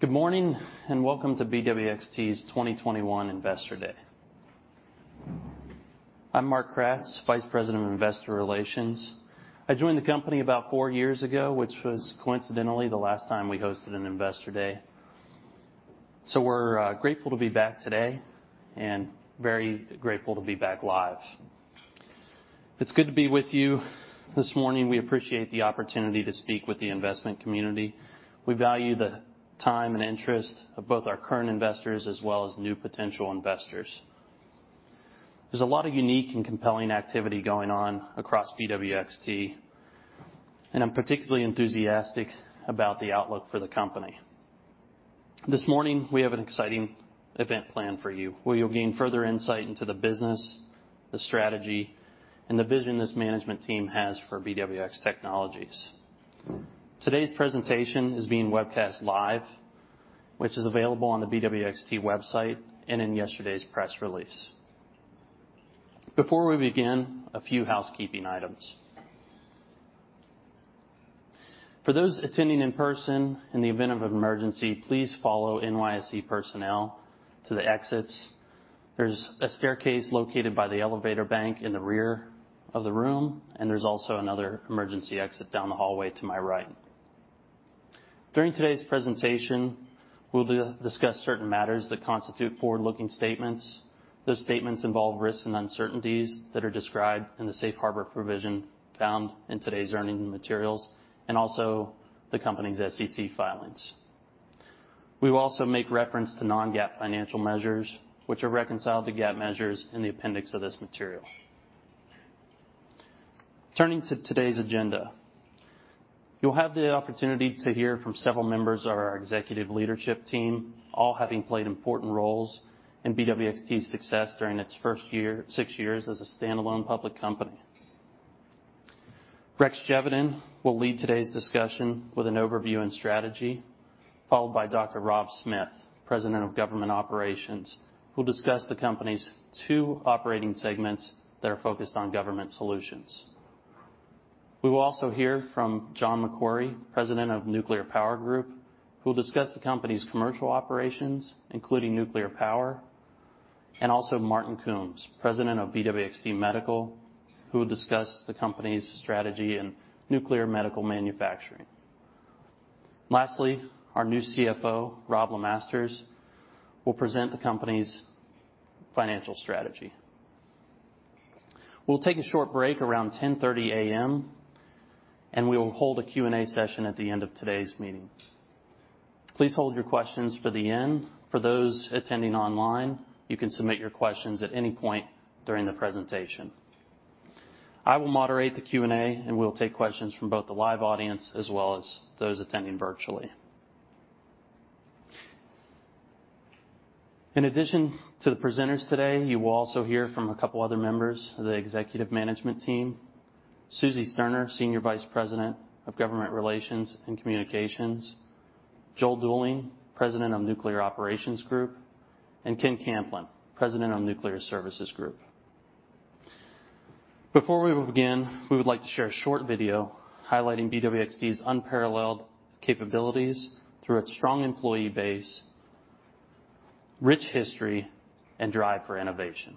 Good morning, and welcome to BWXT's 2021 Investor Day. I'm Mark Kratz, Vice President of Investor Relations. I joined the company about four years ago, which was coincidentally the last time we hosted an Investor Day. We're grateful to be back today and very grateful to be back live. It's good to be with you this morning. We appreciate the opportunity to speak with the investment community. We value the time and interest of both our current investors as well as new potential investors. There's a lot of unique and compelling activity going on across BWXT, and I'm particularly enthusiastic about the outlook for the company. This morning, we have an exciting event planned for you, where you'll gain further insight into the business, the strategy, and the vision this management team has for BWX Technologies. Today's presentation is being webcast live, which is available on the BWXT website and in yesterday's press release. Before we begin, a few housekeeping items. For those attending in person, in the event of an emergency, please follow NYSE personnel to the exits. There's a staircase located by the elevator bank in the rear of the room, and there's also another emergency exit down the hallway to my right. During today's presentation, we'll discuss certain matters that constitute forward-looking statements. Those statements involve risks and uncertainties that are described in the safe harbor provision found in today's earnings and materials and also the company's SEC filings. We will also make reference to non-GAAP financial measures, which are reconciled to GAAP measures in the appendix of this material. Turning to today's agenda. You'll have the opportunity to hear from several members of our executive leadership team, all having played important roles in BWXT's success during its first six years as a standalone public company. Rex Geveden will lead today's discussion with an overview and strategy, followed by Dr. Rob Smith, President of Government Operations, who will discuss the company's two operating segments that are focused on government solutions. We will also hear from John MacQuarrie, President of Nuclear Power Group, who will discuss the company's commercial operations, including nuclear power, and also Martyn Coombs, President of BWXT Medical, who will discuss the company's strategy in nuclear medical manufacturing. Lastly, our new CFO, Robb LeMasters, will present the company's financial strategy. We'll take a short break around 10:30 A.M., and we will hold a Q&A session at the end of today's meeting. Please hold your questions for the end. For those attending online, you can submit your questions at any point during the presentation. I will moderate the Q&A, and we'll take questions from both the live audience as well as those attending virtually. In addition to the presenters today, you will also hear from a couple of other members of the executive management team. Suzy Sterner, Senior Vice President of Government Relations and Communications, Joel Duling, President of Nuclear Operations Group, and Ken Camplin, President of Nuclear Services Group. Before we begin, we would like to share a short video highlighting BWXT's unparalleled capabilities through its strong employee base, rich history, and drive for innovation.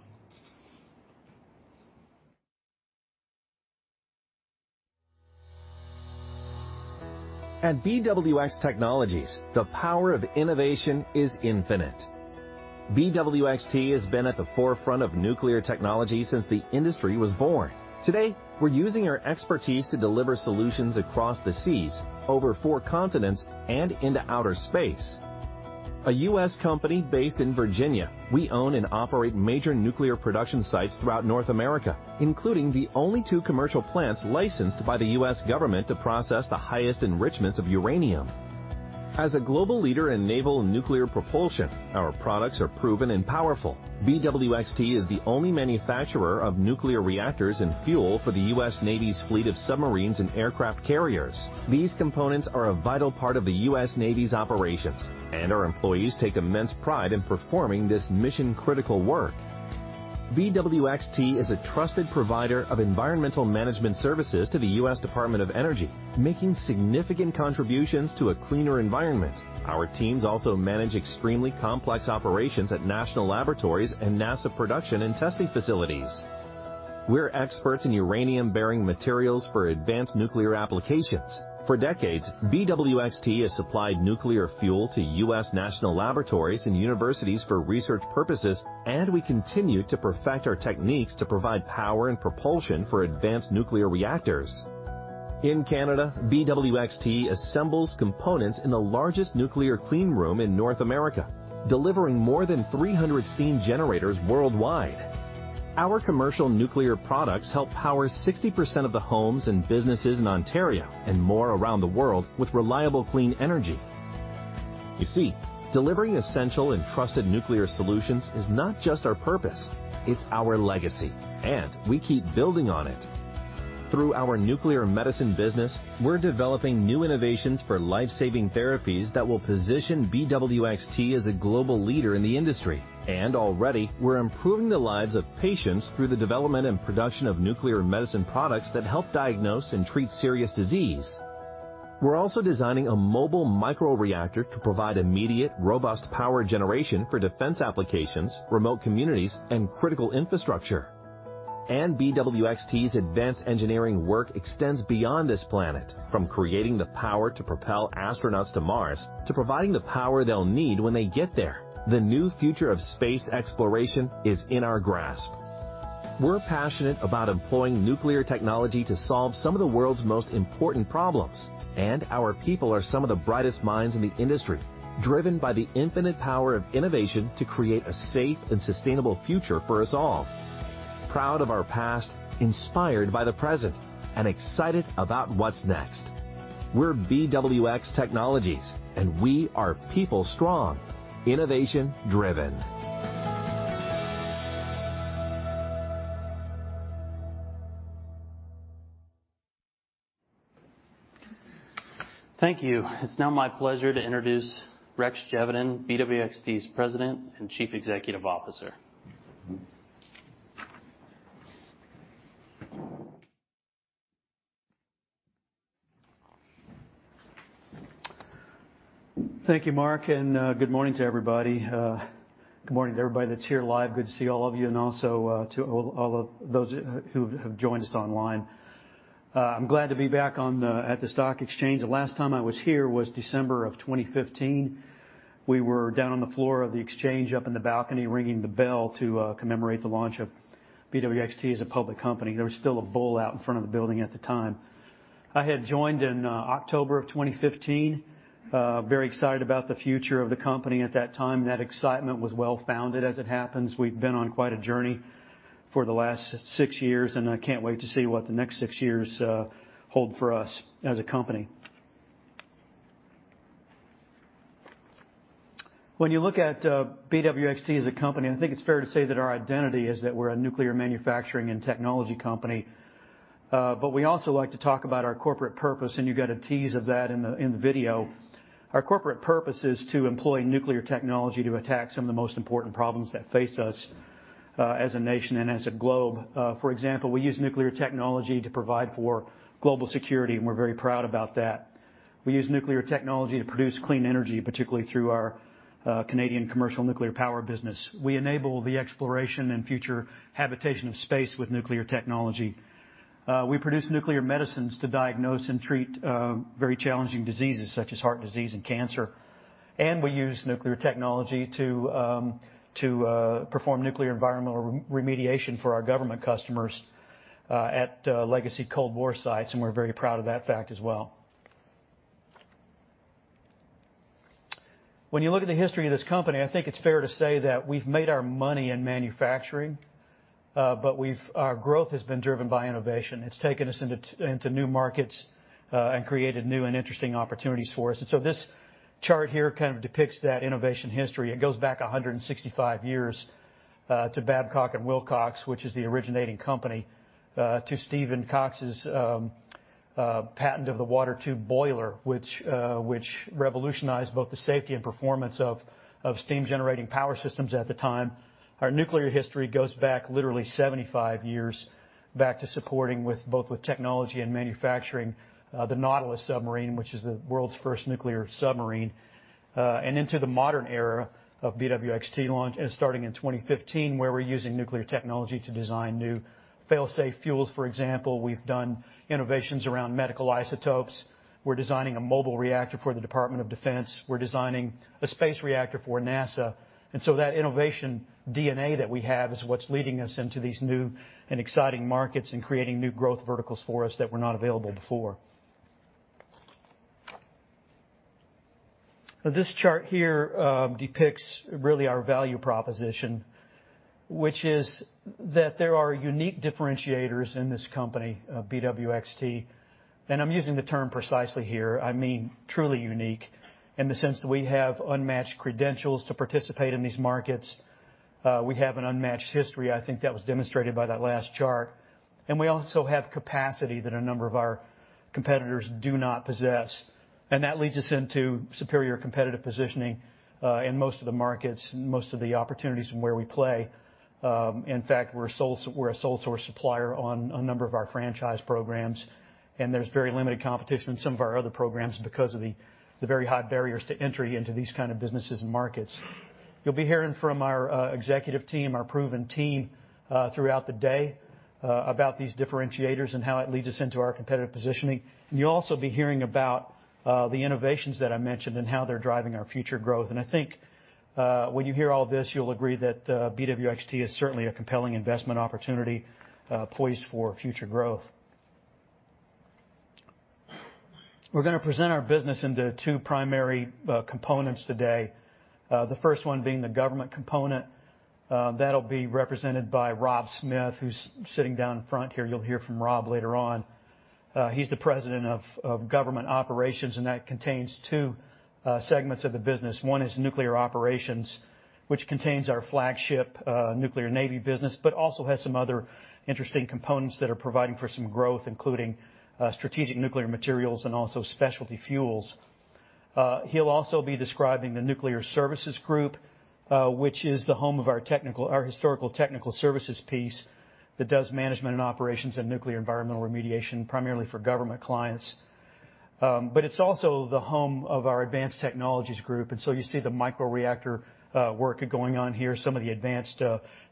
At BWX Technologies, the power of innovation is infinite. BWXT has been at the forefront of nuclear technology since the industry was born. Today, we're using our expertise to deliver solutions across the seas, over four continents, and into outer space. A U.S. company based in Virginia, we own and operate major nuclear production sites throughout North America, including the only two commercial plants licensed by the U.S. government to process the highest enrichments of uranium. As a global leader in naval nuclear propulsion, our products are proven and powerful. BWXT is the only manufacturer of nuclear reactors and fuel for the U.S. Navy's fleet of submarines and aircraft carriers. These components are a vital part of the U.S. Navy's operations, and our employees take immense pride in performing this mission-critical work. BWXT is a trusted provider of environmental management services to the U.S. Department of Energy, making significant contributions to a cleaner environment. Our teams also manage extremely complex operations at national laboratories and NASA production and testing facilities. We're experts in uranium-bearing materials for advanced nuclear applications. For decades, BWXT has supplied nuclear fuel to U.S. national laboratories and universities for research purposes, and we continue to perfect our techniques to provide power and propulsion for advanced nuclear reactors. In Canada, BWXT assembles components in the largest nuclear clean room in North America, delivering more than 300 steam generators worldwide. Our commercial nuclear products help power 60% of the homes and businesses in Ontario and more around the world with reliable, clean energy. You see, delivering essential and trusted nuclear solutions is not just our purpose, it's our legacy, and we keep building on it. Through our nuclear medicine business, we're developing new innovations for life-saving therapies that will position BWXT as a global leader in the industry. Already, we're improving the lives of patients through the development and production of nuclear medicine products that help diagnose and treat serious disease. We're also designing a mobile microreactor to provide immediate, robust power generation for defense applications, remote communities, and critical infrastructure. BWXT's advanced engineering work extends beyond this planet, from creating the power to propel astronauts to Mars, to providing the power they'll need when they get there. The new future of space exploration is in our grasp. We're passionate about employing nuclear technology to solve some of the world's most important problems, and our people are some of the brightest minds in the industry, driven by the infinite power of innovation to create a safe and sustainable future for us all. Proud of our past, inspired by the present, and excited about what's next. We're BWX Technologies, and we are people strong, innovation driven. Thank you. It's now my pleasure to introduce Rex Geveden, BWXT's President and Chief Executive Officer. Thank you, Mark, and good morning to everybody. Good morning to everybody that's here live. Good to see all of you, and also to all of those who have joined us online. I'm glad to be back at the stock exchange. The last time I was here was December 2015. We were down on the floor of the exchange, up in the balcony, ringing the bell to commemorate the launch of BWXT as a public company. There was still a bull out in front of the building at the time. I had joined in October 2015. Very excited about the future of the company at that time. That excitement was well founded as it happens. We've been on quite a journey for the last six years, and I can't wait to see what the next six years hold for us as a company. When you look at BWXT as a company, I think it's fair to say that our identity is that we're a nuclear manufacturing and technology company. We also like to talk about our corporate purpose, and you got a tease of that in the video. Our corporate purpose is to employ nuclear technology to attack some of the most important problems that face us as a nation and as a globe. For example, we use nuclear technology to provide for global security, and we're very proud about that. We use nuclear technology to produce clean energy, particularly through our Canadian commercial nuclear power business. We enable the exploration and future habitation of space with nuclear technology. We produce nuclear medicines to diagnose and treat very challenging diseases such as heart disease and cancer. We use nuclear technology to perform nuclear environmental remediation for our government customers at legacy Cold War sites, and we're very proud of that fact as well. When you look at the history of this company, I think it's fair to say that we've made our money in manufacturing, but our growth has been driven by innovation. It's taken us into new markets and created new and interesting opportunities for us. This chart here kind of depicts that innovation history. It goes back 165 years to Babcock & Wilcox, which is the originating company, to Stephen Wilcox's patent of the water tube boiler, which revolutionized both the safety and performance of steam generating power systems at the time. Our nuclear history goes back literally 75 years back to supporting both with technology and manufacturing the Nautilus submarine, which is the world's first nuclear submarine, and into the modern era of BWXT launch and starting in 2015, where we're using nuclear technology to design new fail-safe fuels, for example. We've done innovations around medical isotopes. We're designing a mobile reactor for the Department of Defense. We're designing a space reactor for NASA. That innovation DNA that we have is what's leading us into these new and exciting markets and creating new growth verticals for us that were not available before. This chart here depicts really our value proposition, which is that there are unique differentiators in this company, BWXT, and I'm using the term precisely here. I mean, truly unique in the sense that we have unmatched credentials to participate in these markets. We have an unmatched history. I think that was demonstrated by that last chart. We also have capacity that a number of our competitors do not possess, and that leads us into superior competitive positioning in most of the markets and most of the opportunities from where we play. In fact, we're a sole source supplier on a number of our franchise programs, and there's very limited competition in some of our other programs because of the very high barriers to entry into these kind of businesses and markets. You'll be hearing from our executive team, our proven team, throughout the day, about these differentiators and how it leads us into our competitive positioning. You'll also be hearing about the innovations that I mentioned and how they're driving our future growth. I think, when you hear all this, you'll agree that BWXT is certainly a compelling investment opportunity, poised for future growth. We're going to present our business in two primary components today. The first one being the government component. That'll be represented by Rob Smith, who's sitting down front here. You'll hear from Rob later on. He's the President of Government Operations, and that contains two segments of the business. One is nuclear operations, which contains our flagship nuclear Navy business, but also has some other interesting components that are providing for some growth, including strategic nuclear materials and also specialty fuels. He'll also be describing the nuclear services group, which is the home of our historical technical services piece that does management and operations and nuclear environmental remediation primarily for government clients. It's also the home of our advanced technologies group, and so you see the microreactor work going on here, some of the advanced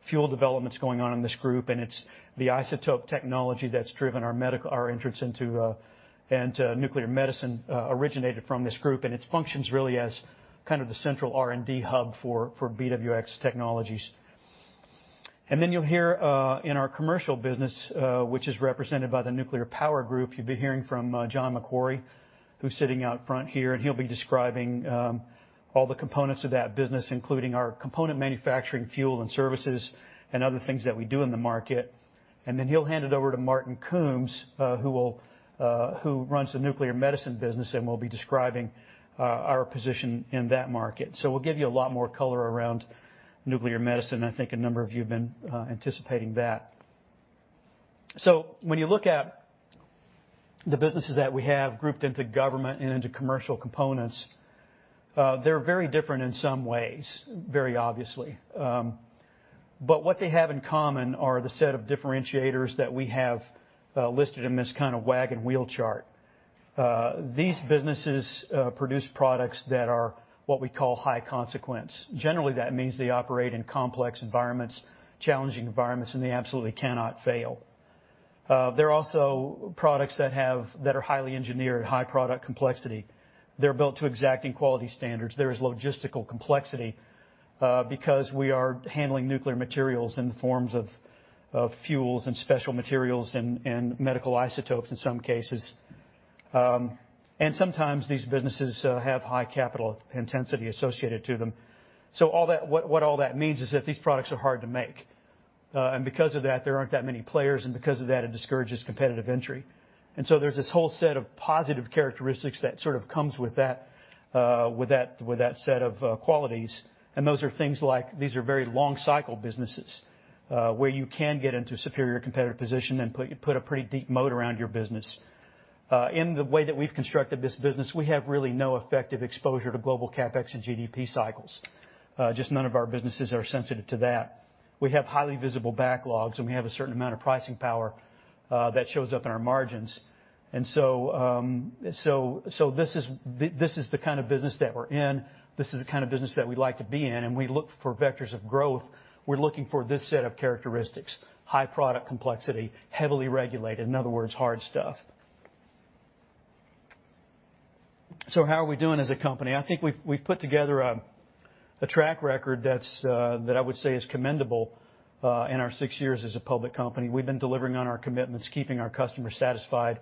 fuel developments going on in this group, and it's the isotope technology that's driven our entrance into nuclear medicine originated from this group, and it functions really as kind of the central R&D hub for BWX Technologies. You'll hear in our commercial business, which is represented by the Nuclear Power Group, you'll be hearing from John MacQuarrie, who's sitting out front here, and he'll be describing all the components of that business, including our component manufacturing, fuel and services and other things that we do in the market. He'll hand it over to Martyn Coombs, who runs the nuclear medicine business and will be describing our position in that market. We'll give you a lot more color around nuclear medicine. I think a number of you have been anticipating that. When you look at the businesses that we have grouped into government and into commercial components, they're very different in some ways, very obviously. What they have in common are the set of differentiators that we have listed in this kind of wagon wheel chart. These businesses produce products that are what we call high consequence. Generally, that means they operate in complex environments, challenging environments, and they absolutely cannot fail. They're also products that are highly engineered, high product complexity. They're built to exacting quality standards. There is logistical complexity, because we are handling nuclear materials in the forms of fuels and special materials and medical isotopes in some cases. Sometimes these businesses have high capital intensity associated to them. All that—what all that means is that these products are hard to make. Because of that, there aren't that many players, and because of that, it discourages competitive entry. There's this whole set of positive characteristics that sort of comes with that, with that set of qualities. Those are things like, these are very long cycle businesses, where you can get into superior competitive position and put a pretty deep moat around your business. In the way that we've constructed this business, we have really no effective exposure to global CapEx and GDP cycles. Just none of our businesses are sensitive to that. We have highly visible backlogs, and we have a certain amount of pricing power, that shows up in our margins. This is the kind of business that we're in. This is the kind of business that we like to be in, and we look for vectors of growth. We're looking for this set of characteristics, high product complexity, heavily regulated, in other words, hard stuff. How are we doing as a company? I think we've put together a track record that's that I would say is commendable, in our six years as a public company. We've been delivering on our commitments, keeping our customers satisfied,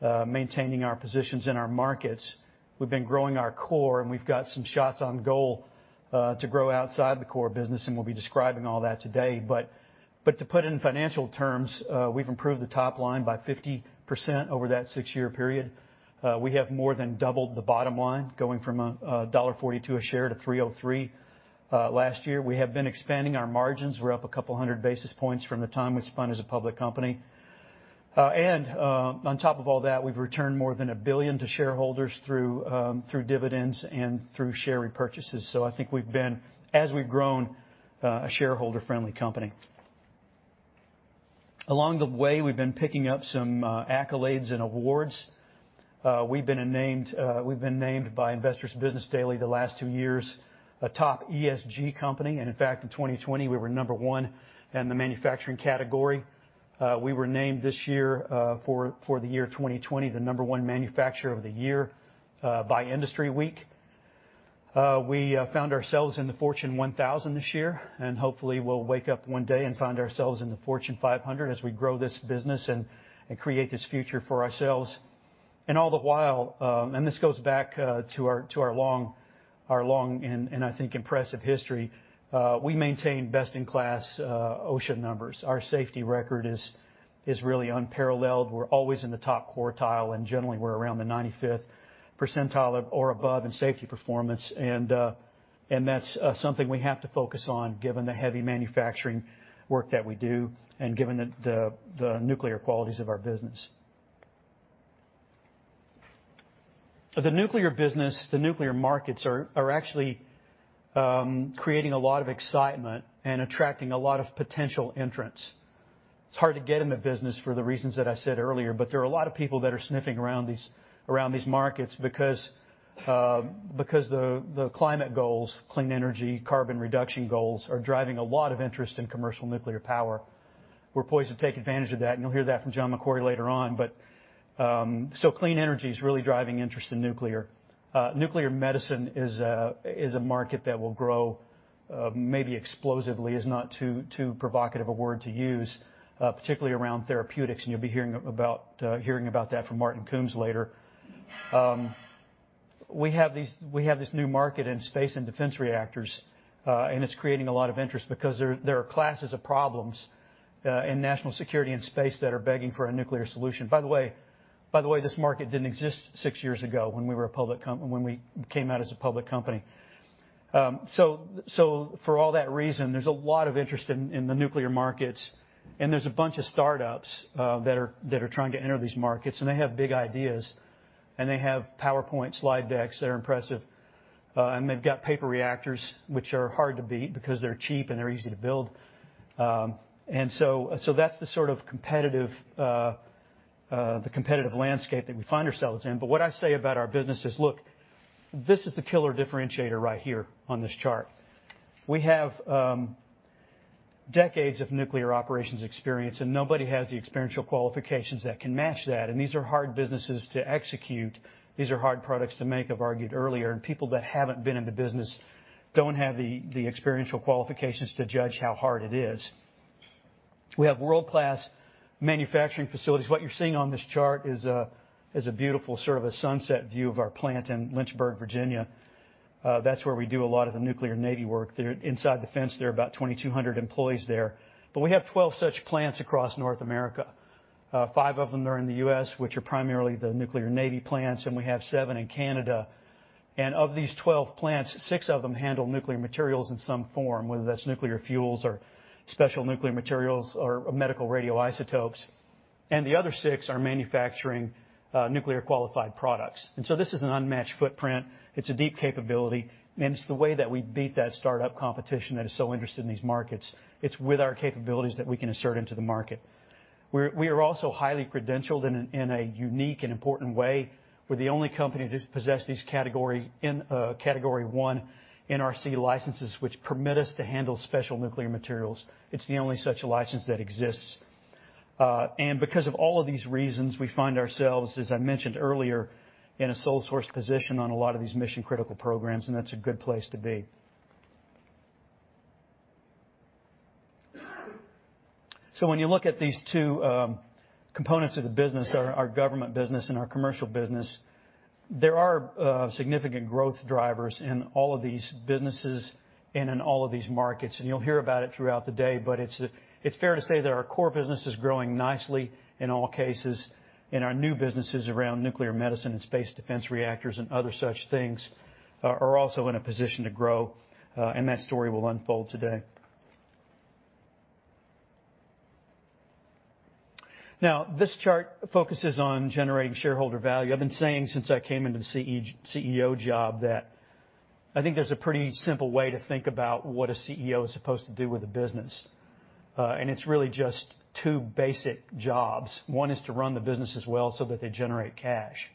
maintaining our positions in our markets. We've been growing our core, and we've got some shots on goal to grow outside the core business, and we'll be describing all that today. To put in financial terms, we've improved the top line by 50% over that six-year period. We have more than doubled the bottom line, going from $1.42 a share to $3.03 last year. We have been expanding our margins. We're up a couple hundred basis points from the time we spun as a public company. On top of all that, we've returned more than $1 billion to shareholders through dividends and through share repurchases. I think we've been, as we've grown, a shareholder-friendly company. Along the way, we've been picking up some accolades and awards. We've been named by Investor's Business Daily the last two years a top ESG company, and in fact, in 2020, we were number one in the manufacturing category. We were named this year for the year 2020, the number one manufacturer of the year by IndustryWeek. We found ourselves in the Fortune 1000 this year, and hopefully we'll wake up one day and find ourselves in the Fortune 500 as we grow this business and create this future for ourselves. All the while, and this goes back to our long, and I think impressive history, we maintain best-in-class OSHA numbers. Our safety record is really unparalleled. We're always in the top quartile, and generally we're around the 95th percentile or above in safety performance. That's something we have to focus on given the heavy manufacturing work that we do and given the nuclear qualities of our business. The nuclear business, the nuclear markets are actually creating a lot of excitement and attracting a lot of potential entrants. It's hard to get in the business for the reasons that I said earlier, but there are a lot of people that are sniffing around these markets because the climate goals, clean energy, carbon reduction goals are driving a lot of interest in commercial nuclear power. We're poised to take advantage of that, and you'll hear that from John MacQuarrie later on. Clean energy is really driving interest in nuclear. Nuclear medicine is a market that will grow, maybe explosively is not too provocative a word to use, particularly around therapeutics, and you'll be hearing about that from Martyn Coombs later. We have this new market in space and defense reactors, and it's creating a lot of interest because there are classes of problems in national security and space that are begging for a nuclear solution. By the way, this market didn't exist six years ago when we came out as a public company. So for all that reason, there's a lot of interest in the nuclear markets, and there's a bunch of startups that are trying to enter these markets, and they have big ideas, and they have PowerPoint slide decks that are impressive. They've got paper reactors which are hard to beat because they're cheap and they're easy to build. That's the sort of competitive landscape that we find ourselves in. What I say about our business is, look, this is the killer differentiator right here on this chart. We have decades of nuclear operations experience, and nobody has the experiential qualifications that can match that. These are hard businesses to execute. These are hard products to make, I've argued earlier, and people that haven't been in the business don't have the experiential qualifications to judge how hard it is. We have world-class manufacturing facilities. What you're seeing on this chart is a beautiful sort of a sunset view of our plant in Lynchburg, Virginia. That's where we do a lot of the nuclear Navy work. They're inside the fence there, about 2,200 employees there. But we have 12 such plants across North America. Five of them are in the U.S., which are primarily the nuclear Navy plants, and we have seven in Canada. Of these 12 plants, six of them handle nuclear materials in some form, whether that's nuclear fuels or special nuclear materials or medical radioisotopes. The other six are manufacturing nuclear qualified products. This is an unmatched footprint. It's a deep capability, and it's the way that we beat that startup competition that is so interested in these markets. It's with our capabilities that we can assert into the market. We are also highly credentialed in a unique and important way. We're the only company to possess these Category 1 NRC licenses, which permit us to handle special nuclear materials. It's the only such license that exists. Because of all of these reasons, we find ourselves, as I mentioned earlier, in a sole source position on a lot of these mission-critical programs, and that's a good place to be. When you look at these two components of the business, our government business and our commercial business, there are significant growth drivers in all of these businesses and in all of these markets, and you'll hear about it throughout the day. It's fair to say that our core business is growing nicely in all cases, and our new businesses around nuclear medicine and space defense reactors and other such things are also in a position to grow. That story will unfold today. Now, this chart focuses on generating shareholder value. I've been saying since I came into the CEO job that I think there's a pretty simple way to think about what a CEO is supposed to do with a business, and it's really just two basic jobs. One is to run the business as well so that they generate cash.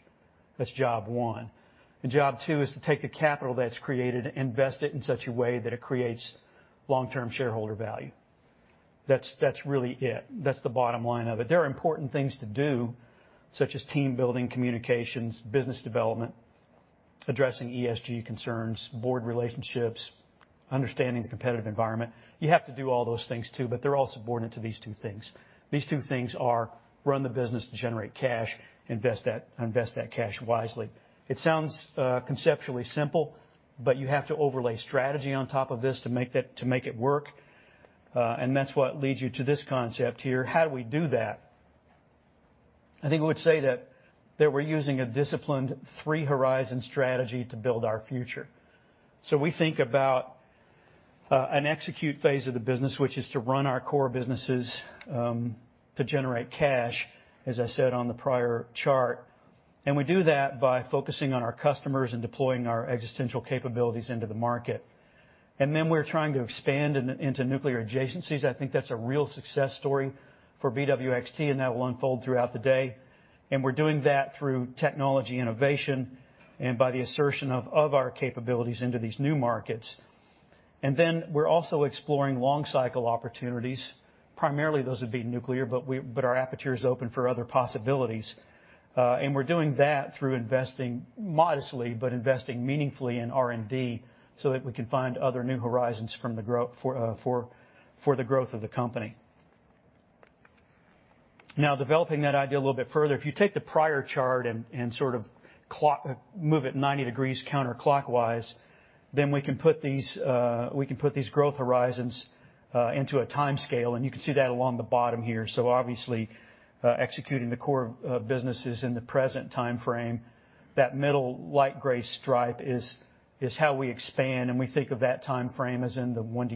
That's job one. Job two is to take the capital that's created and invest it in such a way that it creates long-term shareholder value. That's really it. That's the bottom line of it. There are important things to do, such as team building, communications, business development, addressing ESG concerns, board relationships, understanding the competitive environment. You have to do all those things, too, but they're all subordinate to these two things. These two things are run the business to generate cash, invest that cash wisely. It sounds conceptually simple, but you have to overlay strategy on top of this to make it work. That's what leads you to this concept here. How do we do that? I think we would say that we're using a disciplined three horizon strategy to build our future. We think about an execute phase of the business, which is to run our core businesses to generate cash, as I said on the prior chart. We do that by focusing on our customers and deploying our existential capabilities into the market. We're trying to expand into nuclear adjacencies. I think that's a real success story for BWXT, and that will unfold throughout the day. We're doing that through technology innovation and by the assertion of our capabilities into these new markets. We're also exploring long cycle opportunities. Primarily, those would be nuclear, but our aperture is open for other possibilities. We're doing that through investing modestly, but investing meaningfully in R&D so that we can find other new horizons for the growth of the company. Now, developing that idea a little bit further, if you take the prior chart and sort of move it 90 degrees counterclockwise, then we can put these growth horizons into a timescale, and you can see that along the bottom here. Obviously, executing the core businesses in the present timeframe, that middle light gray stripe is how we expand, and we think of that timeframe as in the one-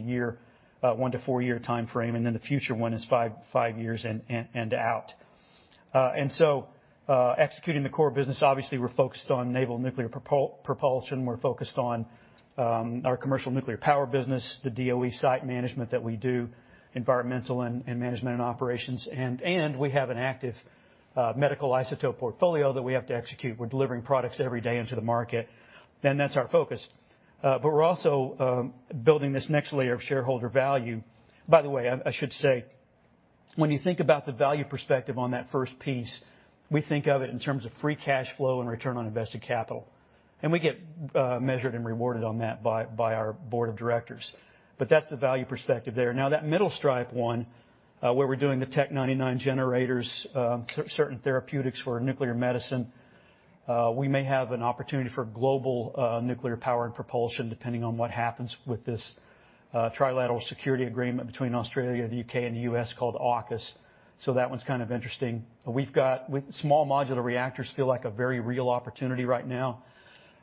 four year timeframe, and then the future one is five years and out. Executing the core business, obviously, we're focused on naval nuclear propulsion. We're focused on our commercial nuclear power business, the DOE site management that we do, environmental and management and operations. We have an active medical isotope portfolio that we have to execute. We're delivering products every day into the market, and that's our focus. We're also building this next layer of shareholder value. By the way, I should say, when you think about the value perspective on that first piece, we think of it in terms of free cash flow and return on invested capital. We get measured and rewarded on that by our board of directors. That's the value perspective there. Now, that middle stripe one, where we're doing the Tc-99 generators, certain therapeutics for nuclear medicine, we may have an opportunity for global nuclear power and propulsion, depending on what happens with this trilateral security agreement between Australia, the U.K., and the U.S. called AUKUS. That one's kind of interesting. With small modular reactors feel like a very real opportunity right now.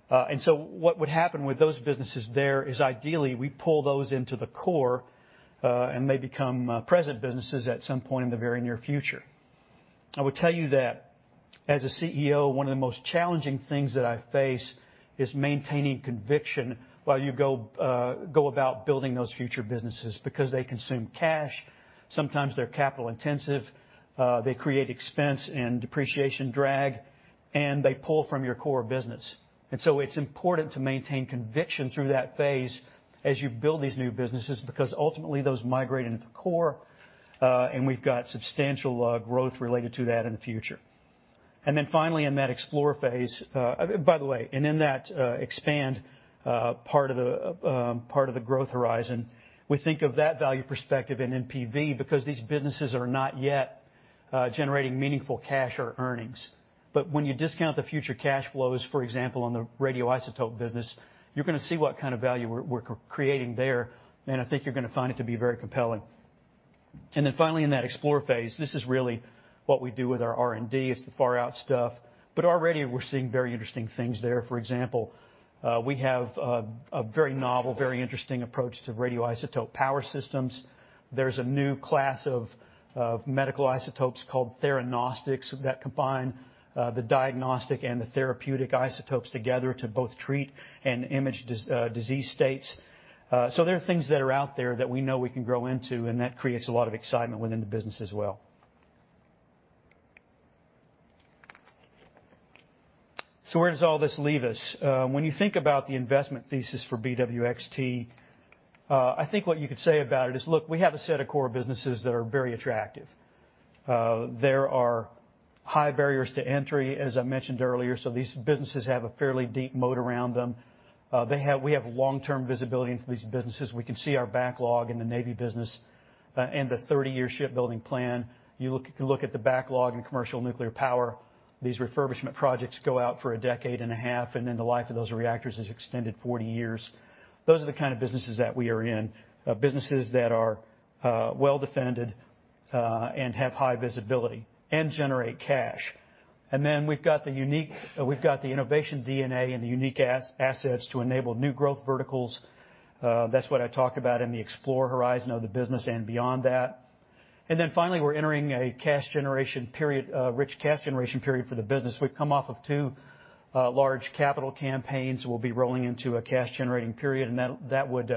What would happen with those businesses there is ideally we pull those into the core, and they become present businesses at some point in the very near future. I will tell you that as a CEO, one of the most challenging things that I face is maintaining conviction while you go about building those future businesses, because they consume cash, sometimes they're capital intensive, they create expense and depreciation drag, and they pull from your core business. It's important to maintain conviction through that phase as you build these new businesses, because ultimately, those migrate into the core, and we've got substantial growth related to that in the future. Finally, in that explore phase, by the way, and in that expand part of the growth horizon, we think of that value perspective in NPV because these businesses are not yet generating meaningful cash or earnings. When you discount the future cash flows, for example, on the radioisotope business, you're gonna see what kind of value we're creating there, and I think you're gonna find it to be very compelling. Then finally, in that explore phase, this is really what we do with our R&D. It's the far-out stuff. Already we're seeing very interesting things there. For example, we have a very novel, very interesting approach to radioisotope power systems. There's a new class of medical isotopes called theranostics that combine the diagnostic and the therapeutic isotopes together to both treat and image disease states. So there are things that are out there that we know we can grow into, and that creates a lot of excitement within the business as well. Where does all this leave us? When you think about the investment thesis for BWXT, I think what you could say about it is, look, we have a set of core businesses that are very attractive. There are high barriers to entry, as I mentioned earlier, so these businesses have a fairly deep moat around them. We have long-term visibility into these businesses. We can see our backlog in the Navy business, and the 30-year shipbuilding plan. You can look at the backlog in commercial nuclear power. These refurbishment projects go out for a decade and a half, and then the life of those reactors is extended 40 years. Those are the kind of businesses that we are in, businesses that are well-defended, and have high visibility and generate cash. We've got the innovation DNA and the unique assets to enable new growth verticals. That's what I talk about in the explore horizon of the business and beyond that. Finally, we're entering a cash generation period, rich cash generation period for the business. We've come off of two large capital campaigns. We'll be rolling into a cash-generating period, and that would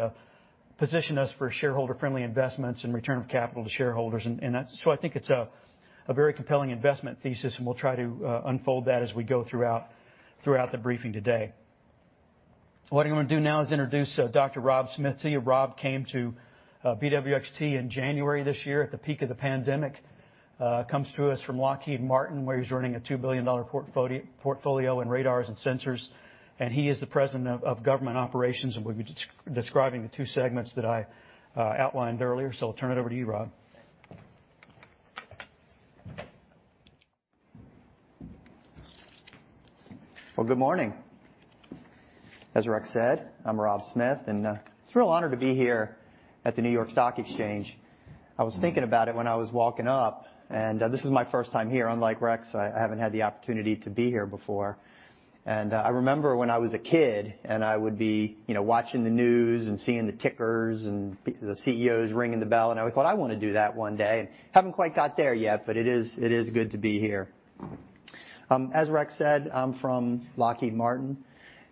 position us for shareholder-friendly investments and return of capital to shareholders. I think it's a very compelling investment thesis, and we'll try to unfold that as we go throughout the briefing today. What I'm gonna do now is introduce Dr. Rob Smith to you. Rob came to BWXT in January this year at the peak of the pandemic. comes to us from Lockheed Martin, where he's running a $2 billion portfolio in radars and sensors, and he is the President of Government Operations, and we'll be describing the two segments that I outlined earlier. I'll turn it over to you, Rob. Well, good morning. As Rex said, I'm Rob Smith, and it's a real honor to be here at the New York Stock Exchange. I was thinking about it when I was walking up, and this is my first time here. Unlike Rex, I haven't had the opportunity to be here before. I remember when I was a kid, and I would be, you know, watching the news and seeing the tickers and the CEOs ringing the bell, and I always thought, "I wanna do that one day." Haven't quite got there yet, but it is good to be here. As Rex said, I'm from Lockheed Martin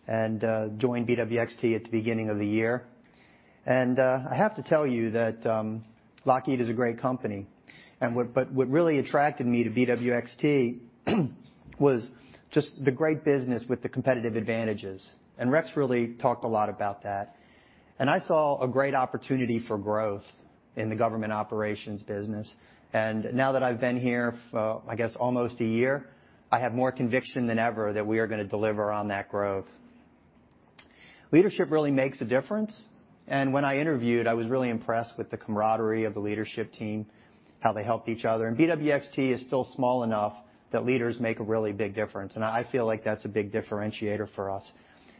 and joined BWXT at the beginning of the year. I have to tell you that Lockheed is a great company, but what really attracted me to BWXT was just the great business with the competitive advantages, and Rex really talked a lot about that. I saw a great opportunity for growth in the government operations business. Now that I've been here for, I guess, almost a year, I have more conviction than ever that we are gonna deliver on that growth. Leadership really makes a difference. When I interviewed, I was really impressed with the camaraderie of the leadership team, how they helped each other. BWXT is still small enough that leaders make a really big difference, and I feel like that's a big differentiator for us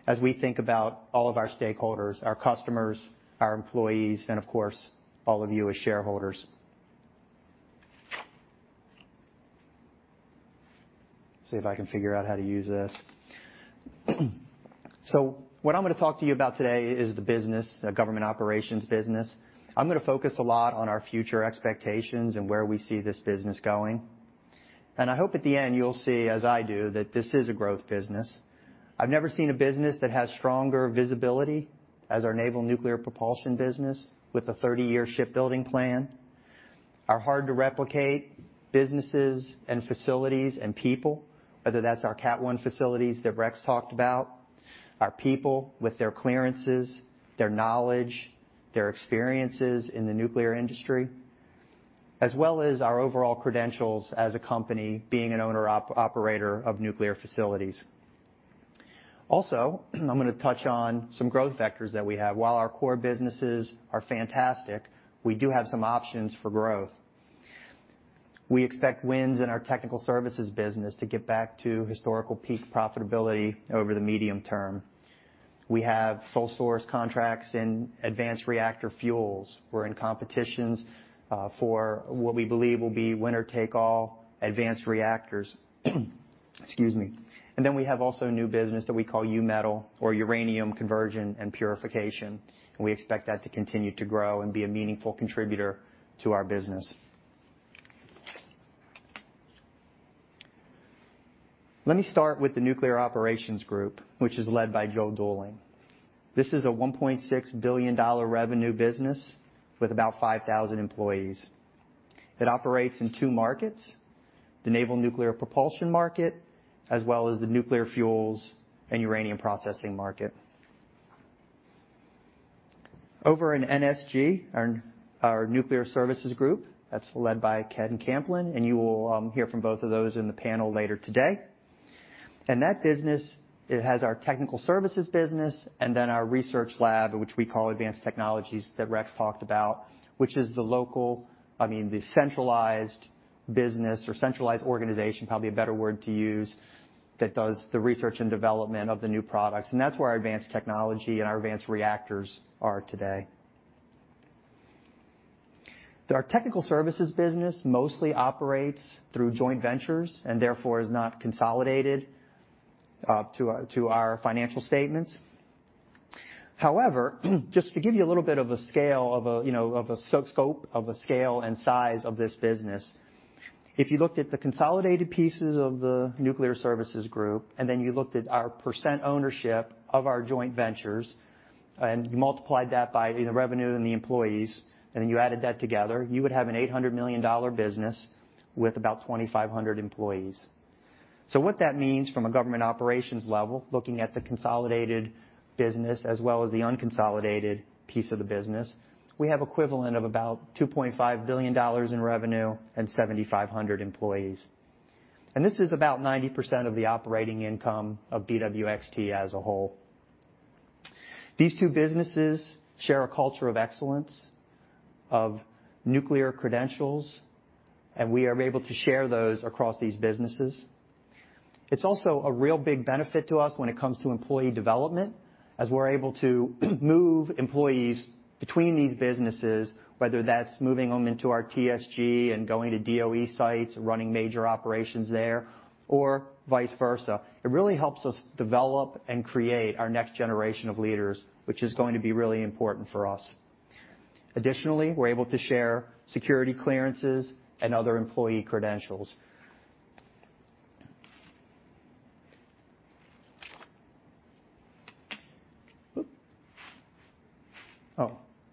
as we think about all of our stakeholders, our customers, our employees, and of course, all of you as shareholders. Let's see if I can figure out how to use this. What I'm gonna talk to you about today is the business, the government operations business. I'm gonna focus a lot on our future expectations and where we see this business going. I hope at the end you'll see, as I do, that this is a growth business. I've never seen a business that has stronger visibility as our naval nuclear propulsion business with a 30-year shipbuilding plan, our hard-to-replicate businesses and facilities and people, whether that's our Cat-1 facilities that Rex talked about, our people with their clearances, their knowledge, their experiences in the nuclear industry, as well as our overall credentials as a company being an owner-operator of nuclear facilities. Also, I'm gonna touch on some growth vectors that we have. While our core businesses are fantastic, we do have some options for growth. We expect wins in our technical services business to get back to historical peak profitability over the medium term. We have sole source contracts in advanced reactor fuels. We're in competitions for what we believe will be winner-take-all advanced reactors. We have also a new business that we call U-Metal or uranium conversion and purification, and we expect that to continue to grow and be a meaningful contributor to our business. Let me start with the Nuclear Operations Group, which is led by Joel Duling. This is a $1.6 billion revenue business with about 5,000 employees. It operates in two markets, the naval nuclear propulsion market, as well as the nuclear fuels and uranium processing market. Over in NSG, our Nuclear Services Group, that's led by Ken Camplin, and you will hear from both of those in the panel later today. That business, it has our technical services business and then our research lab, which we call advanced technologies that Rex talked about, which is the local, I mean, the centralized business or centralized organization, probably a better word to use, that does the research and development of the new products. That's where our advanced technology and our advanced reactors are today. Our technical services business mostly operates through joint ventures and therefore is not consolidated to our financial statements. However, just to give you a little bit of a scale and size of this business, if you looked at the consolidated pieces of the Nuclear Services Group, and then you looked at our percent ownership of our joint ventures and multiplied that by the revenue and the employees, and then you added that together, you would have an $800 million business with about 2,500 employees. So what that means from a Government Operations level, looking at the consolidated business as well as the unconsolidated piece of the business, we have equivalent of about $2.5 billion in revenue and 7,500 employees. This is about 90% of the operating income of BWXT as a whole. These two businesses share a culture of excellence, of nuclear credentials, and we are able to share those across these businesses. It's also a real big benefit to us when it comes to employee development, as we're able to move employees between these businesses, whether that's moving them into our TSG and going to DOE sites, running major operations there or vice versa. It really helps us develop and create our next generation of leaders, which is going to be really important for us. Additionally, we're able to share security clearances and other employee credentials.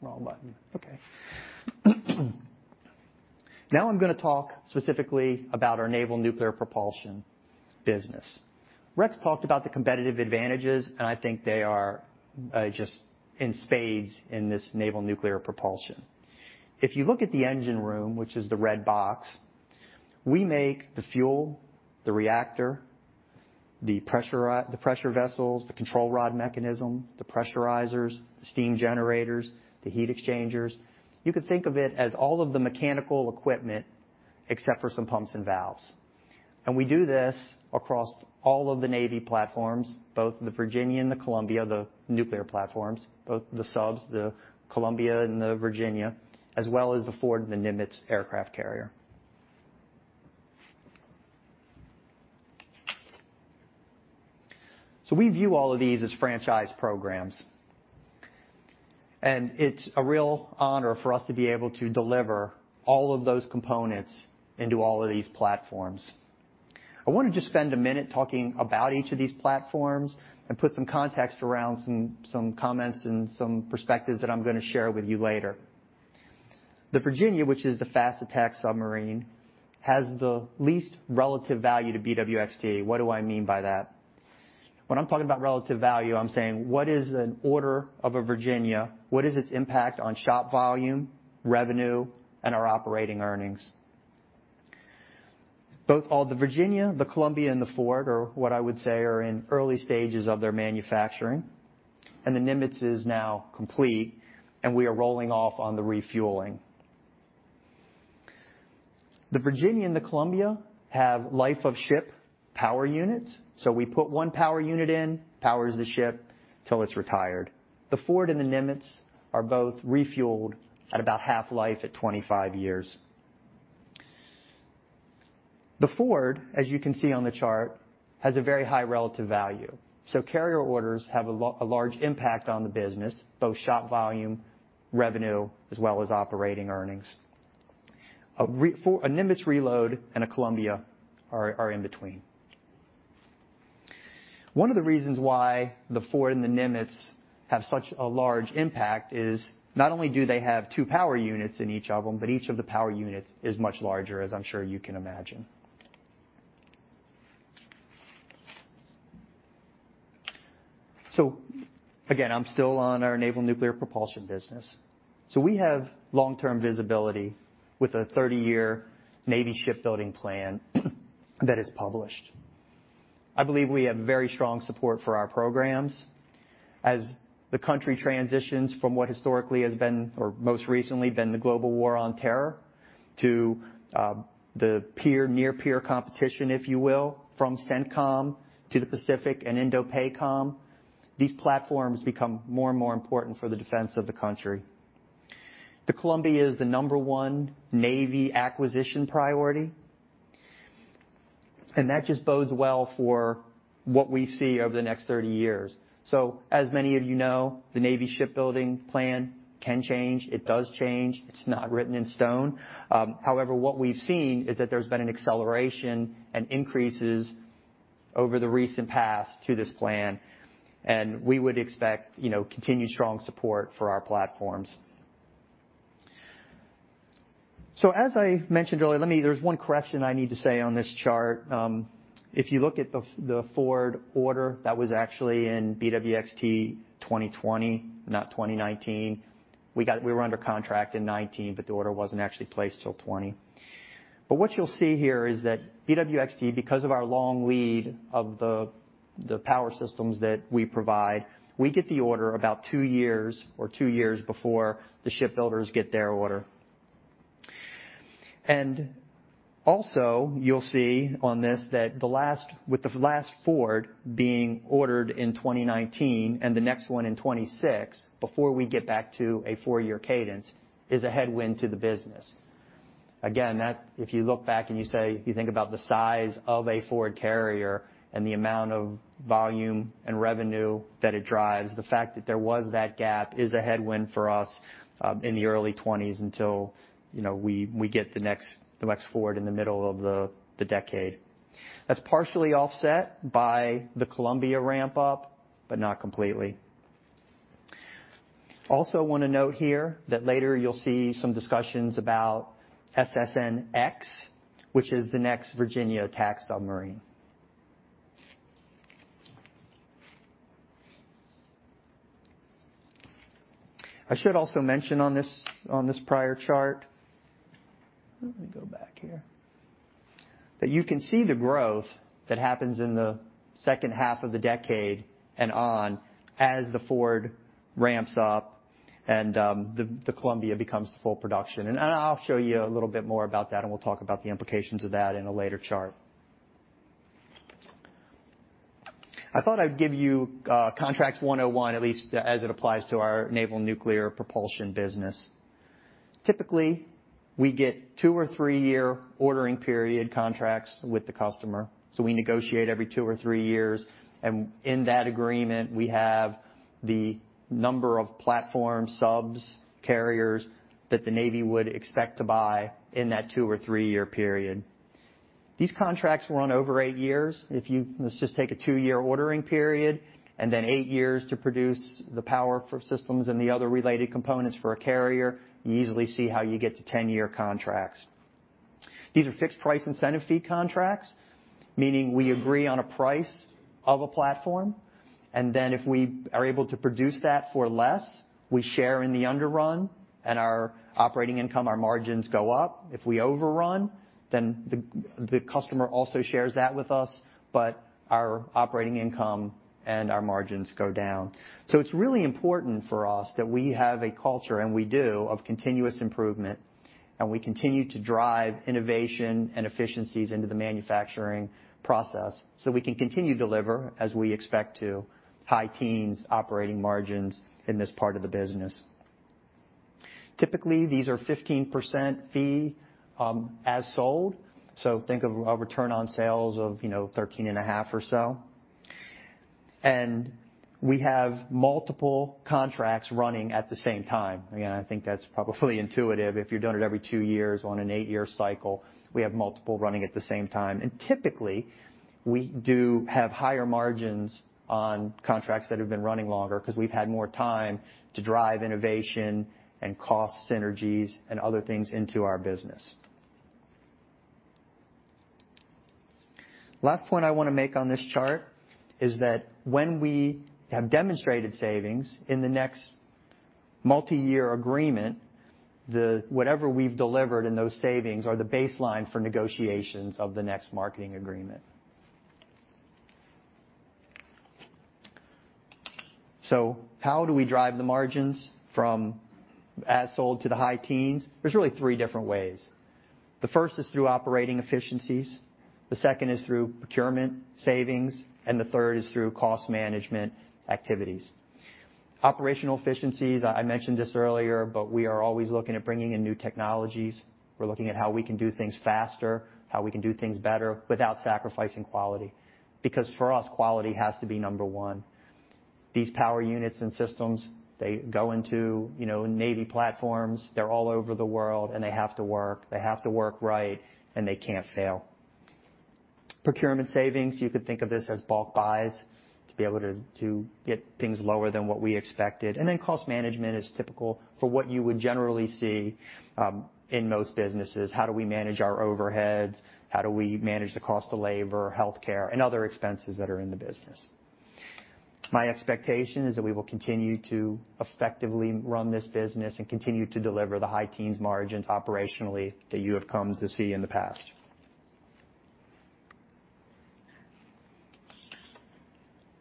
Now I'm gonna talk specifically about our naval nuclear propulsion business. Rex talked about the competitive advantages, and I think they are just in spades in this naval nuclear propulsion. If you look at the engine room, which is the red box, we make the fuel, the reactor, the pressure vessels, the control rod mechanism, the pressurizers, the steam generators, the heat exchangers. You could think of it as all of the mechanical equipment except for some pumps and valves. We do this across all of the Navy platforms, both the Virginia and the Columbia, the nuclear platforms, both the subs, the Columbia and the Virginia, as well as the Ford and the Nimitz aircraft carrier. We view all of these as franchise programs, and it's a real honor for us to be able to deliver all of those components into all of these platforms. I want to just spend a minute talking about each of these platforms and put some context around some comments and some perspectives that I'm gonna share with you later. The Virginia, which is the fast attack submarine, has the least relative value to BWXT. What do I mean by that? When I'm talking about relative value, I'm saying, what is an order of a Virginia? What is its impact on shop volume, revenue, and our operating earnings? Both the Virginia, the Columbia, and the Ford are, what I would say, in early stages of their manufacturing, and the Nimitz is now complete, and we are rolling off on the refueling. The Virginia and the Columbia have life of ship power units. We put one power unit in, powers the ship till it's retired. The Ford and the Nimitz are both refueled at about half-life at 25 years. The Ford, as you can see on the chart, has a very high relative value, so carrier orders have a large impact on the business, both shop volume, revenue, as well as operating earnings. A refuel for a Nimitz reload and a Columbia are in between. One of the reasons why the Ford and the Nimitz have such a large impact is not only do they have two power units in each of them, but each of the power units is much larger, as I'm sure you can imagine. I'm still on our naval nuclear propulsion business. We have long-term visibility with a 30-year Navy shipbuilding plan that is published. I believe we have very strong support for our programs. As the country transitions from what historically has been, or most recently been, the global war on terror to the peer, near-peer competition, if you will, from CENTCOM to the Pacific and INDOPACOM. These platforms become more and more important for the defense of the country. The Columbia is the number one Navy acquisition priority, and that just bodes well for what we see over the next 30 years. As many of you know, the Navy shipbuilding plan can change. It does change. It's not written in stone. However, what we've seen is that there's been an acceleration and increases over the recent past to this plan, and we would expect, you know, continued strong support for our platforms. As I mentioned earlier, let me—there's one correction I need to say on this chart. If you look at the Ford order, that was actually in BWXT 2020, not 2019. We were under contract in 2019, but the order wasn't actually placed till 2020. What you'll see here is that BWXT, because of our long lead of the power systems that we provide, we get the order about two years before the shipbuilders get their order. You'll see on this that with the last Ford being ordered in 2019 and the next one in 2026, before we get back to a four-year cadence, is a headwind to the business. Again, if you look back and you think about the size of a Ford carrier and the amount of volume and revenue that it drives, the fact that there was that gap is a headwind for us in the early 2020s until we get the next Ford in the middle of the decade. That's partially offset by the Columbia ramp up, but not completely. Also wanna note here that later you'll see some discussions about SSN(X), which is the next Virginia attack submarine. I should also mention on this prior chart, let me go back here, that you can see the growth that happens in the second half of the decade and on as the Ford ramps up and the Columbia becomes full production. I'll show you a little bit more about that, and we'll talk about the implications of that in a later chart. I thought I'd give you Contracts 101, at least as it applies to our naval nuclear propulsion business. Typically, we get two or three-year ordering period contracts with the customer, so we negotiate every two or three years. In that agreement, we have the number of platforms, subs, carriers that the Navy would expect to buy in that two or three-year period. These contracts run over eight years. Let's just take a two-year ordering period and then eight years to produce the propulsion systems and the other related components for a carrier. You easily see how you get to 10-year contracts. These are fixed-price incentive fee contracts, meaning we agree on a price of a platform, and then if we are able to produce that for less, we share in the underrun and our operating income, our margins go up. If we overrun, then the customer also shares that with us, but our operating income and our margins go down. It's really important for us that we have a culture, and we do, of continuous improvement, and we continue to drive innovation and efficiencies into the manufacturing process, so we can continue to deliver as we expect to, high teens operating margins in this part of the business. Typically, these are 15% fee as sold, so think of a return on sales of, you know, 13.5% or so. We have multiple contracts running at the same time. I think that's probably intuitive. If you're doing it every two years on an eight-year cycle, we have multiple running at the same time. Typically, we do have higher margins on contracts that have been running longer 'cause we've had more time to drive innovation and cost synergies and other things into our business. Last point I wanna make on this chart is that when we have demonstrated savings in the next multiyear agreement, whatever we've delivered in those savings are the baseline for negotiations of the next multi-year agreement. How do we drive the margins from as sold to the high teens? There's really three different ways. The first is through operating efficiencies, the second is through procurement savings, and the third is through cost management activities. Operational efficiencies, I mentioned this earlier, but we are always looking at bringing in new technologies. We're looking at how we can do things faster, how we can do things better without sacrificing quality, because for us, quality has to be number one. These power units and systems, they go into, you know, Navy platforms. They're all over the world, and they have to work right, and they can't fail. Procurement savings, you could think of this as bulk buys to be able to get things lower than what we expected. Cost management is typical for what you would generally see in most businesses. How do we manage our overheads? How do we manage the cost of labor, healthcare, and other expenses that are in the business? My expectation is that we will continue to effectively run this business and continue to deliver the high teens margins operationally that you have come to see in the past.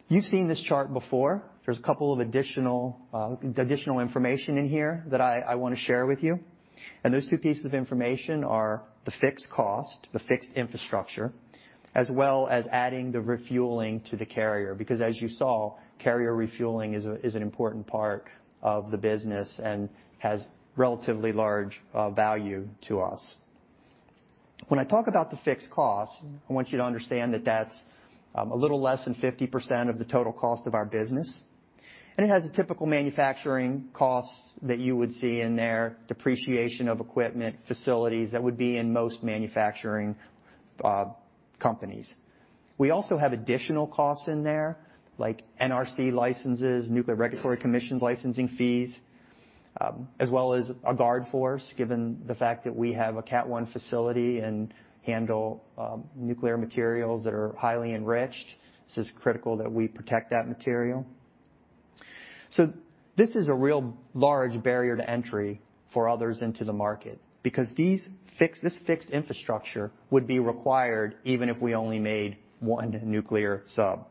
You've seen this chart before. There's a couple of additional information in here that I wanna share with you. Those two pieces of information are the fixed cost, the fixed infrastructure, as well as adding the refueling to the carrier, because as you saw, carrier refueling is an important part of the business and has relatively large value to us. When I talk about the fixed costs, I want you to understand that that's a little less than 50% of the total cost of our business, and it has a typical manufacturing costs that you would see in there, depreciation of equipment, facilities that would be in most manufacturing companies. We also have additional costs in there, like NRC licenses, Nuclear Regulatory Commission licensing fees, as well as a guard force, given the fact that we have a Category 1 facility and handle nuclear materials that are highly enriched. It is critical that we protect that material. This is a really large barrier to entry for others into the market because this fixed infrastructure would be required even if we only made one nuclear sub.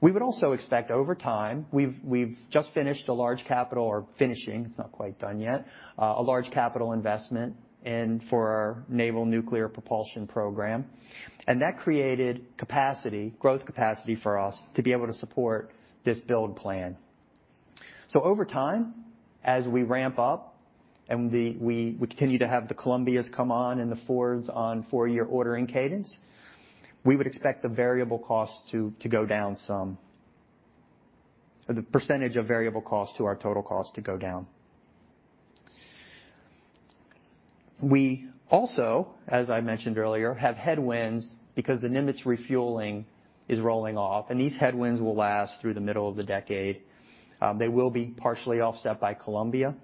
We would also expect over time we've just finished a large capital investment in our naval nuclear propulsion program. It's not quite done yet. That created capacity, growth capacity for us to be able to support this build plan. Over time, as we ramp up and we continue to have the Columbias come on and the Fords on four-year ordering cadence, we would expect the variable costs to go down some. The percentage of variable costs to our total cost to go down. We also, as I mentioned earlier, have headwinds because the Nimitz refueling is rolling off, and these headwinds will last through the middle of the decade. They will be partially offset by Columbia,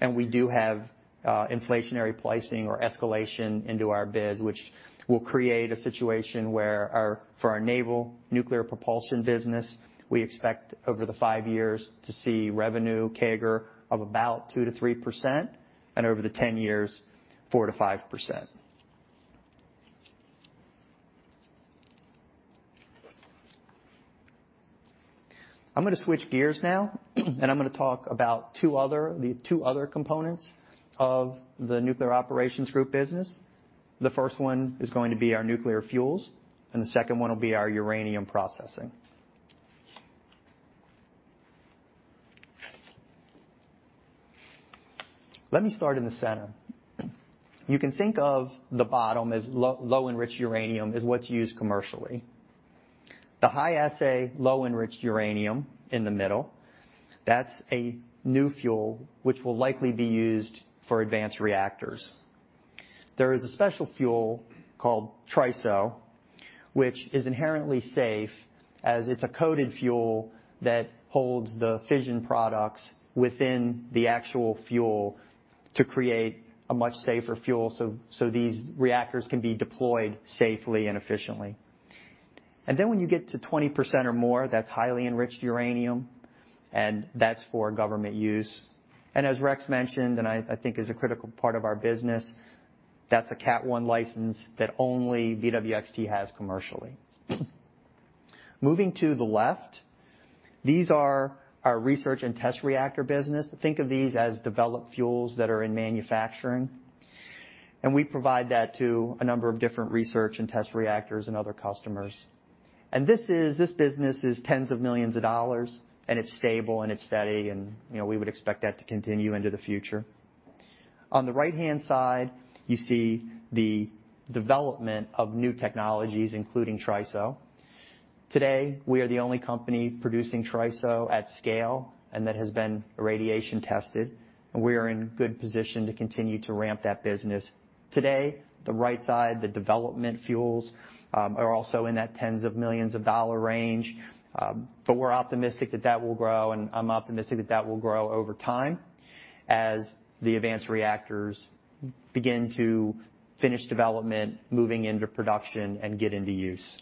and we do have inflationary pricing or escalation into our bids, which will create a situation where for our naval nuclear propulsion business, we expect over the five years to see revenue CAGR of about 2%-3%, and over the 10 years, 4%-5%. I'm gonna switch gears now, and I'm gonna talk about two other components of the Nuclear Operations Group business. The first one is going to be our nuclear fuels, and the second one will be our uranium processing. Let me start in the center. You can think of the bottom as low enriched uranium is what's used commercially. The high assay, low enriched uranium in the middle, that's a new fuel, which will likely be used for advanced reactors. There is a special fuel called TRISO, which is inherently safe as it's a coated fuel that holds the fission products within the actual fuel to create a much safer fuel, so these reactors can be deployed safely and efficiently. Then when you get to 20% or more, that's highly enriched uranium, and that's for government use. As Rex mentioned, and I think is a critical part of our business, that's a Category 1 license that only BWXT has commercially. Moving to the left, these are our research and test reactor business. Think of these as developed fuels that are in manufacturing. We provide that to a number of different research and test reactors and other customers. This business is tens of millions of dollars, and it's stable and it's steady and, you know, we would expect that to continue into the future. On the right-hand side, you see the development of new technologies, including TRISO. Today, we are the only company producing TRISO at scale, and that has been radiation tested, and we are in good position to continue to ramp that business. Today, the right side, the development fuels are also in that tens of millions of dollars range, but we're optimistic that that will grow, and I'm optimistic that that will grow over time as the advanced reactors begin to finish development, moving into production and get into use.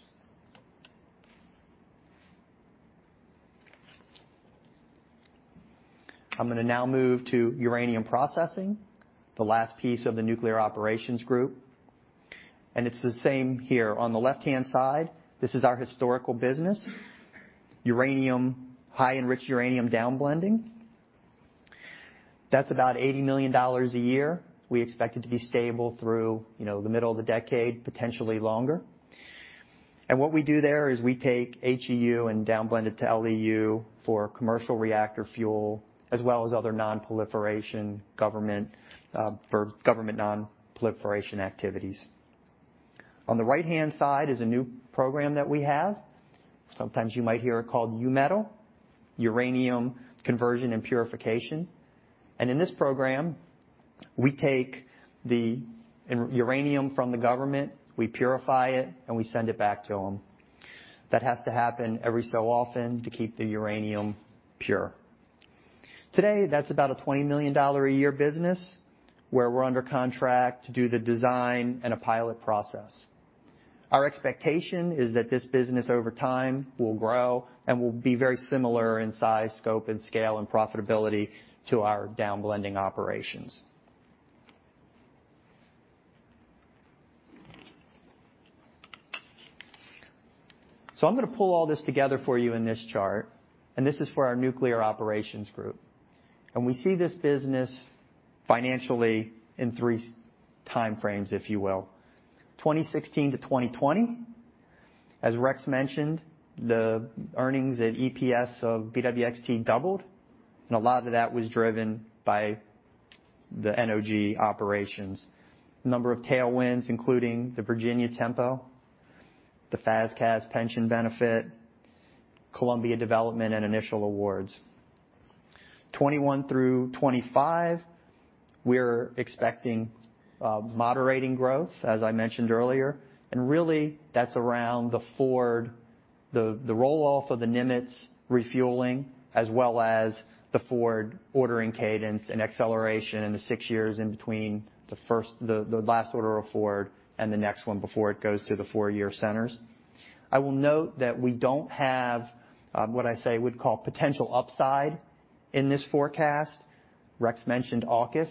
I'm gonna now move to uranium processing, the last piece of the Nuclear Operations Group. It's the same here. On the left-hand side, this is our historical business, uranium, high enriched uranium downblending. That's about $80 million a year. We expect it to be stable through, you know, the middle of the decade, potentially longer. What we do there is we take HEU and downblend it to LEU for commercial reactor fuel, as well as other non-proliferation government for government non-proliferation activities. On the right-hand side is a new program that we have. Sometimes you might hear it called U-Metal, uranium conversion and purification. In this program, we take the uranium from the government, we purify it, and we send it back to them. That has to happen every so often to keep the uranium pure. Today, that's about a $20 million a year business where we're under contract to do the design and a pilot process. Our expectation is that this business over time will grow and will be very similar in size, scope, and scale, and profitability to our downblending operations. I'm gonna pull all this together for you in this chart, and this is for our Nuclear Operations Group. We see this business financially in three time frames, if you will. 2016 to 2020. As Rex mentioned, the earnings at EPS of BWXT doubled, and a lot of that was driven by the NOG operations. A number of tailwinds, including the Virginia tempo, the FAS/CAS pension benefit, Columbia development, and initial awards. 2021 through 2025. We're expecting moderating growth, as I mentioned earlier, and really that's around the Ford roll-off of the Nimitz refueling as well as the Ford ordering cadence and acceleration in the six years in between the last order of Ford and the next one before it goes to the four-year centers. I will note that we don't have what I'd call potential upside in this forecast. Rex mentioned AUKUS.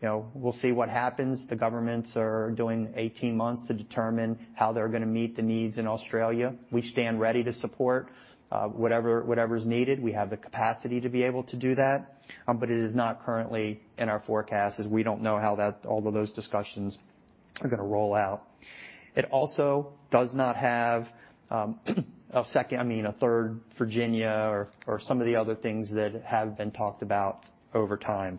You know, we'll see what happens. The governments are doing 18 months to determine how they're gonna meet the needs in Australia. We stand ready to support whatever's needed. We have the capacity to be able to do that, but it is not currently in our forecast as we don't know how that all of those discussions are gonna roll out. It also does not have a third Virginia or some of the other things that have been talked about over time.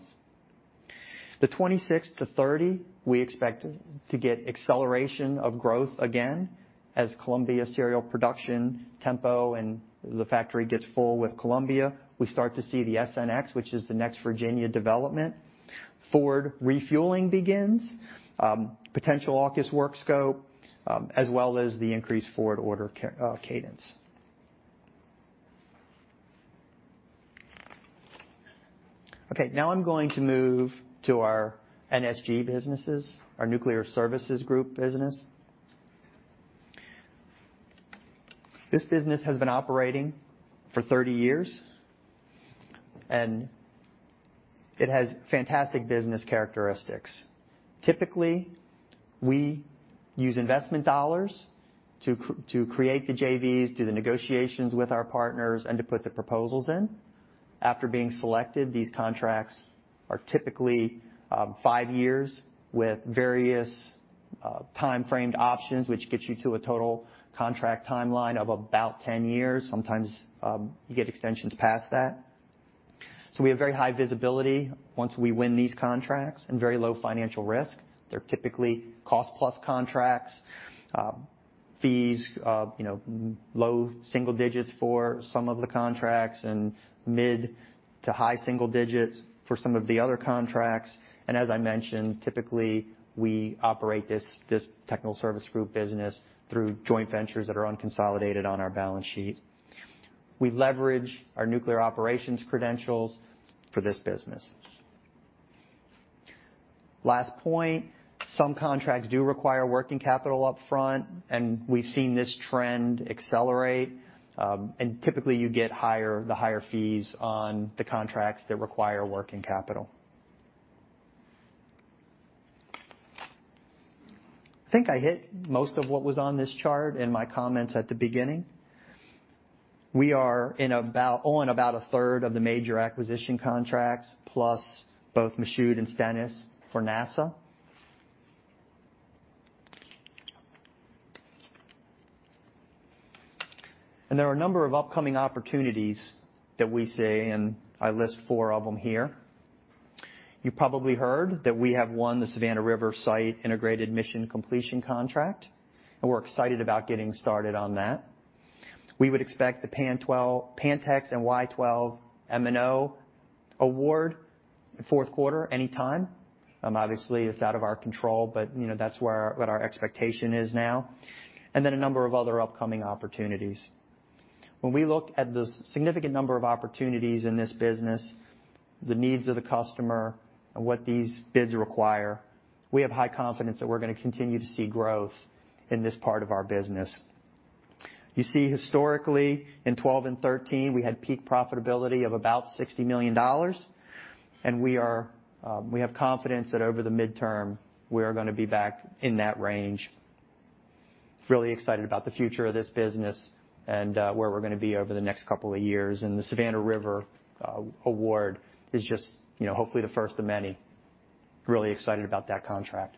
The 2026-2030, we expect to get acceleration of growth again as Columbia serial production tempo and the factory gets full with Columbia. We start to see the SSN(X), which is the next Virginia development. Ford refueling begins, potential AUKUS work scope, as well as the increased Ford order cadence. Okay, now I'm going to move to our NSG businesses, our Nuclear Services Group business. This business has been operating for 30 years, and it has fantastic business characteristics. Typically, we use investment dollars to create the JVs, do the negotiations with our partners, and to put the proposals in. After being selected, these contracts are typically five years with various time-framed options, which gets you to a total contract timeline of about 10 years. Sometimes you get extensions past that. We have very high visibility once we win these contracts and very low financial risk. They're typically cost-plus contracts. Fees, you know, low single digits for some of the contracts and mid to high single digits for some of the other contracts. As I mentioned, typically we operate this Technical Services Group business through joint ventures that are unconsolidated on our balance sheet. We leverage our Nuclear Operations credentials for this business. Last point, some contracts do require working capital up front, and we've seen this trend accelerate, and typically you get higher, the higher fees on the contracts that require working capital. I think I hit most of what was on this chart in my comments at the beginning. We own about a third of the major acquisition contracts plus both Michoud and Stennis for NASA. There are a number of upcoming opportunities that we see, and I list four of them here. You probably heard that we have won the Savannah River Site integrated mission completion contract, and we're excited about getting started on that. We would expect the Pantex and Y-12 M&O award fourth quarter anytime. Obviously, it's out of our control, but, you know, that's what our expectation is now, and then a number of other upcoming opportunities. When we look at the significant number of opportunities in this business, the needs of the customer and what these bids require, we have high confidence that we're gonna continue to see growth in this part of our business. You see historically in 2012 and 2013, we had peak profitability of about $60 million, and we have confidence that over the midterm, we are gonna be back in that range. Really excited about the future of this business and where we're gonna be over the next couple of years, and the Savannah River award is just, you know, hopefully the first of many. Really excited about that contract.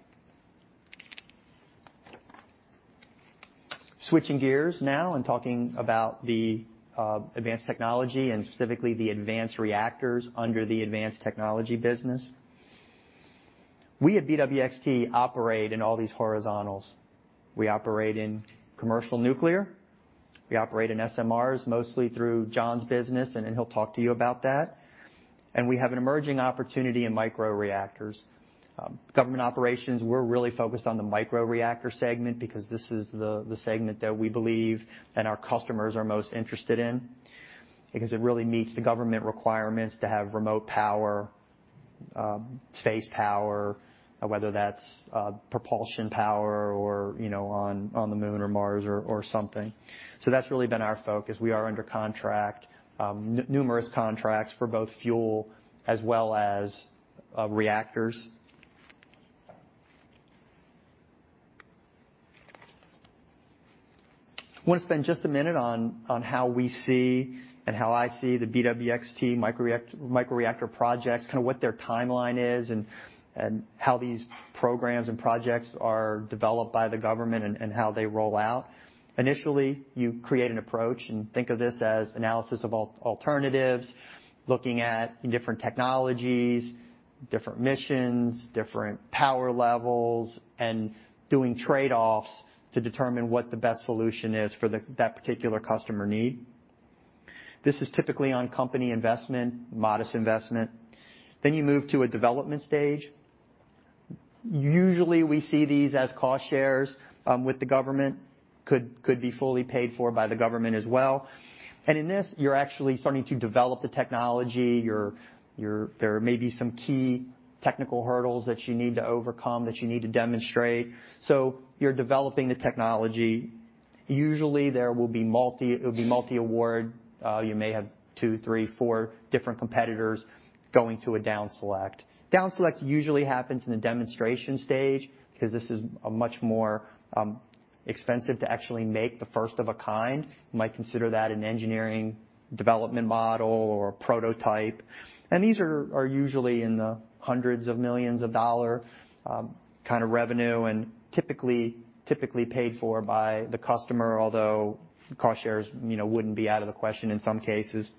Switching gears now and talking about the advanced technology and specifically the advanced reactors under the advanced technology business. We at BWXT operate in all these horizontals. We operate in commercial nuclear, we operate in SMRs, mostly through John's business, and he'll talk to you about that. We have an emerging opportunity in microreactors. In government operations, we're really focused on the microreactor segment because this is the segment that we believe that our customers are most interested in because it really meets the government requirements to have remote power, space power, whether that's propulsion power or, you know, on the Moon or Mars or something. That's really been our focus. We are under contract, numerous contracts for both fuel as well as reactors. I want to spend just a minute on how we see and how I see the BWXT microreactor projects, kind of what their timeline is and how these programs and projects are developed by the government and how they roll out. Initially, you create an approach, and think of this as analysis of alternatives, looking at different technologies, different missions, different power levels, and doing trade-offs to determine what the best solution is for that particular customer need. This is typically on company investment, modest investment. Then you move to a development stage. Usually, we see these as cost shares with the government. Could be fully paid for by the government as well. In this, you're actually starting to develop the technology. There may be some key technical hurdles that you need to overcome, that you need to demonstrate. You're developing the technology. Usually, it would be multi-award. You may have two, three, four different competitors going to a down select. Down select usually happens in the demonstration stage, because this is a much more expensive to actually make the first of a kind. You might consider that an engineering development model or a prototype. These are usually in the hundreds of millions of dollars kind of revenue, and typically paid for by the customer, although cost shares, you know, wouldn't be out of the question in some cases.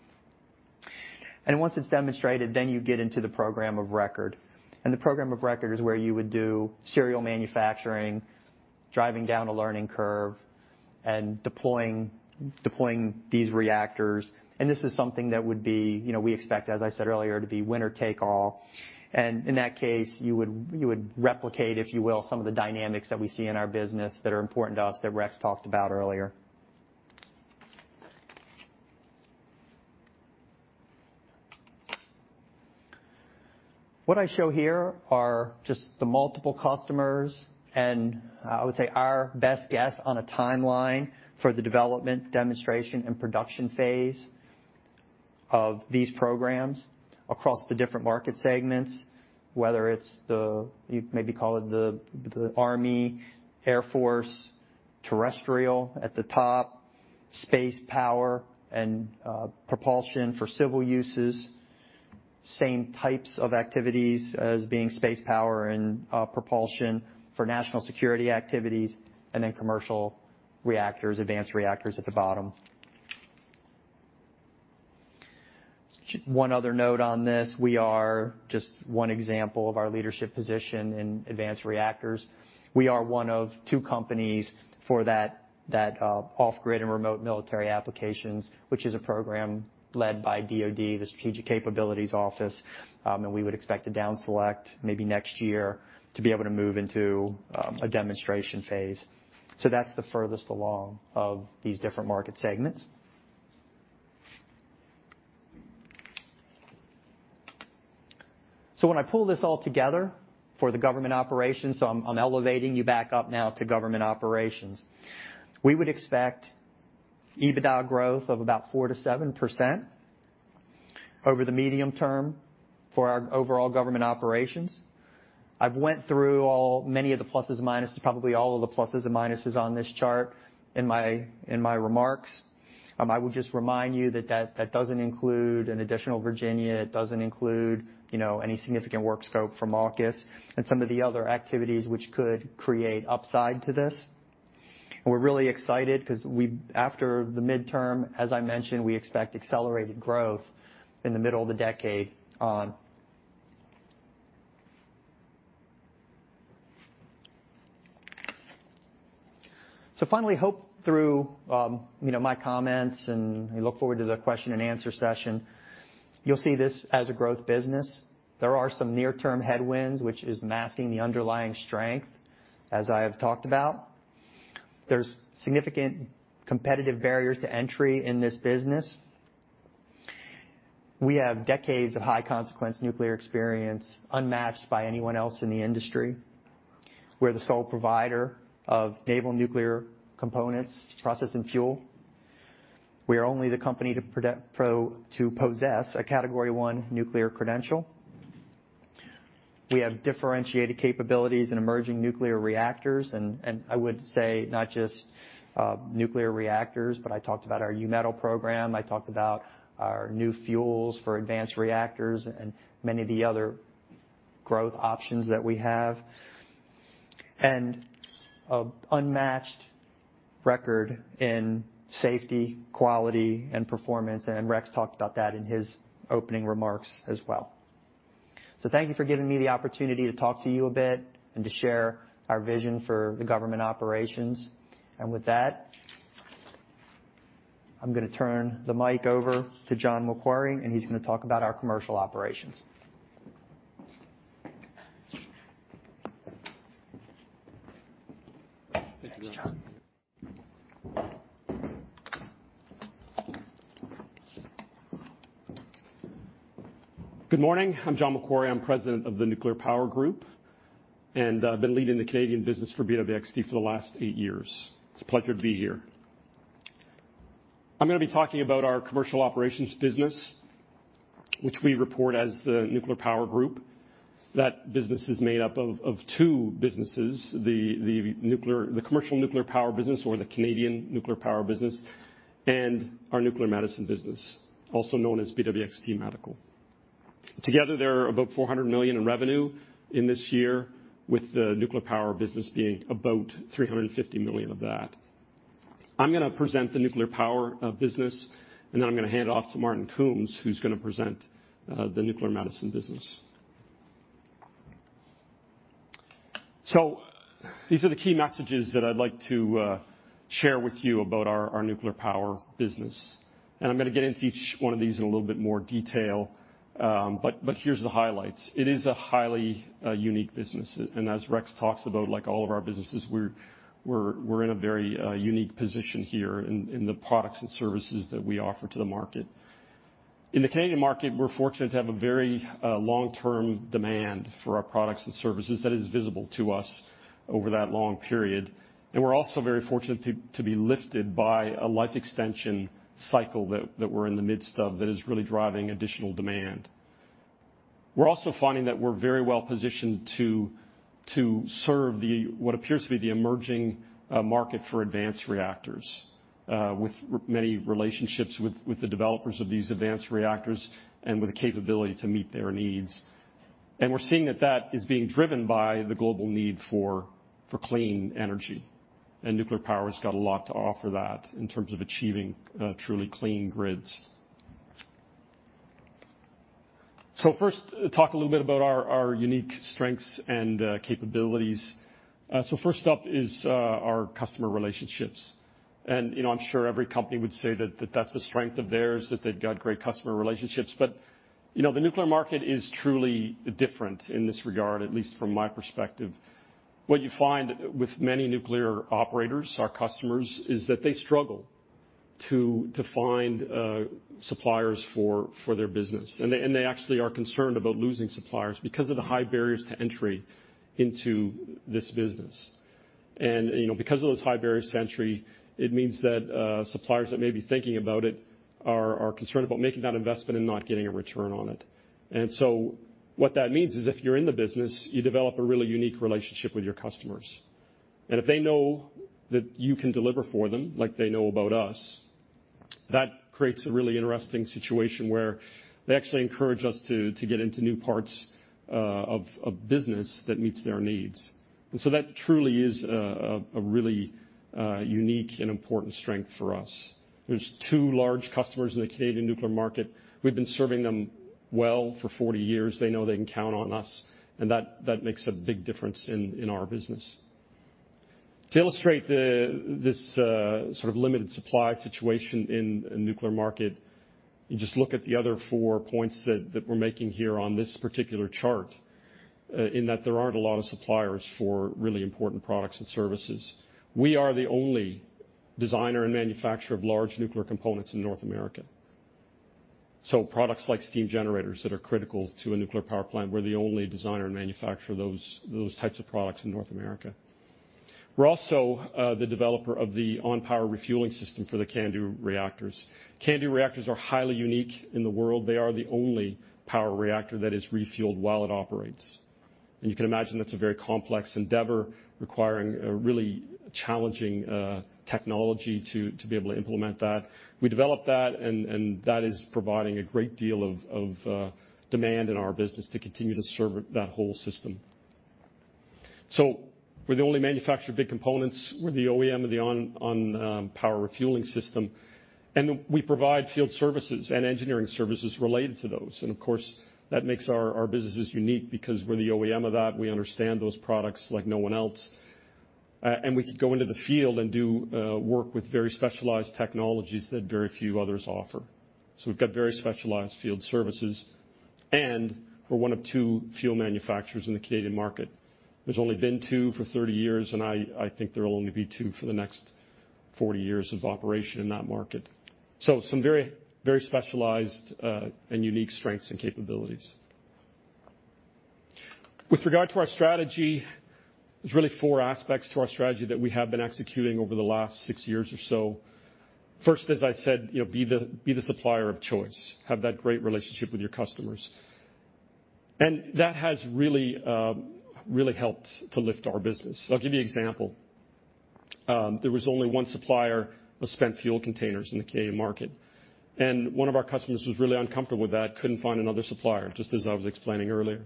Once it's demonstrated, then you get into the program of record. The program of record is where you would do serial manufacturing, driving down a learning curve, and deploying these reactors. This is something that would be, you know, we expect, as I said earlier, to be winner take all. In that case, you would replicate, if you will, some of the dynamics that we see in our business that are important to us, that Rex talked about earlier. What I show here are just the multiple customers and, I would say, our best guess on a timeline for the development, demonstration, and production phase of these programs across the different market segments, whether it's the Army, Air Force, terrestrial at the top, space power and propulsion for civil uses. Same types of activities as being space power and propulsion for national security activities, and then commercial reactors, advanced reactors at the bottom. One other note on this, we are just one example of our leadership position in advanced reactors. We are one of two companies for that, off-grid and remote military applications, which is a program led by DoD, the Strategic Capabilities Office, and we would expect to down select maybe next year to be able to move into a demonstration phase. That's the furthest along of these different market segments. When I pull this all together for the Government Operations, I'm elevating you back up now to Government Operations. We would expect EBITDA growth of about 4%-7% over the medium term for our overall Government Operations. I've went through many of the pluses and minuses, probably all of the pluses and minuses on this chart in my remarks. I would just remind you that that doesn't include an additional Virginia. It doesn't include, you know, any significant work scope from AUKUS and some of the other activities which could create upside to this. We're really excited because after the midterm, as I mentioned, we expect accelerated growth in the middle of the decade on. Finally, I hope through, you know, my comments, and I look forward to the question and answer session. You'll see this as a growth business. There are some near-term headwinds which is masking the underlying strength, as I have talked about. There's significant competitive barriers to entry in this business. We have decades of high-consequence nuclear experience unmatched by anyone else in the industry. We're the sole provider of naval nuclear components, processing fuel. We are only the company to possess a Category 1 nuclear credential. We have differentiated capabilities in emerging nuclear reactors, and I would say not just nuclear reactors, but I talked about our U-Metal program. I talked about our new fuels for advanced reactors and many of the other growth options that we have an unmatched record in safety, quality, and performance, and Rex talked about that in his opening remarks as well. Thank you for giving me the opportunity to talk to you a bit and to share our vision for the Government Operations. With that, I'm gonna turn the mic over to John MacQuarrie, and he's gonna talk about our commercial operations. Good morning. I'm John MacQuarrie. I'm President of the Nuclear Power Group, and I've been leading the Canadian business for BWXT for the last eight years. It's a pleasure to be here. I'm gonna be talking about our commercial operations business, which we report as the nuclear power group. That business is made up of two businesses, the commercial nuclear power business or the Canadian nuclear power business, and our nuclear medicine business, also known as BWXT Medical. Together, they're about $400 million in revenue in this year, with the nuclear power business being about $350 million of that. I'm gonna present the nuclear power business, and then I'm gonna hand it off to Martyn Coombs, who's gonna present the nuclear medicine business. These are the key messages that I'd like to share with you about our nuclear power business. I'm gonna get into each one of these in a little bit more detail, but here's the highlights. It is a highly unique business. As Rex talks about, like all of our businesses, we're in a very unique position here in the products and services that we offer to the market. In the Canadian market, we're fortunate to have a very long-term demand for our products and services that is visible to us over that long period. We're also very fortunate to be lifted by a life extension cycle that we're in the midst of that is really driving additional demand. We're also finding that we're very well positioned to serve what appears to be the emerging market for advanced reactors with many relationships with the developers of these advanced reactors and with the capability to meet their needs. We're seeing that that is being driven by the global need for clean energy, and nuclear power has got a lot to offer that in terms of achieving truly clean grids. First, talk a little bit about our unique strengths and capabilities. First up is our customer relationships. You know, I'm sure every company would say that that's a strength of theirs, that they've got great customer relationships. You know, the nuclear market is truly different in this regard, at least from my perspective. What you find with many nuclear operators, our customers, is that they struggle to find suppliers for their business. They actually are concerned about losing suppliers because of the high barriers to entry into this business. You know, because of those high barriers to entry, it means that suppliers that may be thinking about it are concerned about making that investment and not getting a return on it. What that means is if you're in the business, you develop a really unique relationship with your customers. If they know that you can deliver for them, like they know about us, that creates a really interesting situation where they actually encourage us to get into new parts of business that meets their needs. That truly is a really unique and important strength for us. There's two large customers in the Canadian nuclear market. We've been serving them well for 40 years. They know they can count on us, and that makes a big difference in our business. To illustrate this sort of limited supply situation in a nuclear market, you just look at the other four points that we're making here on this particular chart, in that there aren't a lot of suppliers for really important products and services. We are the only designer and manufacturer of large nuclear components in North America. Products like steam generators that are critical to a nuclear power plant, we're the only designer and manufacturer of those types of products in North America. We're also the developer of the on-power refueling system for the CANDU reactors. CANDU reactors are highly unique in the world. They are the only power reactor that is refueled while it operates. You can imagine that's a very complex endeavor requiring a really challenging technology to be able to implement that. We developed that, and that is providing a great deal of demand in our business to continue to serve that whole system. We're the only manufacturer of big components. We're the OEM of the power refueling system, and we provide field services and engineering services related to those. Of course, that makes our businesses unique because we're the OEM of that. We understand those products like no one else. We can go into the field and do work with very specialized technologies that very few others offer. We've got very specialized field services, and we're one of two fuel manufacturers in the Canadian market. There's only been two for 30 years, and I think there will only be two for the next 40 years of operation in that market. Some very specialized and unique strengths and capabilities. With regard to our strategy, there's really four aspects to our strategy that we have been executing over the last six years or so. First, as I said, you know, be the supplier of choice, have that great relationship with your customers. That has really helped to lift our business. I'll give you an example. There was only one supplier of spent fuel containers in the Canadian market, and one of our customers was really uncomfortable with that, couldn't find another supplier, just as I was explaining earlier.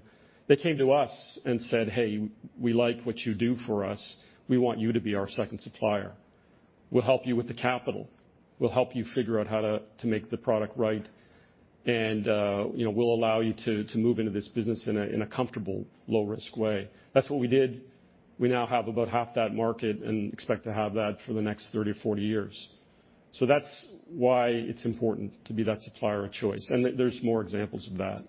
They came to us and said, "Hey, we like what you do for us. We want you to be our second supplier. We'll help you with the capital. We'll help you figure out how to make the product right, and, you know, we'll allow you to move into this business in a comfortable, low-risk way." That's what we did. We now have about half that market and expect to have that for the next 30 or 40 years. That's why it's important to be that supplier of choice, and there's more examples of that.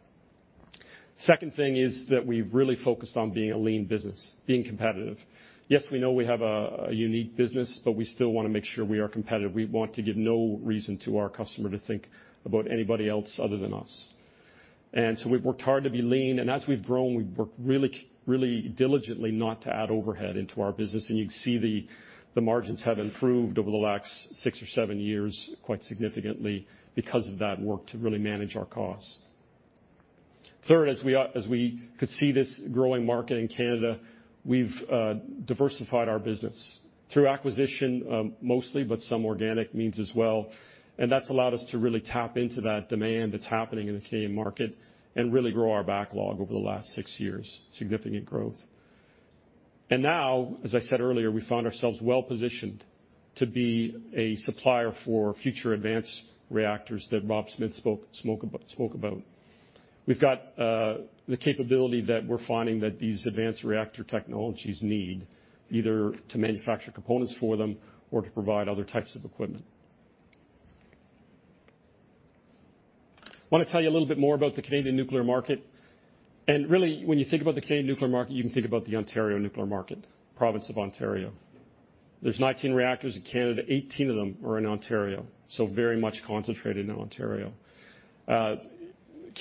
Second thing is that we've really focused on being a lean business, being competitive. Yes, we know we have a unique business, but we still wanna make sure we are competitive. We want to give no reason to our customer to think about anybody else other than us. We've worked hard to be lean. As we've grown, we've worked really, really diligently not to add overhead into our business. You can see the margins have improved over the last six or seven years quite significantly because of that work to really manage our costs. Third, as we could see this growing market in Canada, we've diversified our business through acquisition, mostly, but some organic means as well. That's allowed us to really tap into that demand that's happening in the Canadian market and really grow our backlog over the last six years, significant growth. Now, as I said earlier, we found ourselves well-positioned to be a supplier for future advanced reactors that Rob Smith spoke about. We've got the capability that we're finding that these advanced reactor technologies need either to manufacture components for them or to provide other types of equipment. I want to tell you a little bit more about the Canadian nuclear market. Really, when you think about the Canadian nuclear market, you can think about the Ontario nuclear market, province of Ontario. There are 19 reactors in Canada. 18 of them are in Ontario, so very much concentrated in Ontario.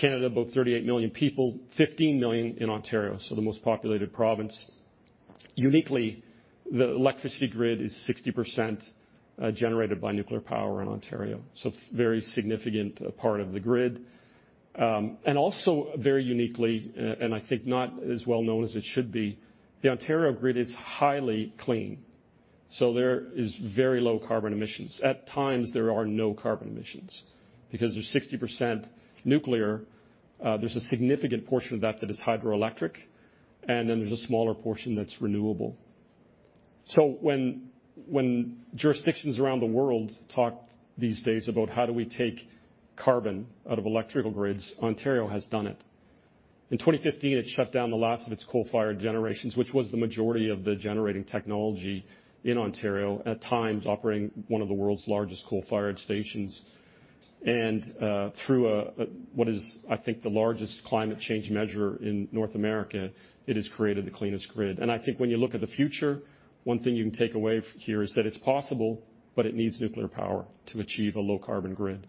Canada, about 38 million people, 15 million in Ontario, so the most populated province. Uniquely, the electricity grid is 60% generated by nuclear power in Ontario, so very significant part of the grid. Very uniquely, I think not as well known as it should be, the Ontario grid is highly clean, so there is very low carbon emissions. At times, there are no carbon emissions because there's 60% nuclear, there's a significant portion of that that is hydroelectric, and then there's a smaller portion that's renewable. When jurisdictions around the world talk these days about how do we take carbon out of electrical grids, Ontario has done it. In 2015, it shut down the last of its coal-fired generations, which was the majority of the generating technology in Ontario, at times operating one of the world's largest coal-fired stations. Through what is, I think, the largest climate change measure in North America, it has created the cleanest grid. I think when you look at the future, one thing you can take away from here is that it's possible, but it needs nuclear power to achieve a low-carbon grid.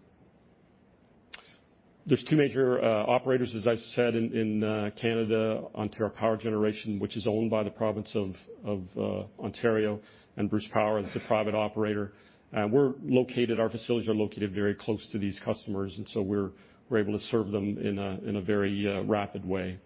There's two major operators, as I said, in Canada, Ontario Power Generation, which is owned by the province of Ontario, and Bruce Power, that's a private operator. We're located, our facilities are located very close to these customers, and so we're able to serve them in a very rapid way.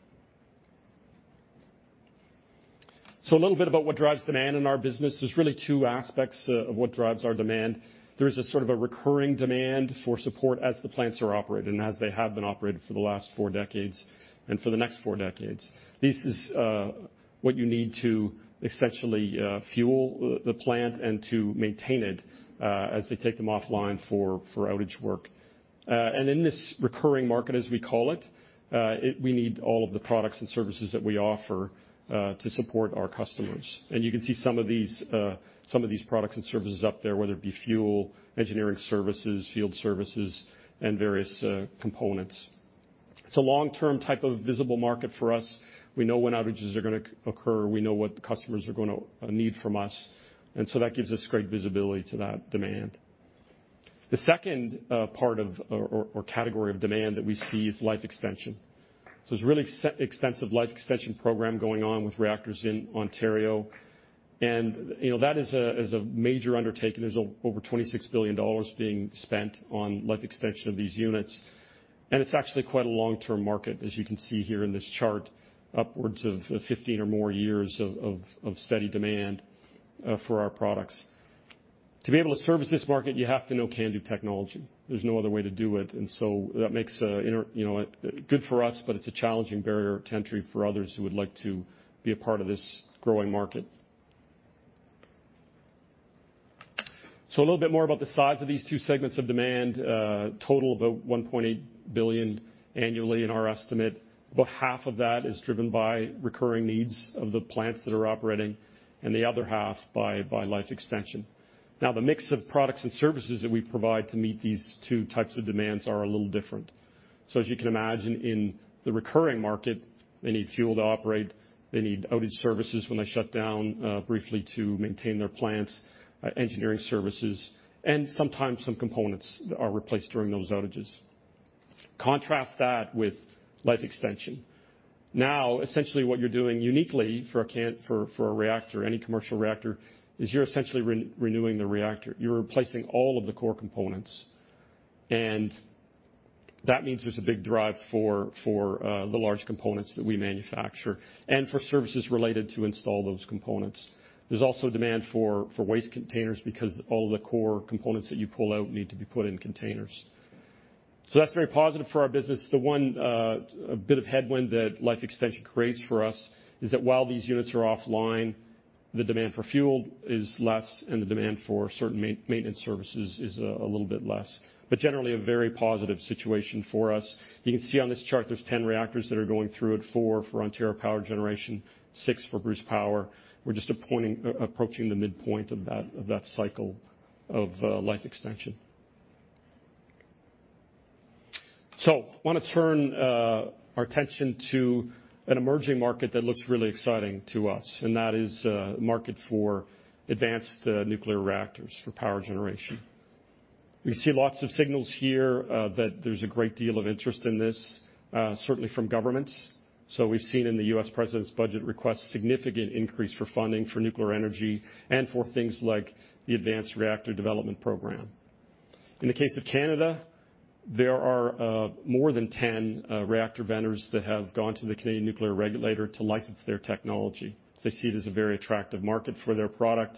A little bit about what drives demand in our business. There's really two aspects of what drives our demand. There's a sort of a recurring demand for support as the plants are operated, and as they have been operated for the last four decades, and for the next four decades. This is what you need to essentially fuel the plant and to maintain it as they take them offline for outage work. In this recurring market, as we call it, we need all of the products and services that we offer to support our customers. You can see some of these products and services up there, whether it be fuel, engineering services, field services, and various components. It's a long-term type of visible market for us. We know when outages are gonna occur. We know what the customers are gonna need from us. That gives us great visibility to that demand. The second part or category of demand that we see is life extension. There's a really extensive life extension program going on with reactors in Ontario. You know, that is a major undertaking. There's over $26 billion being spent on life extension of these units. It's actually quite a long-term market, as you can see here in this chart, upwards of 15 or more years of steady demand for our products. To be able to service this market, you have to know CANDU technology. There's no other way to do it. That makes good for us, but it's a challenging barrier to entry for others who would like to be a part of this growing market. A little bit more about the size of these two segments of demand, total of about $1.8 billion annually in our estimate. About half of that is driven by recurring needs of the plants that are operating, and the other half by life extension. Now, the mix of products and services that we provide to meet these two types of demands are a little different. As you can imagine, in the recurring market, they need fuel to operate, they need outage services when they shut down briefly to maintain their plants, engineering services, and sometimes some components are replaced during those outages. Contrast that with life extension. Now, essentially what you're doing uniquely for a reactor, any commercial reactor, is you're essentially renewing the reactor. You're replacing all of the core components. That means there's a big drive for the large components that we manufacture and for services related to install those components. There's also demand for waste containers because all the core components that you pull out need to be put in containers. That's very positive for our business. The one bit of headwind that life extension creates for us is that while these units are offline, the demand for fuel is less, and the demand for certain maintenance services is a little bit less, but generally a very positive situation for us. You can see on this chart, there's 10 reactors that are going through it, four for Ontario Power Generation, six for Bruce Power. We're just approaching the midpoint of that cycle of life extension. Wanna turn our attention to an emerging market that looks really exciting to us, and that is market for advanced nuclear reactors for power generation. We see lots of signals here that there's a great deal of interest in this, certainly from governments. We've seen in the U.S. President's budget request, significant increase for funding for nuclear energy and for things like the Advanced Reactor Development program. In the case of Canada, there are more than 10 reactor vendors that have gone to the Canadian Nuclear Regulator to license their technology. They see it as a very attractive market for their product.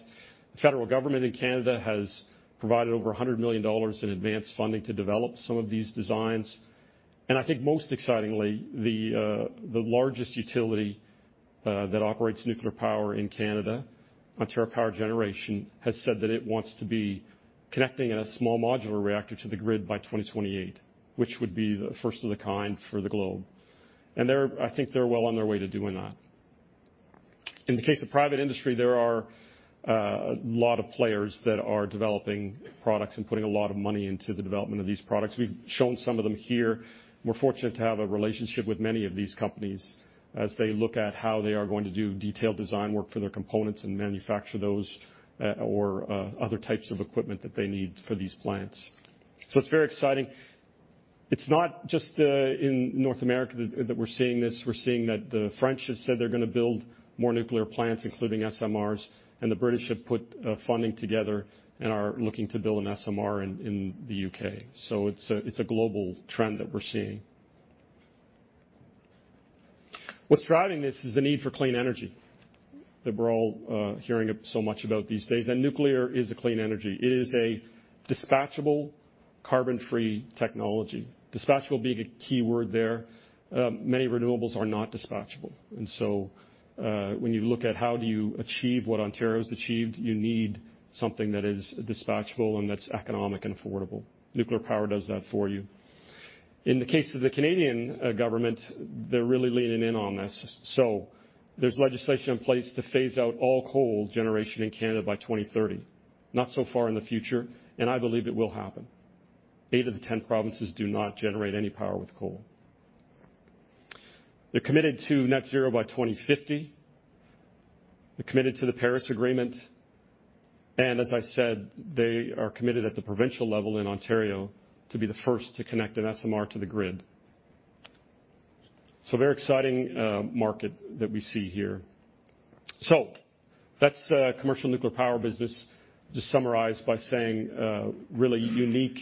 The federal government in Canada has provided over $100 million in advanced funding to develop some of these designs. I think most excitingly, the largest utility that operates nuclear power in Canada, Ontario Power Generation, has said that it wants to be connecting a small modular reactor to the grid by 2028, which would be the first of the kind for the globe. I think they're well on their way to doing that. In the case of private industry, there are a lot of players that are developing products and putting a lot of money into the development of these products. We've shown some of them here. We're fortunate to have a relationship with many of these companies as they look at how they are going to do detailed design work for their components and manufacture those, or other types of equipment that they need for these plants. It's very exciting. It's not just in North America that we're seeing this. We're seeing that the French have said they're gonna build more nuclear plants, including SMRs, and the British have put funding together and are looking to build an SMR in the U.K. It's a global trend that we're seeing. What's driving this is the need for clean energy that we're all hearing so much about these days. Nuclear is a clean energy. It is a dispatchable carbon-free technology. Dispatchable being a key word there. Many renewables are not dispatchable. When you look at how do you achieve what Ontario's achieved, you need something that is dispatchable and that's economic and affordable. Nuclear power does that for you. In the case of the Canadian government, they're really leaning in on this. There's legislation in place to phase out all coal generation in Canada by 2030, not so far in the future, and I believe it will happen. Eight of the 10 provinces do not generate any power with coal. They're committed to net zero by 2050. They're committed to the Paris Agreement, and as I said, they are committed at the provincial level in Ontario to be the first to connect an SMR to the grid. A very exciting market that we see here. That's commercial nuclear power business. Just summarize by saying really unique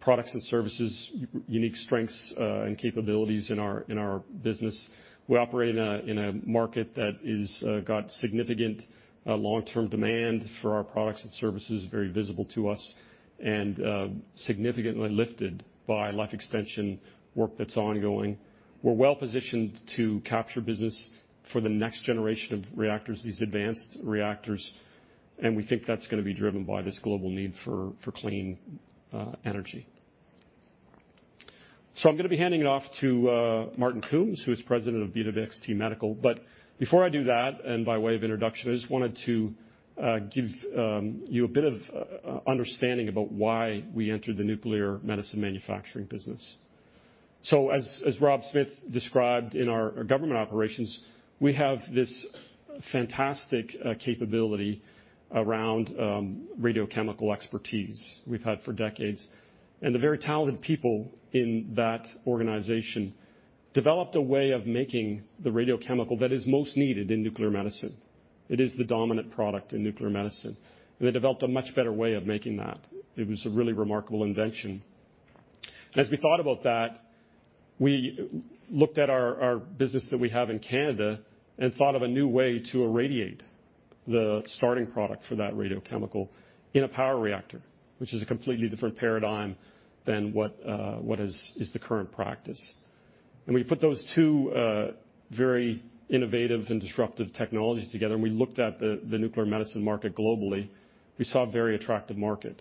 products and services, unique strengths and capabilities in our business. We operate in a market that's got significant long-term demand for our products and services, very visible to us and significantly lifted by life extension work that's ongoing. We're well-positioned to capture business for the next generation of reactors, these advanced reactors, and we think that's gonna be driven by this global need for clean energy. I'm gonna be handing it off to Martyn Coombs, who is President of BWXT Medical. Before I do that, and by way of introduction, I just wanted to give you a bit of understanding about why we entered the nuclear medicine manufacturing business. As Rob Smith described in our government operations, we have this fantastic capability around radiochemical expertise we've had for decades. The very talented people in that organization developed a way of making the radiochemical that is most needed in nuclear medicine. It is the dominant product in nuclear medicine. They developed a much better way of making that. It was a really remarkable invention. As we thought about that, we looked at our business that we have in Canada and thought of a new way to irradiate the starting product for that radiochemical in a power reactor, which is a completely different paradigm than what is the current practice. We put those two very innovative and disruptive technologies together, and we looked at the nuclear medicine market globally. We saw a very attractive market.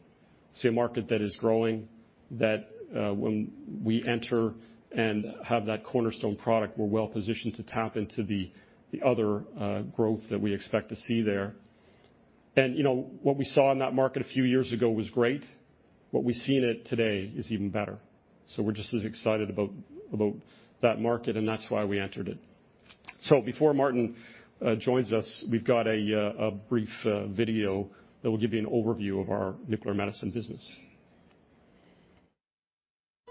We see a market that is growing, that when we enter and have that cornerstone product, we're well-positioned to tap into the other growth that we expect to see there. You know, what we saw in that market a few years ago was great. What we see in it today is even better. We're just as excited about that market, and that's why we entered it. Before Martyn joins us, we've got a brief video that will give you an overview of our nuclear medicine business.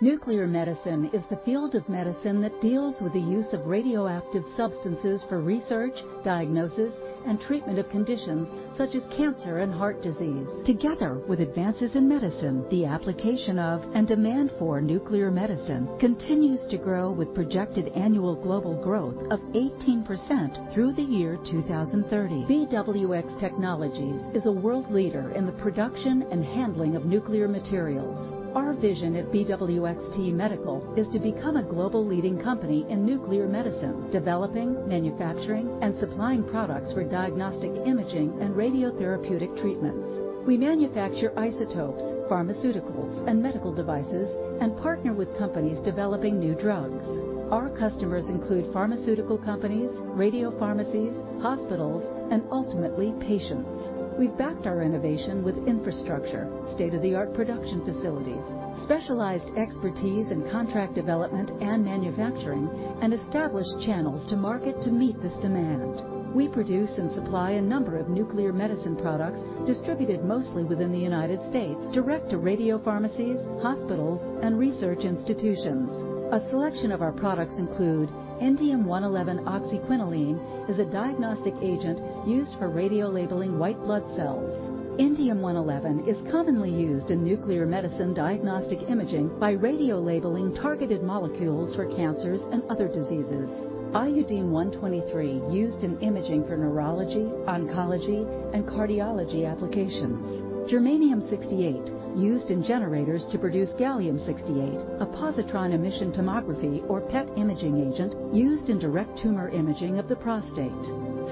Nuclear medicine is the field of medicine that deals with the use of radioactive substances for research, diagnosis, and treatment of conditions such as cancer and heart disease. Together with advances in medicine, the application of and demand for nuclear medicine continues to grow, with projected annual global growth of 18% through the year 2030. BWX Technologies is a world leader in the production and handling of nuclear materials. Our vision at BWXT Medical is to become a global leading company in nuclear medicine, developing, manufacturing, and supplying products for diagnostic imaging and radiotherapeutic treatments. We manufacture isotopes, pharmaceuticals, and medical devices, and partner with companies developing new drugs. Our customers include pharmaceutical companies, radiopharmacies, hospitals, and ultimately, patients. We've backed our innovation with infrastructure, state-of-the-art production facilities, specialized expertise in contract development and manufacturing, and established channels to market to meet this demand. We produce and supply a number of nuclear medicine products distributed mostly within the United States, direct to radiopharmacies, hospitals and research institutions. A selection of our products includes Indium-111 oxyquinoline. It is a diagnostic agent used for radiolabeling white blood cells. Indium-111 is commonly used in nuclear medicine diagnostic imaging by radiolabeling targeted molecules for cancers and other diseases. Iodine-123 is used in imaging for neurology, oncology and cardiology applications. Germanium-68 is used in generators to produce Gallium-68, a positron emission tomography or PET imaging agent used in direct tumor imaging of the prostate.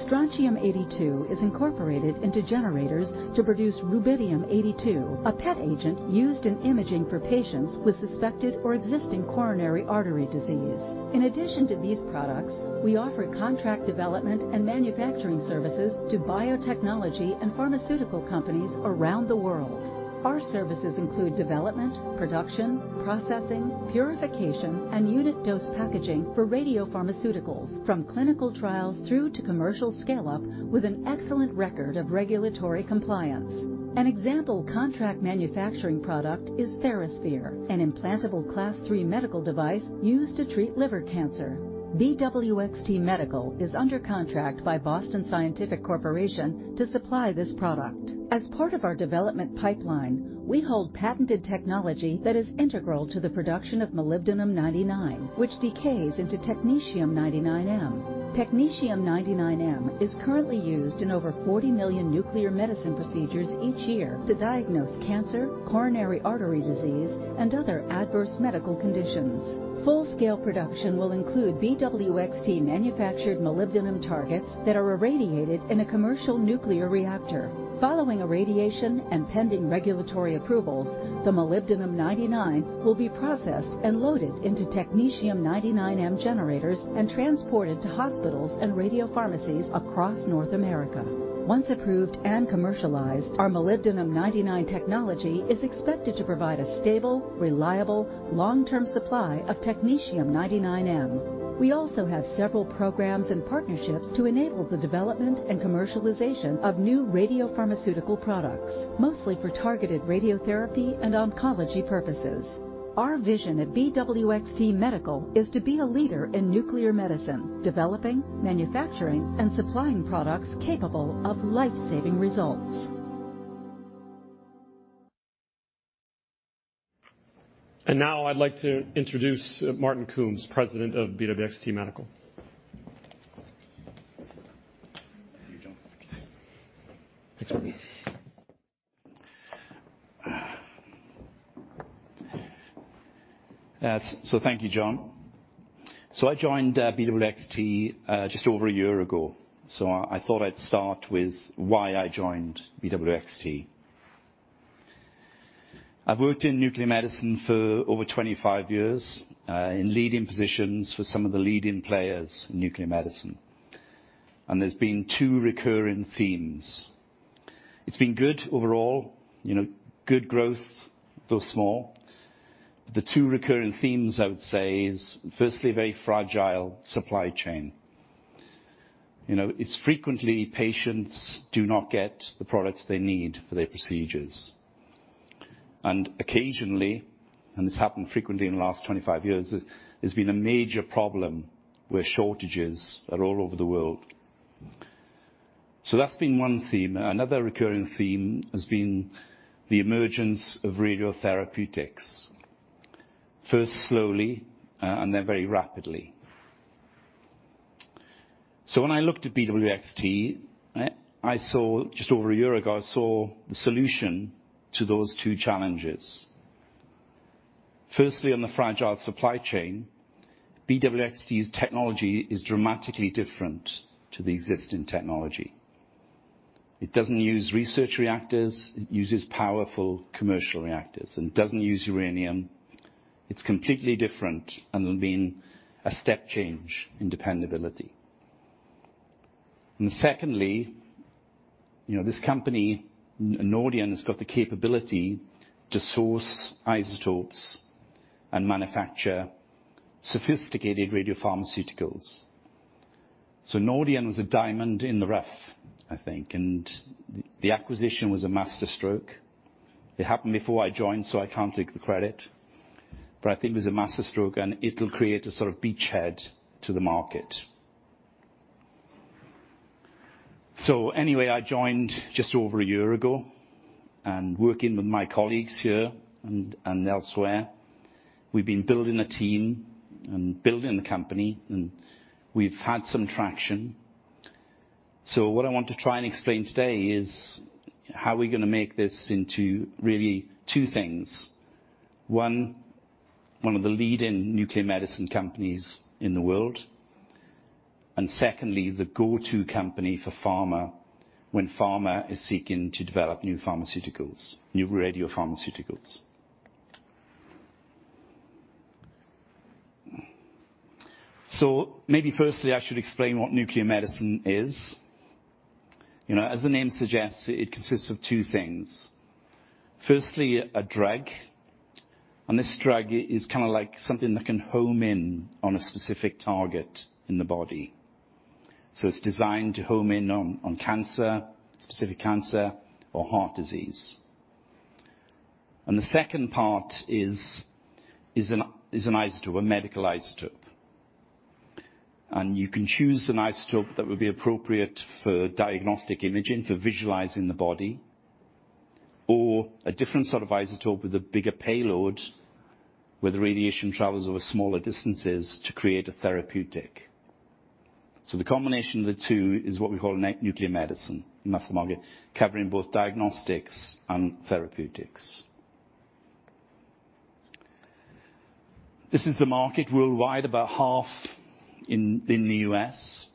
Strontium-82 is incorporated into generators to produce Rubidium-82, a PET agent used in imaging for patients with suspected or existing coronary artery disease. In addition to these products, we offer contract development and manufacturing services to biotechnology and pharmaceutical companies around the world. Our services include development, production, processing, purification, and unit dose packaging for radiopharmaceuticals from clinical trials through to commercial scale-up with an excellent record of regulatory compliance. An example contract manufacturing product is TheraSphere, an implantable Class III medical device used to treat liver cancer. BWXT Medical is under contract by Boston Scientific Corporation to supply this product. As part of our development pipeline, we hold patented technology that is integral to the production of molybdenum-99, which decays into technetium-99m. Technetium-99m is currently used in over 40 million nuclear medicine procedures each year to diagnose cancer, coronary artery disease, and other adverse medical conditions. Full scale production will include BWXT manufactured molybdenum targets that are irradiated in a commercial nuclear reactor. Following irradiation and pending regulatory approvals, the molybdenum-99 will be processed and loaded into technetium-99m generators and transported to hospitals and radiopharmacies across North America. Once approved and commercialized, our molybdenum-99 technology is expected to provide a stable, reliable, long-term supply of technetium-99m. We also have several programs and partnerships to enable the development and commercialization of new radiopharmaceutical products, mostly for targeted radiotherapy and oncology purposes. Our vision at BWXT Medical is to be a leader in nuclear medicine, developing, manufacturing, and supplying products capable of life-saving results. Now I'd like to introduce Martyn Coombs, President of BWXT Medical. Thank you, John. I joined BWXT just over a year ago, so I thought I'd start with why I joined BWXT. I've worked in nuclear medicine for over 25 years in leading positions for some of the leading players in nuclear medicine, and there's been two recurring themes. It's been good overall, you know, good growth, though small. The two recurring themes, I would say is firstly, very fragile supply chain. You know, it's frequently patients do not get the products they need for their procedures. Occasionally, and this happened frequently in the last 25 years, there's been a major problem where shortages are all over the world. That's been one theme. Another recurring theme has been the emergence of radiotherapeutics, first slowly, and then very rapidly. When I looked at BWXT, I saw just over a year ago the solution to those two challenges. Firstly, on the fragile supply chain, BWXT's technology is dramatically different to the existing technology. It doesn't use research reactors, it uses powerful commercial reactors and doesn't use uranium. It's completely different and will mean a step change in dependability. Secondly, you know, this company, Nordion, has got the capability to source isotopes and manufacture sophisticated radiopharmaceuticals. Nordion was a diamond in the rough, I think, and the acquisition was a masterstroke. It happened before I joined, so I can't take the credit, but I think it was a masterstroke, and it'll create a sort of beachhead to the market. Anyway, I joined just over a year ago and working with my colleagues here and elsewhere, we've been building a team and building the company, and we've had some traction. What I want to try and explain today is how are we gonna make this into really two things. One of the leading nuclear medicine companies in the world. Secondly, the go-to company for pharma when pharma is seeking to develop new pharmaceuticals, new radiopharmaceuticals. Maybe firstly, I should explain what nuclear medicine is. You know, as the name suggests, it consists of two things. Firstly, a drug, and this drug is kind of like something that can home in on a specific target in the body. It's designed to home in on cancer, specific cancer or heart disease. The second part is an isotope, a medical isotope. You can choose an isotope that would be appropriate for diagnostic imaging, for visualizing the body, or a different sort of isotope with a bigger payload, where the radiation travels over smaller distances to create a therapeutic. The combination of the two is what we call nuclear medicine, and that's the market covering both diagnostics and therapeutics. This is the market worldwide, about half in the U.S.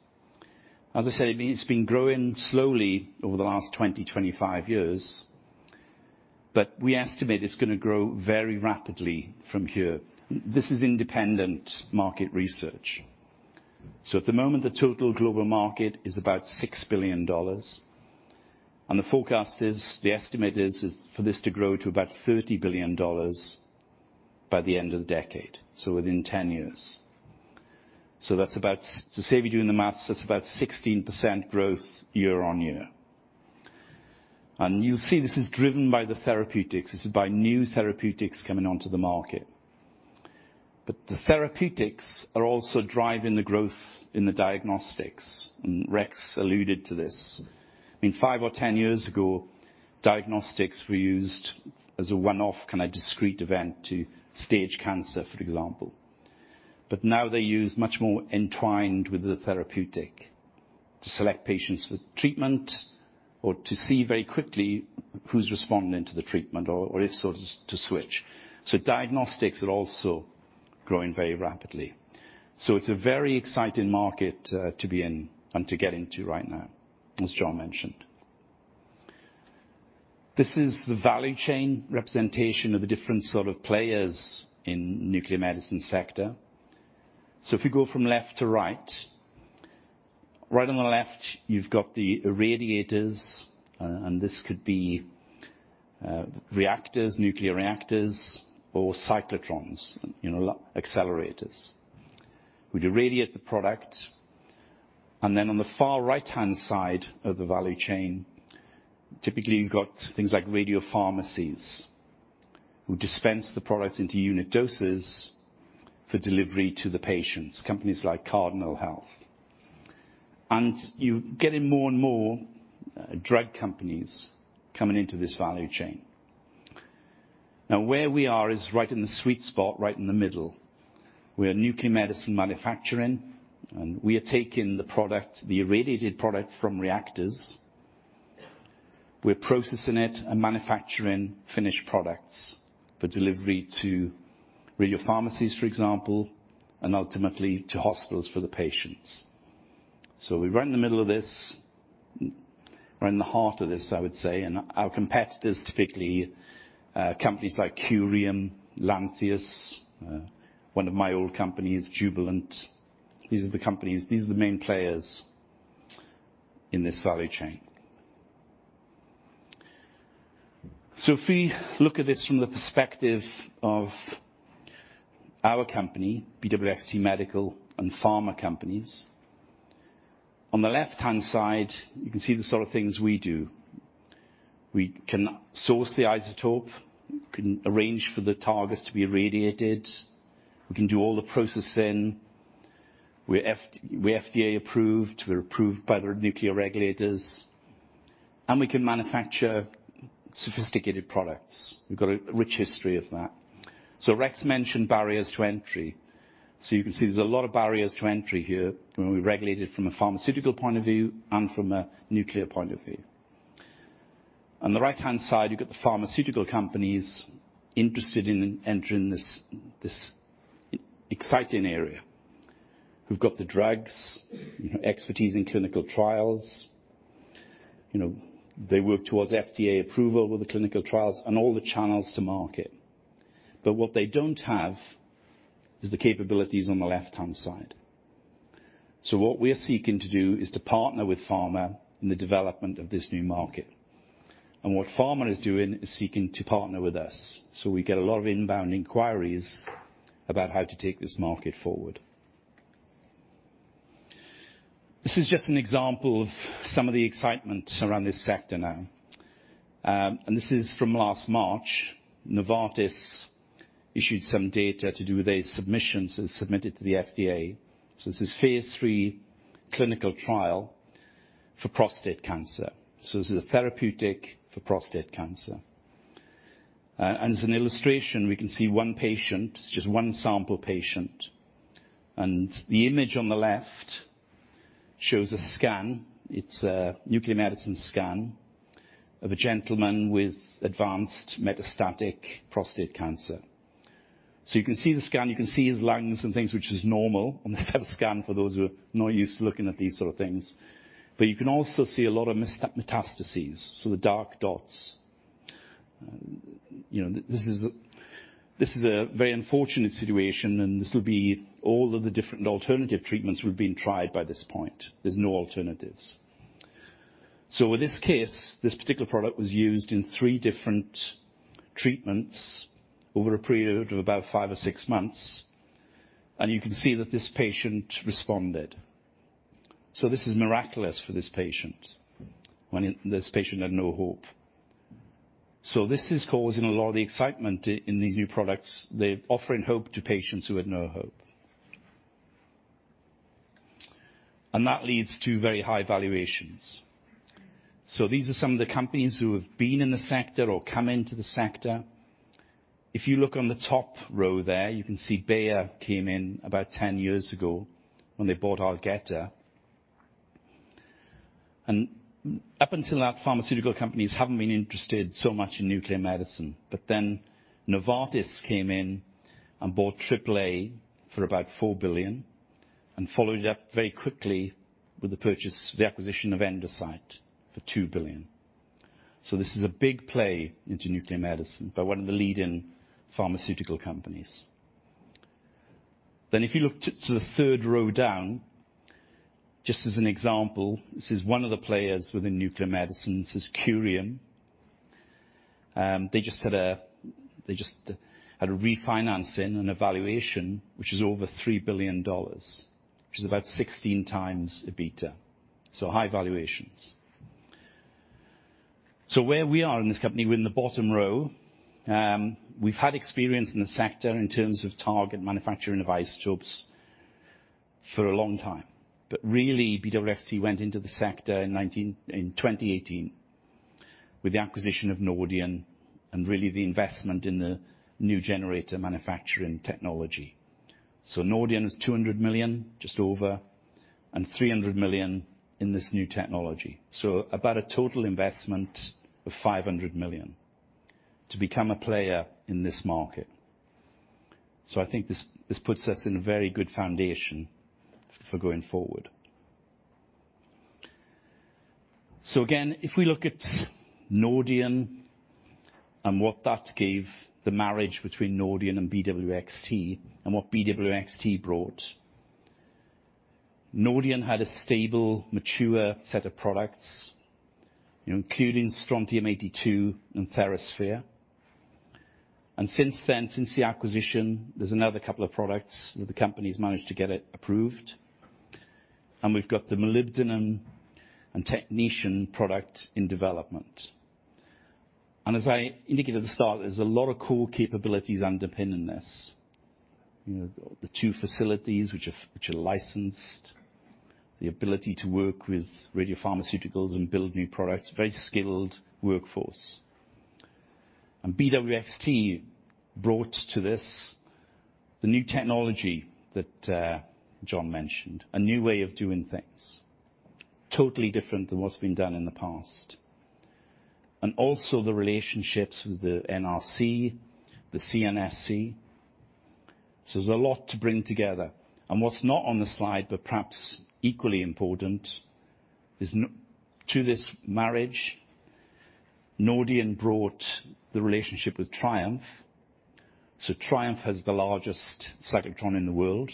As I said, it's been growing slowly over the last 20-25 years, but we estimate it's gonna grow very rapidly from here. This is independent market research. At the moment, the total global market is about $6 billion. The forecast is, the estimate is for this to grow to about $30 billion by the end of the decade, so within 10 years. That's about, to save you doing the math, that's about 16% growth year-on-year. You see, this is driven by the therapeutics. This is by new therapeutics coming onto the market. The therapeutics are also driving the growth in the diagnostics, and Rex alluded to this. I mean, five or 10 years ago, diagnostics were used as a one-off, kind of discrete event to stage cancer, for example. Now they're used much more entwined with the therapeutic to select patients with treatment or to see very quickly who's responding to the treatment or if so to switch. Diagnostics are also growing very rapidly. It's a very exciting market, to be in and to get into right now, as John mentioned. This is the value chain representation of the different sort of players in nuclear medicine sector. If we go from left to right on the left, you've got the irradiators, and this could be, reactors, nuclear reactors, or cyclotrons, you know, accelerators. We'd irradiate the product. Then on the far right-hand side of the value chain, typically you've got things like radiopharmacies who dispense the products into unit doses for delivery to the patients, companies like Cardinal Health. You're getting more and more drug companies coming into this value chain. Now, where we are is right in the sweet spot, right in the middle. We are nuclear medicine manufacturing, and we are taking the product, the irradiated product from reactors. We're processing it and manufacturing finished products for delivery to radiopharmacies, for example, and ultimately to hospitals for the patients. We run the middle of this. We're in the heart of this, I would say. Our competitors typically are companies like Curium, Lantheus, one of my old companies, Jubilant. These are the companies, these are the main players in this value chain. If we look at this from the perspective of our company, BWXT Medical, and pharma companies, on the left-hand side, you can see the sort of things we do. We can source the isotope. We can arrange for the targets to be irradiated. We can do all the processing. We're FDA approved. We're approved by the nuclear regulators, and we can manufacture sophisticated products. We've got a rich history of that. Rex mentioned barriers to entry. You can see there's a lot of barriers to entry here when we regulate it from a pharmaceutical point of view and from a nuclear point of view. On the right-hand side, you've got the pharmaceutical companies interested in entering this exciting area. We've got the drugs, you know, expertise in clinical trials. You know, they work towards FDA approval with the clinical trials and all the channels to market. What they don't have is the capabilities on the left-hand side. What we're seeking to do is to partner with pharma in the development of this new market. What pharma is doing is seeking to partner with us. We get a lot of inbound inquiries about how to take this market forward. This is just an example of some of the excitement around this sector now. This is from last March. Novartis issued some data to do with a submission, so submitted to the FDA. This is phase III clinical trial for prostate cancer. This is a therapeutic for prostate cancer. As an illustration, we can see one patient, just one sample patient, and the image on the left shows a scan. It's a nuclear medicine scan of a gentleman with advanced metastatic prostate cancer. You can see the scan, you can see his lungs and things, which is normal on this type of scan for those who are not used to looking at these sort of things. You can also see a lot of metastases, so the dark dots. You know, this is a very unfortunate situation, and this will be all of the different alternative treatments would've been tried by this point. There's no alternatives. In this case, this particular product was used in three different treatments over a period of about five or six months, and you can see that this patient responded. This is miraculous for this patient when this patient had no hope. This is causing a lot of the excitement in these new products. They're offering hope to patients who had no hope. That leads to very high valuations. These are some of the companies who have been in the sector or come into the sector. If you look on the top row there, you can see Bayer came in about 10 years ago when they bought Algeta. Up until that, pharmaceutical companies haven't been interested so much in nuclear medicine. Novartis came in and bought AAA for about $4 billion and followed it up very quickly with the purchase, the acquisition of Endocyte for $2 billion. This is a big play into nuclear medicine by one of the leading pharmaceutical companies. If you look to the third row down, just as an example, this is one of the players within nuclear medicine. This is Curium. They just had a refinancing and evaluation, which is over $3 billion, which is about 16x EBITDA, so high valuations. Where we are in this company, we're in the bottom row. We've had experience in the sector in terms of target manufacturing of isotopes for a long time. Really, BWXT went into the sector in 2018 with the acquisition of Nordion and really the investment in the new generator manufacturing technology. Nordion is $200 million, just over, and $300 million in this new technology. About a total investment of $500 million to become a player in this market. I think this puts us in a very good foundation for going forward. Again, if we look at Nordion and what that gave, the marriage between Nordion and BWXT and what BWXT brought. Nordion had a stable, mature set of products, including Strontium-82 and TheraSphere. Since the acquisition, there's another couple of products that the company's managed to get it approved. We've got the molybdenum and technetium product in development. As I indicated at the start, there's a lot of core capabilities underpinning this. You know, the two facilities which are licensed, the ability to work with radiopharmaceuticals and build new products, very skilled workforce. BWXT brought to this the new technology that John mentioned, a new way of doing things, totally different than what's been done in the past. Also the relationships with the NRC, the CNSC. There's a lot to bring together. What's not on the slide, but perhaps equally important, is to this marriage, Nordion brought the relationship with TRIUMF. TRIUMF has the largest cyclotron in the world,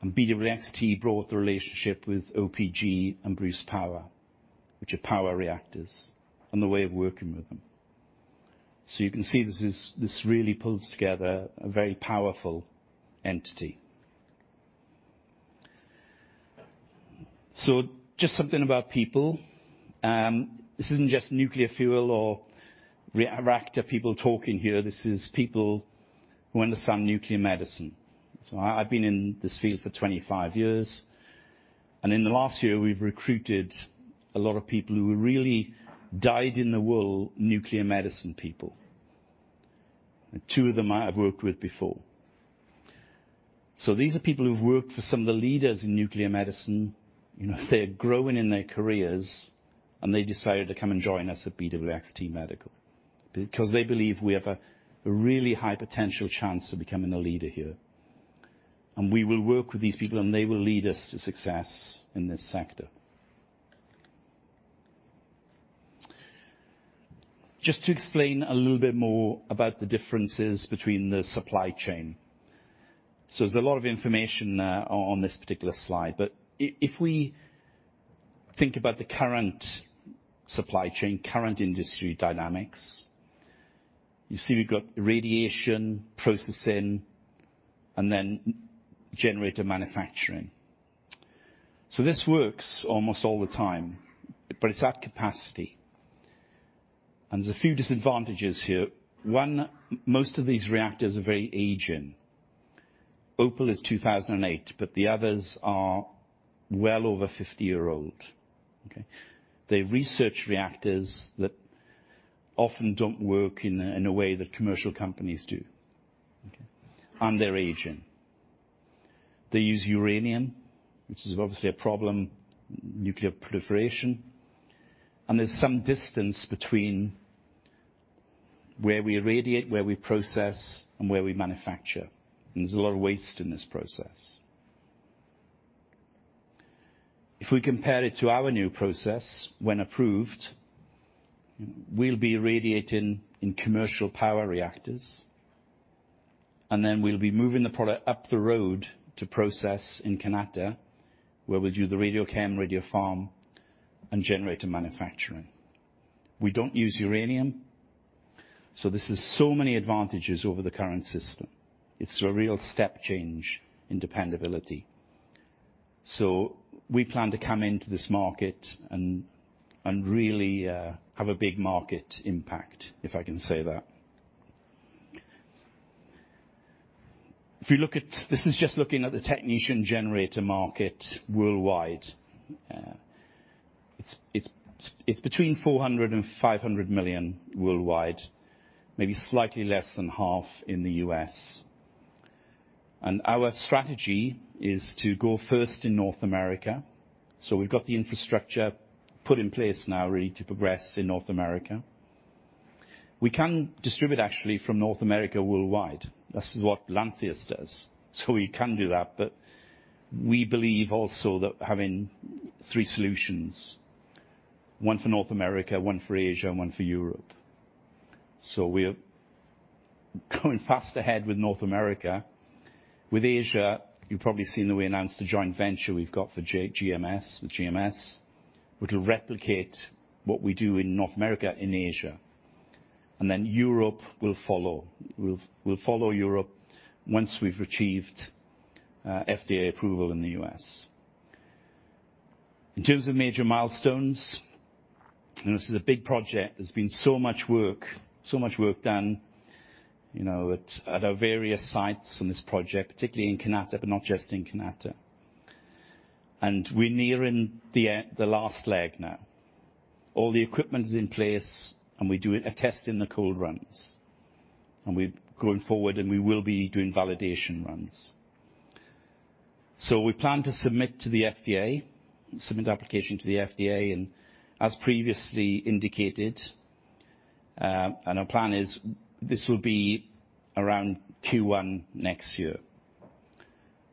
and BWXT brought the relationship with OPG and Bruce Power, which are power reactors, and the way of working with them. You can see this really pulls together a very powerful entity. Just something about people. This isn't just nuclear fuel or reactor people talking here. This is people who understand nuclear medicine. I've been in this field for 25 years. In the last year, we've recruited a lot of people who are really dyed-in-the-wool nuclear medicine people. Two of them I have worked with before. These are people who've worked for some of the leaders in nuclear medicine. You know, they're growing in their careers, and they decided to come and join us at BWXT Medical because they believe we have a really high potential chance of becoming a leader here. We will work with these people, and they will lead us to success in this sector. Just to explain a little bit more about the differences between the supply chain. There's a lot of information on this particular slide, but if we think about the current supply chain, current industry dynamics, you see we've got radiation, processing, and then generator manufacturing. This works almost all the time, but it's at capacity. There's a few disadvantages here. One, most of these reactors are very aging. OPAL is 2008, but the others are well over 50-year-old. Okay. They're research reactors that often don't work in a way that commercial companies do. Okay. They're aging. They use uranium, which is obviously a problem, nuclear proliferation. There's some distance between where we irradiate, where we process, and where we manufacture. There's a lot of waste in this process. If we compare it to our new process, when approved, we'll be irradiating in commercial power reactors, and then we'll be moving the product up the road to process in Kanata, where we'll do the radiochem, radiopharm and generator manufacturing. We don't use uranium, so this is so many advantages over the current system. It's a real step change in dependability. We plan to come into this market and really have a big market impact, if I can say that. This is just looking at the technetium generator market worldwide. It's between $400 million-$500 million worldwide, maybe slightly less than half in the U.S. Our strategy is to go first in North America. We've got the infrastructure put in place now ready to progress in North America. We can distribute actually from North America worldwide. This is what Lantheus does, so we can do that. We believe also that having three solutions, one for North America, one for Asia, and one for Europe. We're going fast ahead with North America. With Asia, you've probably seen that we announced a joint venture we've got with GMS, which will replicate what we do in North America and Asia. Europe will follow. We'll follow Europe once we've achieved FDA approval in the U.S. In terms of major milestones, this is a big project. There's been so much work done, you know, at our various sites on this project, particularly in Kanata, but not just in Kanata. We're nearing the last leg now. All the equipment is in place and we're doing a test in the cold runs. We're going forward and we will be doing validation runs. We plan to submit application to the FDA. As previously indicated, our plan is this will be around Q1 next year.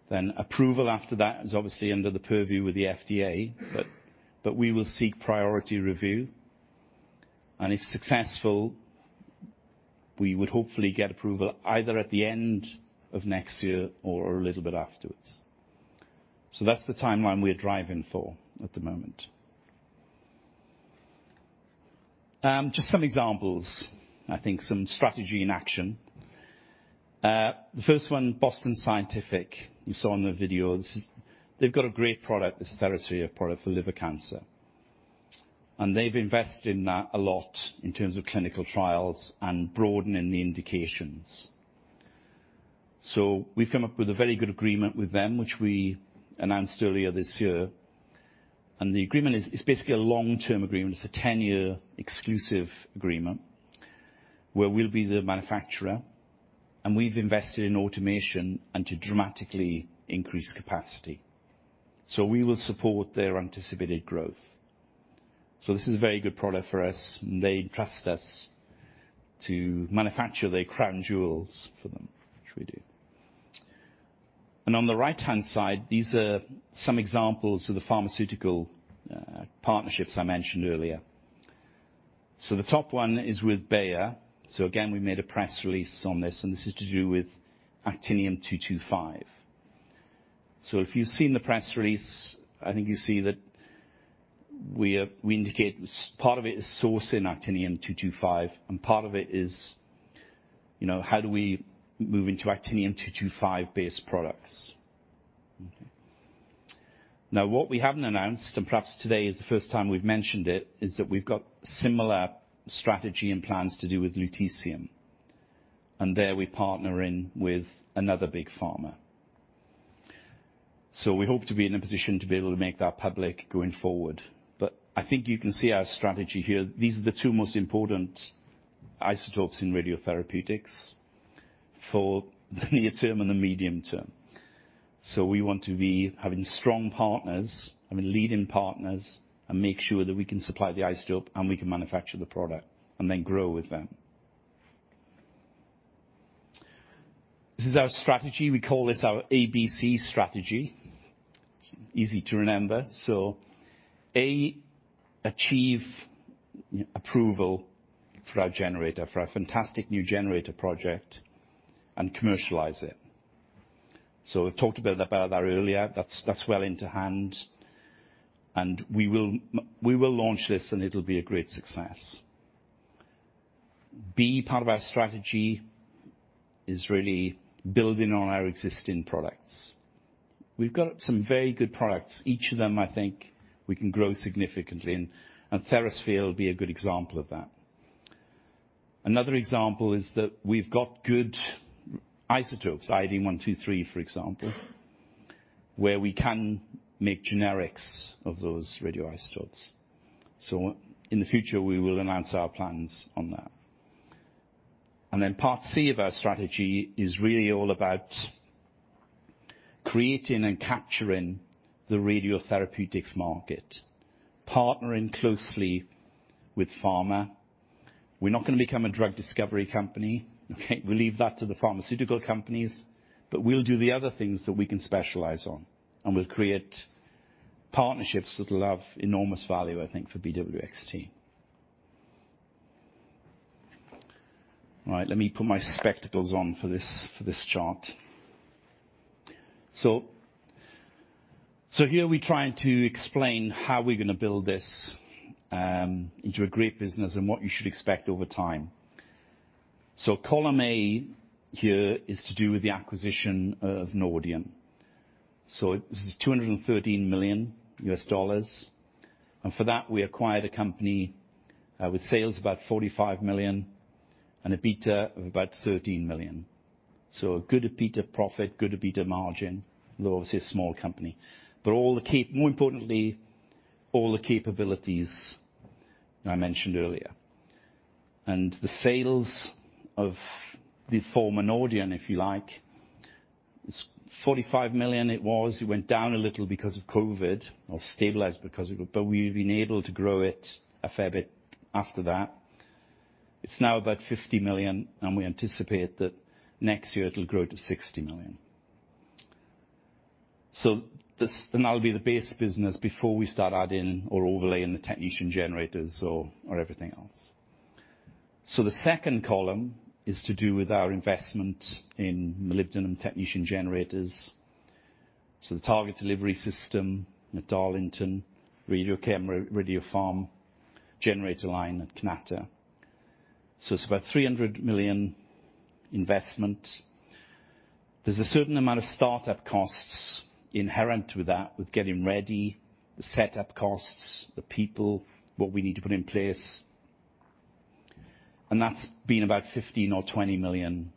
Approval after that is obviously under the purview of the FDA, but we will seek priority review, and if successful, we would hopefully get approval either at the end of next year or a little bit afterwards. That's the timeline we're driving for at the moment. Just some examples, I think some strategy in action. The first one, Boston Scientific, you saw in the videos. They've got a great product, the TheraSphere product for liver cancer. They've invested in that a lot in terms of clinical trials and broadening the indications. We've come up with a very good agreement with them, which we announced earlier this year. The agreement is basically a long-term agreement. It's a 10-year exclusive agreement where we'll be the manufacturer and we've invested in automation and to dramatically increase capacity. We will support their anticipated growth. This is a very good product for us. They trust us to manufacture their crown jewels for them, which we do. On the right-hand side, these are some examples of the pharmaceutical partnerships I mentioned earlier. The top one is with Bayer. Again, we made a press release on this, and this is to do with Actinium-225. If you've seen the press release, I think you see that we indicate part of it is sourcing Actinium-225, and part of it is, you know, how do we move into Actinium-225-based products. Now, what we haven't announced, and perhaps today is the first time we've mentioned it, is that we've got similar strategy and plans to do with lutetium. There we're partnering with another big pharma. We hope to be in a position to be able to make that public going forward. I think you can see our strategy here. These are the two most important isotopes in radiotherapeutics for the near term and the medium term. We want to be having strong partners, I mean, leading partners, and make sure that we can supply the isotope and we can manufacture the product and then grow with them. This is our strategy. We call this our ABC strategy. Easy to remember. A, achieve approval for our generator, for our fantastic new generator project and commercialize it. We've talked a bit about that earlier. That's well into hand. We will launch this and it'll be a great success. B, part of our strategy is really building on our existing products. We've got some very good products. Each of them, I think we can grow significantly, and TheraSphere will be a good example of that. Another example is that we've got good isotopes, Iodine-123, for example, where we can make generics of those radioisotopes. In the future, we will announce our plans on that. Part C of our strategy is really all about creating and capturing the radiotherapeutics market, partnering closely with pharma. We're not gonna become a drug discovery company, okay? We'll leave that to the pharmaceutical companies, but we'll do the other things that we can specialize on, and we'll create partnerships that'll have enormous value, I think, for BWXT. All right, let me put my spectacles on for this chart. Here we're trying to explain how we're gonna build this into a great business and what you should expect over time. Column A here is to do with the acquisition of Nordion. This is $213 million. For that, we acquired a company with sales about $45 million and an EBITDA of about $13 million. A good EBITDA profit, good EBITDA margin, though, obviously, a small company. More importantly, all the capabilities I mentioned earlier. The sales of the former Nordion, if you like, was $45 million. It went down a little because of COVID or stabilized because of it, but we've been able to grow it a fair bit after that. It's now about $50 million, and we anticipate that next year it'll grow to $60 million. This and that'll be the base business before we start adding or overlaying the technetium generators or everything else. The second column is to do with our investment in molybdenum technetium generators. The target delivery system at Darlington, radiochem, radiopharm, generator line at Kanata. It's about $300 million investment. There's a certain amount of start-up costs inherent with that, with getting ready, the setup costs, the people, what we need to put in place. That's been about $15 million-$20 million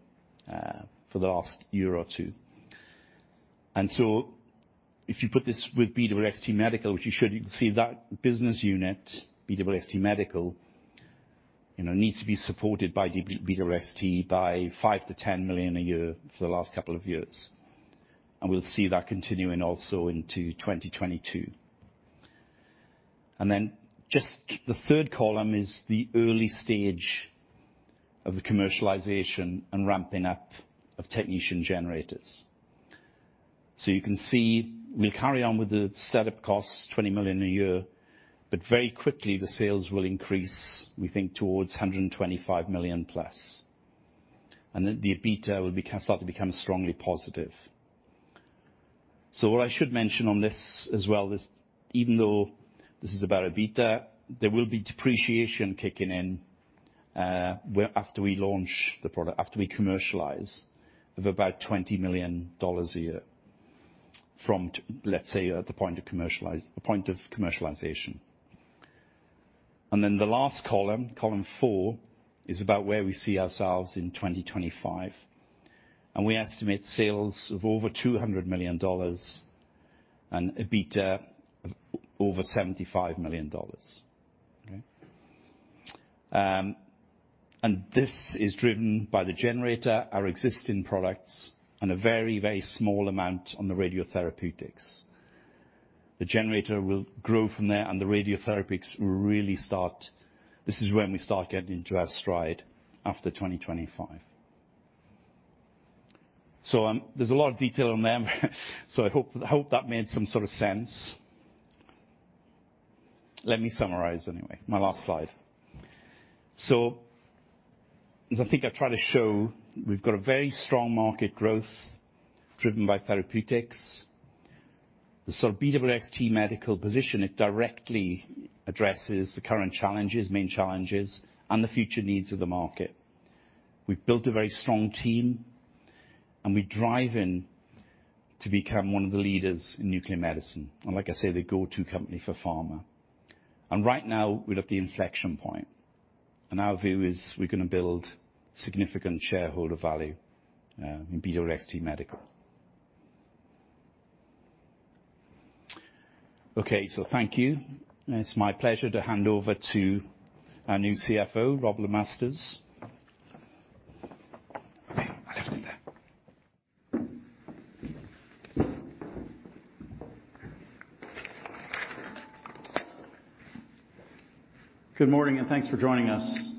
for the last year or two. If you put this with BWXT Medical, which you should, you can see that business unit, BWXT Medical, you know, needs to be supported by BWXT by $5 million-$10 million a year for the last couple of years. We'll see that continuing also into 2022. Then just the third column is the early stage of the commercialization and ramping up of technetium generators. You can see we'll carry on with the startup costs, $20 million a year, but very quickly, the sales will increase, we think, towards $125 million+. Then the EBITDA will become strongly positive. What I should mention on this as well is even though this is about EBITDA, there will be depreciation kicking in after we launch the product, after we commercialize of about $20 million a year from, let's say, at the point of commercialization. Then the last column four, is about where we see ourselves in 2025. We estimate sales of over $200 million and EBITDA of over $75 million. This is driven by the generator, our existing products, and a very, very small amount on the radiotherapeutics. The generator will grow from there, and the radiotherapeutics will really start. This is when we start getting into our stride, after 2025. There's a lot of detail on them. I hope that made some sort of sense. Let me summarize anyway, my last slide. As I think I've tried to show, we've got a very strong market growth driven by therapeutics. The sort of BWXT Medical position, it directly addresses the current challenges, main challenges, and the future needs of the market. We've built a very strong team, and we're driving to become one of the leaders in nuclear medicine, and like I say, the go-to company for pharma. Right now, we're at the inflection point, and our view is we're gonna build significant shareholder value in BWXT Medical. Okay. Thank you. It's my pleasure to hand over to our new CFO, Robb LeMasters. Good morning, and thanks for joining us.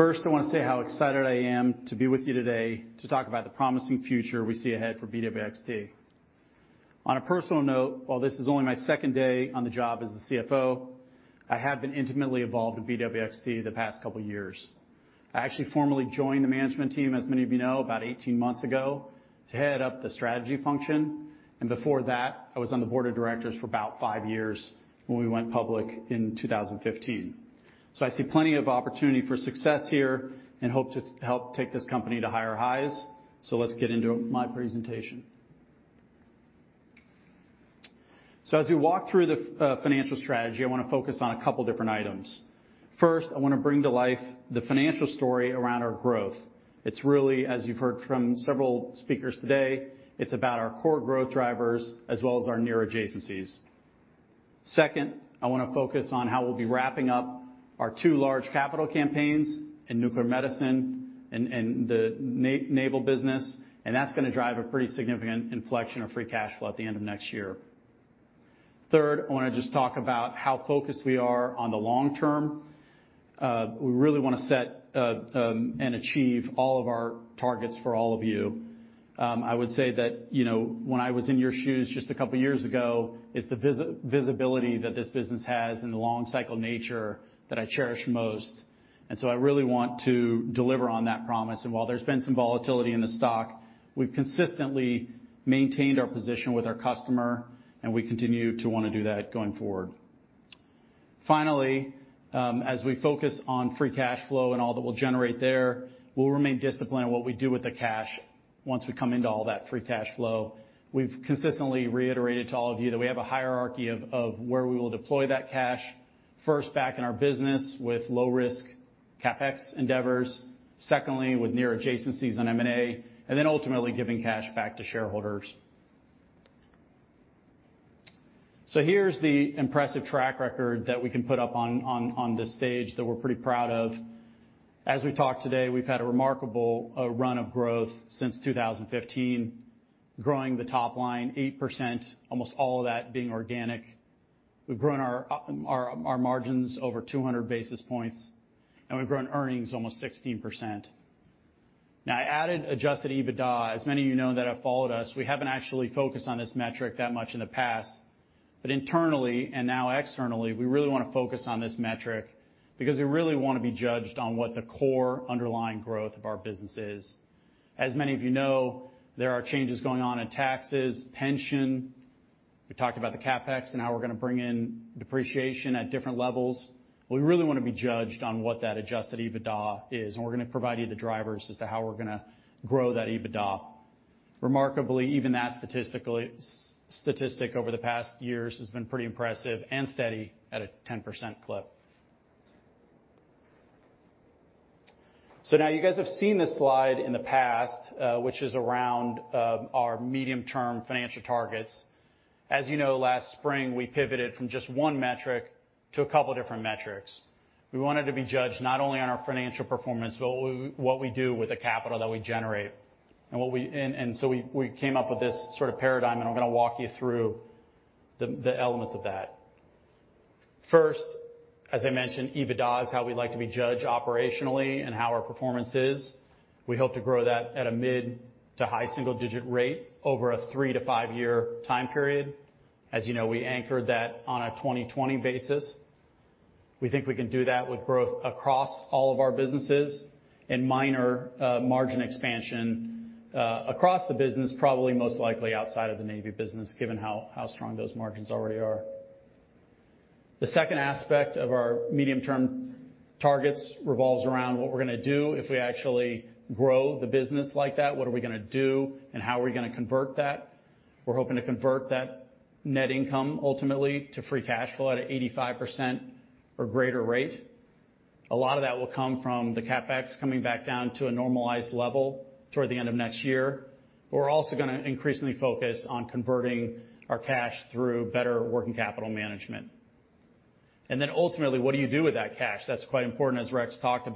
First, I wanna say how excited I am to be with you today to talk about the promising future we see ahead for BWXT. On a personal note, while this is only my second day on the job as the CFO, I have been intimately involved with BWXT the past couple years. I actually formally joined the management team, as many of you know, about 18 months ago to head up the strategy function, and before that, I was on the board of directors for about five years when we went public in 2015. I see plenty of opportunity for success here and hope to help take this company to higher highs. Let's get into my presentation. As we walk through the financial strategy, I wanna focus on a couple different items. First, I wanna bring to life the financial story around our growth. It's really, as you've heard from several speakers today, it's about our core growth drivers as well as our near adjacencies. Second, I wanna focus on how we'll be wrapping up our two large capital campaigns in nuclear medicine and the naval business, and that's gonna drive a pretty significant inflection of free cash flow at the end of next year. Third, I wanna just talk about how focused we are on the long term. We really wanna set and achieve all of our targets for all of you. I would say that, you know, when I was in your shoes just a couple years ago, it's the visibility that this business has and the long cycle nature that I cherish most. I really want to deliver on that promise. While there's been some volatility in the stock, we've consistently maintained our position with our customer, and we continue to wanna do that going forward. Finally, as we focus on free cash flow and all that we'll generate there, we'll remain disciplined in what we do with the cash once we come into all that free cash flow. We've consistently reiterated to all of you that we have a hierarchy of where we will deploy that cash. First, back in our business with low risk CapEx endeavors. Secondly, with near adjacencies on M&A, and then ultimately giving cash back to shareholders. Here's the impressive track record that we can put up on this stage that we're pretty proud of. As we talked today, we've had a remarkable run of growth since 2015, growing the top line 8%, almost all of that being organic. We've grown our margins over 200 basis points, and we've grown earnings almost 16%. Now, I added adjusted EBITDA. As many of you know that have followed us, we haven't actually focused on this metric that much in the past. But internally and now externally, we really wanna focus on this metric because we really wanna be judged on what the core underlying growth of our business is. As many of you know, there are changes going on in taxes, pension. We talked about the CapEx and how we're gonna bring in depreciation at different levels. We really wanna be judged on what that adjusted EBITDA is, and we're gonna provide you the drivers as to how we're gonna grow that EBITDA. Remarkably, even that statistically statistic over the past years has been pretty impressive and steady at a 10% clip. Now you guys have seen this slide in the past, which is around our medium-term financial targets. As you know, last spring, we pivoted from just one metric to a couple different metrics. We wanted to be judged not only on our financial performance, but what we do with the capital that we generate. We came up with this sort of paradigm, and I'm gonna walk you through the elements of that. First, as I mentioned, EBITDA is how we like to be judged operationally and how our performance is. We hope to grow that at a mid to high single-digit rate over a 3-5 year time period. As you know, we anchored that on a 2020 basis. We think we can do that with growth across all of our businesses and minor, margin expansion, across the business, probably most likely outside of the Navy business, given how strong those margins already are. The second aspect of our medium-term targets revolves around what we're gonna do if we actually grow the business like that, what are we gonna do and how are we gonna convert that. We're hoping to convert that net income ultimately to free cash flow at a 85% or greater rate. A lot of that will come from the CapEx coming back down to a normalized level toward the end of next year. We're also gonna increasingly focus on converting our cash through better working capital management. Then ultimately, what do you do with that cash? That's quite important, as Rex talked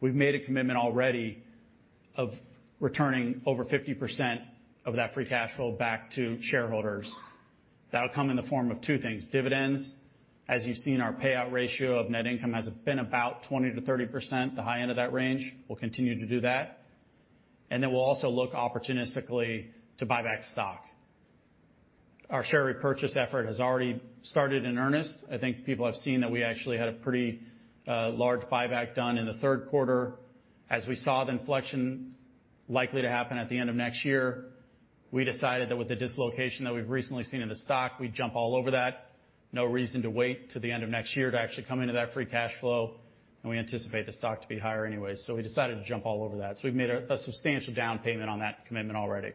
about. We've made a commitment already of returning over 50% of that free cash flow back to shareholders. That'll come in the form of two things. Dividends, as you've seen, our payout ratio of net income has been about 20%-30%, the high end of that range. We'll continue to do that. Then we'll also look opportunistically to buy back stock. Our share repurchase effort has already started in earnest. I think people have seen that we actually had a pretty large buyback done in the third quarter. As we saw the inflection likely to happen at the end of next year, we decided that with the dislocation that we've recently seen in the stock, we'd jump all over that. No reason to wait till the end of next year to actually come into that free cash flow. We anticipate the stock to be higher anyway. We decided to jump all over that. We've made a substantial down payment on that commitment already.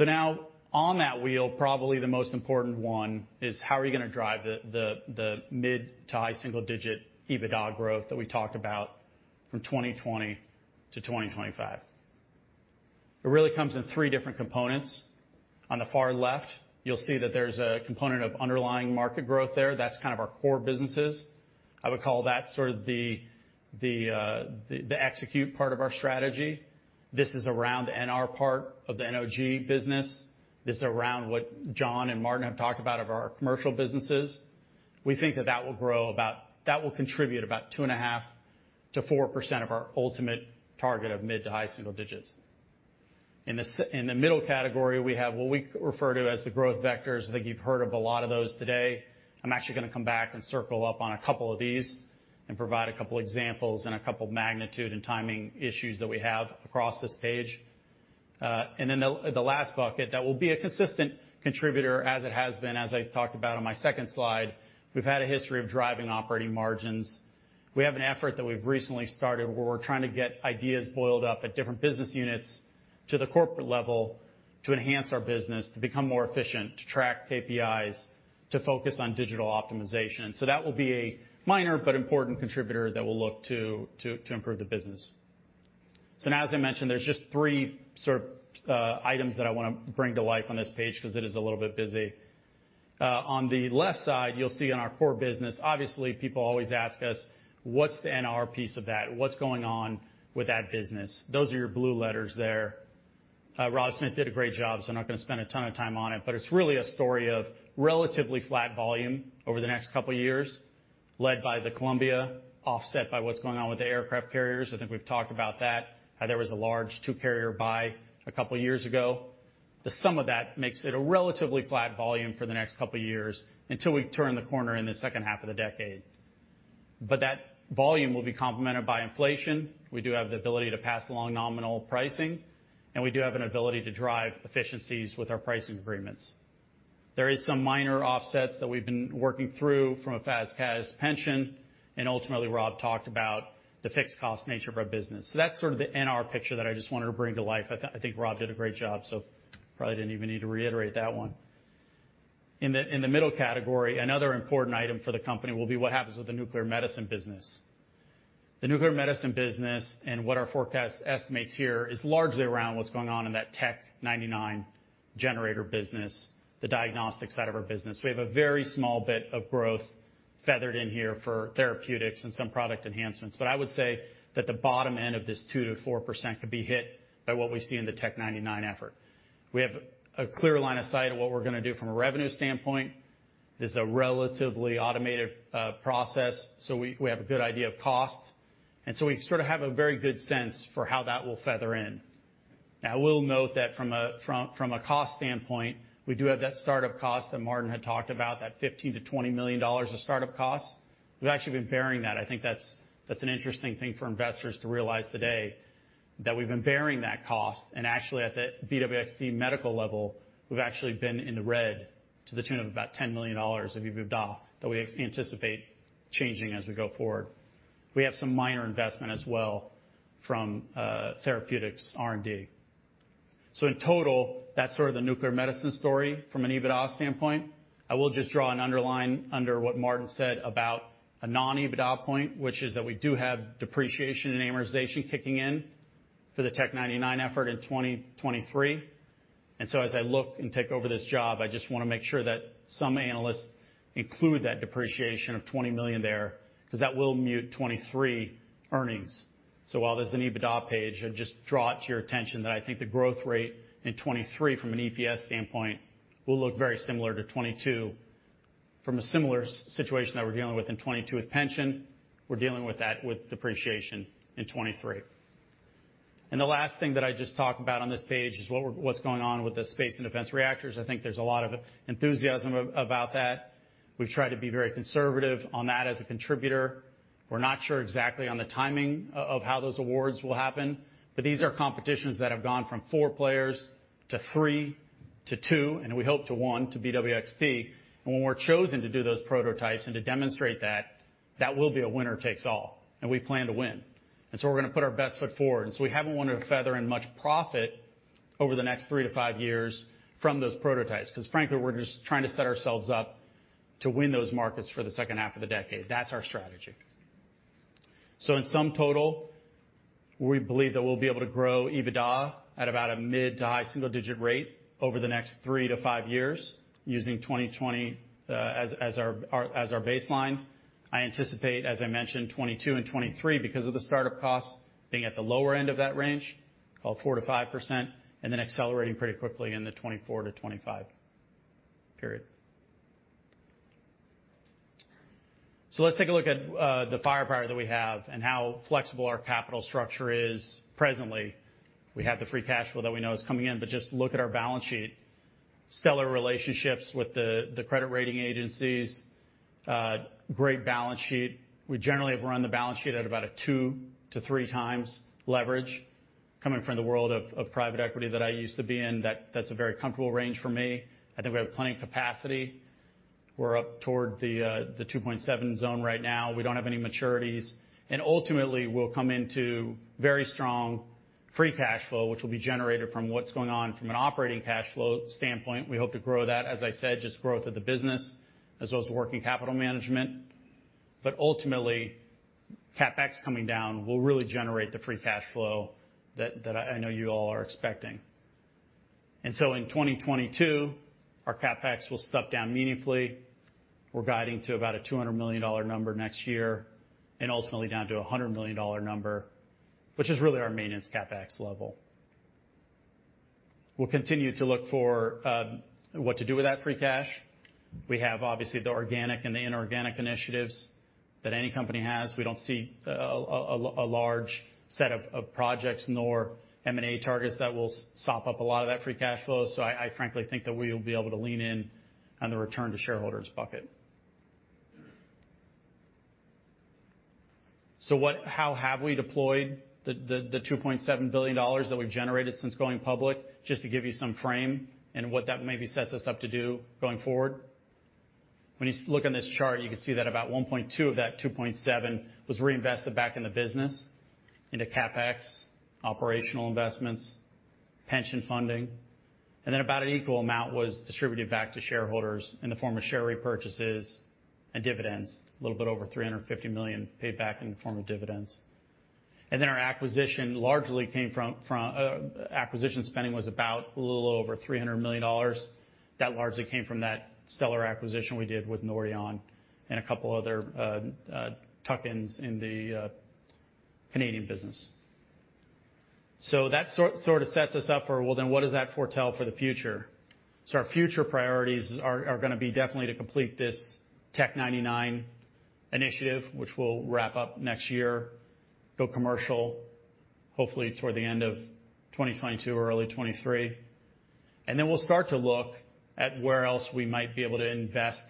Now on that wheel, probably the most important one is how are you gonna drive the mid- to high-single-digit EBITDA growth that we talked about from 2020-2025. It really comes in three different components. On the far left, you'll see that there's a component of underlying market growth there. That's kind of our core businesses. I would call that sort of the execute part of our strategy. This is around the NR part of the NOG business. This is around what John and Martyn have talked about of our commercial businesses. We think that will contribute about 2.5%-4% of our ultimate target of mid to high-single-digits. In the middle category, we have what we refer to as the growth vectors. I think you've heard of a lot of those today. I'm actually gonna come back and circle up on a couple of these and provide a couple examples and a couple magnitude and timing issues that we have across this page. The last bucket, that will be a consistent contributor as it has been, as I talked about on my second slide, we've had a history of driving operating margins. We have an effort that we've recently started where we're trying to get ideas boiled up at different business units to the corporate level to enhance our business, to become more efficient, to track KPIs, to focus on digital optimization. That will be a minor but important contributor that will look to improve the business. Now as I mentioned, there's just three sort of items that I wanna bring to life on this page because it is a little bit busy. On the left side, you'll see in our core business, obviously, people always ask us, what's the NR piece of that? What's going on with that business? Those are your blue letters there. Rob Smith did a great job, so I'm not gonna spend a ton of time on it, but it's really a story of relatively flat volume over the next couple of years, led by the Columbia, offset by what's going on with the aircraft carriers. I think we've talked about that. There was a large two-carrier buy a couple years ago. The sum of that makes it a relatively flat volume for the next couple of years until we turn the corner in the second half of the decade. That volume will be complemented by inflation. We do have the ability to pass along nominal pricing, and we do have an ability to drive efficiencies with our pricing agreements. There is some minor offsets that we've been working through from a FAS/CAS pension, and ultimately, Rob talked about the fixed cost nature of our business. That's sort of the NR picture that I just wanted to bring to life. I think Rob did a great job, so probably didn't even need to reiterate that one. In the middle category, another important item for the company will be what happens with the nuclear medicine business. The nuclear medicine business and what our forecast estimates here is largely around what's going on in that Tc-99 generator business, the diagnostic side of our business. We have a very small bit of growth feathered in here for therapeutics and some product enhancements. I would say that the bottom end of this 2%-4% could be hit by what we see in the Tc-99 effort. We have a clear line of sight of what we're gonna do from a revenue standpoint. This is a relatively automated process, so we have a good idea of cost. And so we sort of have a very good sense for how that will factor in. Now we'll note that from a cost standpoint, we do have that start-up cost that Martyn had talked about, that $15 million-$20 million of start-up costs. We've actually been bearing that. I think that's an interesting thing for investors to realize today that we've been bearing that cost. Actually at the BWXT Medical level, we've actually been in the red to the tune of about $10 million of EBITDA that we anticipate changing as we go forward. We have some minor investment as well from therapeutics R&D. In total, that's sort of the nuclear medicine story from an EBITDA standpoint. I will just draw an underline under what Martyn said about a non-EBITDA point, which is that we do have depreciation and amortization kicking in for the Tc-99m effort in 2023. As I look and take over this job, I just wanna make sure that some analysts include that depreciation of $20 million there because that will mute 2023 earnings. While there's an EBITDA page, I'd just draw it to your attention that I think the growth rate in 2023 from an EPS standpoint will look very similar to 2022 from a similar situation that we're dealing with in 2022 with pension. We're dealing with that with depreciation in 2023. The last thing that I just talk about on this page is what's going on with the space and defense reactors. I think there's a lot of enthusiasm about that. We've tried to be very conservative on that as a contributor. We're not sure exactly on the timing of how those awards will happen, but these are competitions that have gone from four players to three to two, and we hope to one, to BWXT. When we're chosen to do those prototypes and to demonstrate that will be a winner takes all, and we plan to win. We're gonna put our best foot forward. We haven't wanted to feather in much profit over the next 3-5 years from those prototypes 'cause frankly, we're just trying to set ourselves up to win those markets for the second half of the decade. That's our strategy. In sum total, we believe that we'll be able to grow EBITDA at about a mid to high single-digit rate over the next 3-5 years using 2020 as our baseline. I anticipate, as I mentioned, 2022 and 2023 because of the start-up costs being at the lower end of that range, about 4%-5%, and then accelerating pretty quickly in the 2024-2025 period. Let's take a look at the firepower that we have and how flexible our capital structure is presently. We have the free cash flow that we know is coming in, but just look at our balance sheet. Stellar relationships with the credit rating agencies. Great balance sheet. We generally have run the balance sheet at about a 2x-3x leverage. Coming from the world of private equity that I used to be in, that's a very comfortable range for me. I think we have plenty of capacity. We're up toward the 2.7x zone right now. We don't have any maturities. Ultimately, we'll come into very strong free cash flow, which will be generated from what's going on from an operating cash flow standpoint. We hope to grow that, as I said, just growth of the business as well as working capital management. Ultimately, CapEx coming down will really generate the free cash flow that I know you all are expecting. In 2022, our CapEx will step down meaningfully. We're guiding to about a $200 million number next year and ultimately down to a $100 million number, which is really our maintenance CapEx level. We'll continue to look for what to do with that free cash. We have obviously the organic and the inorganic initiatives that any company has. We don't see a large set of projects nor M&A targets that will sop up a lot of that free cash flow. I frankly think that we'll be able to lean in on the return to shareholders bucket. What, how have we deployed the $2.7 billion that we've generated since going public, just to give you some frame and what that maybe sets us up to do going forward? When you look on this chart, you can see that about $1.2 billion of that $2.7 billion was reinvested back in the business into CapEx, operational investments, pension funding. Then about an equal amount was distributed back to shareholders in the form of share repurchases and dividends, a little bit over $350 million paid back in the form of dividends. Our acquisition spending was about a little over $300 million. That largely came from that stellar acquisition we did with Nordion and a couple other tuck-ins in the Canadian business. That sort of sets us up for, well, then what does that foretell for the future? Our future priorities are gonna be definitely to complete this Tc-99 initiative, which we'll wrap up next year, go commercial, hopefully toward the end of 2022 or early 2023. We'll start to look at where else we might be able to invest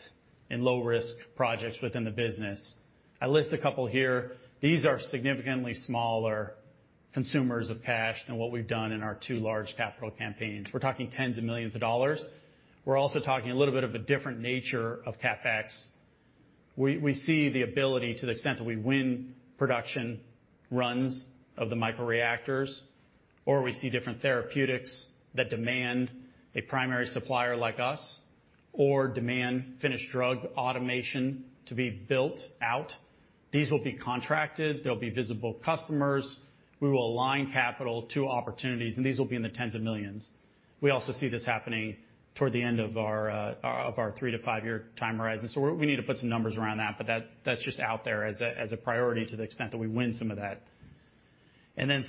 in low-risk projects within the business. I list a couple here. These are significantly smaller consumers of cash than what we've done in our two large capital campaigns. We're talking tens of millions of dollars. We're also talking a little bit of a different nature of CapEx. We see the ability to the extent that we win production runs of the micro-reactors, or we see different therapeutics that demand a primary supplier like us or demand finished drug automation to be built out. These will be contracted. There'll be visible customers. We will align capital to opportunities, and these will be in the tens of millions. We also see this happening toward the end of our 3-5 year time horizon. We need to put some numbers around that, but that's just out there as a priority to the extent that we win some of that.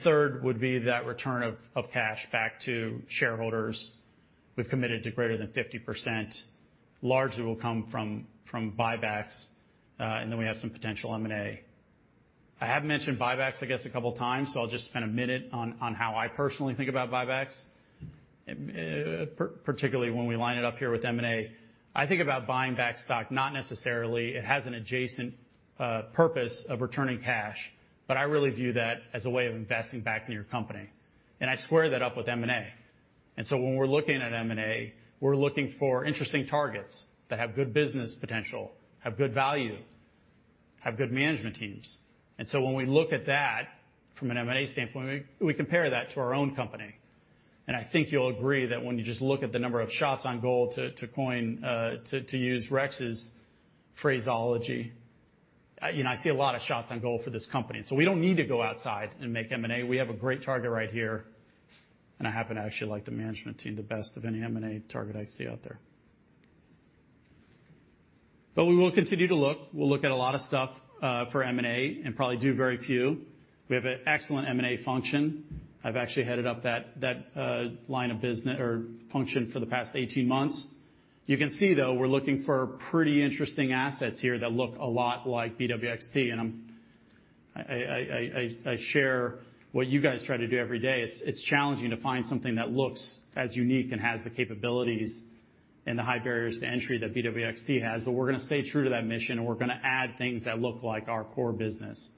Third would be that return of cash back to shareholders. We've committed to greater than 50%, largely will come from buybacks, and then we have some potential M&A. I have mentioned buybacks, I guess, a couple times, so I'll just spend a minute on how I personally think about buybacks, particularly when we line it up here with M&A. I think about buying back stock, not necessarily it has an adjacent purpose of returning cash, but I really view that as a way of investing back in your company. I square that up with M&A. When we're looking at M&A, we're looking for interesting targets that have good business potential, have good value, have good management teams. When we look at that from an M&A standpoint, we compare that to our own company. I think you'll agree that when you just look at the number of shots on goal, to use Rex's phraseology, you know, I see a lot of shots on goal for this company. We don't need to go outside and make M&A. We have a great target right here, and I happen to actually like the management team the best of any M&A target I see out there. We will continue to look. We'll look at a lot of stuff for M&A and probably do very few. We have an excellent M&A function. I've actually headed up that function for the past 18 months. You can see, though, we're looking for pretty interesting assets here that look a lot like BWXT. I share what you guys try to do every day. It's challenging to find something that looks as unique and has the capabilities and the high barriers to entry that BWXT has, but we're gonna stay true to that mission, and we're gonna add things that look like our core business.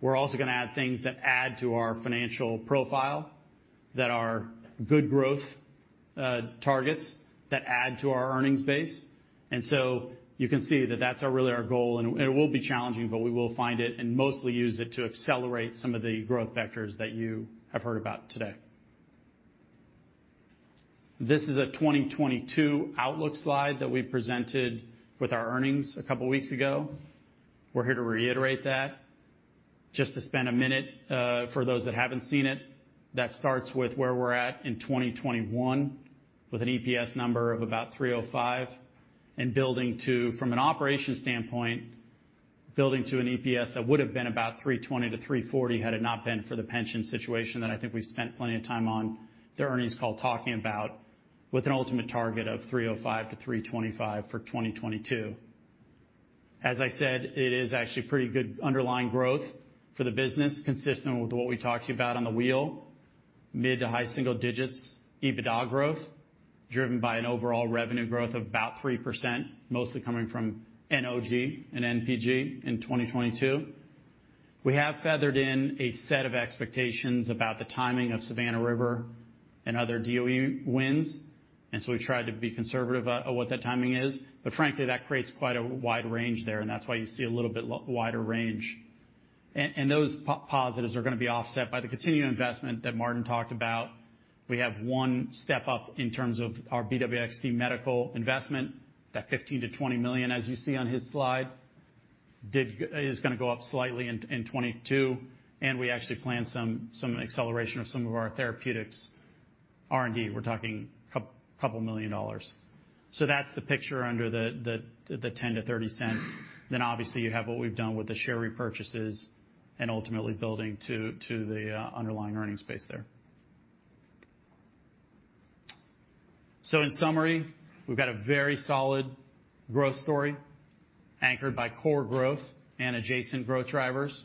We're also gonna add things that add to our financial profile, that are good growth targets that add to our earnings base. You can see that that's really our goal, and it will be challenging, but we will find it and mostly use it to accelerate some of the growth vectors that you have heard about today. This is a 2022 outlook slide that we presented with our earnings a couple weeks ago. We're here to reiterate that. Just to spend a minute, for those that haven't seen it, that starts with where we're at in 2021 with an EPS number of about $3.05 and building to, from an operations standpoint, building to an EPS that would have been about $3.20-$3.40 had it not been for the pension situation that I think we've spent plenty of time on the earnings call talking about with an ultimate target of $3.05-$3.25 for 2022. As I said, it is actually pretty good underlying growth for the business, consistent with what we talked to you about on the call, mid to high-single-digits EBITDA growth, driven by an overall revenue growth of about 3%, mostly coming from NOG and NPG in 2022. We have feathered in a set of expectations about the timing of Savannah River and other DOE wins, and we've tried to be conservative on what that timing is. Frankly, that creates quite a wide range there, and that's why you see a little bit wider range. Those positives are gonna be offset by the continuing investment that Martin talked about. We have one step up in terms of our BWXT Medical investment. That $15 million-$20 million, as you see on his slide, is gonna go up slightly in 2022, and we actually plan some acceleration of some of our therapeutics R&D. We're talking a couple million dollars. That's the picture under the $0.10-$0.30. Obviously you have what we've done with the share repurchases and ultimately building to the underlying earnings base there. In summary, we've got a very solid growth story anchored by core growth and adjacent growth drivers.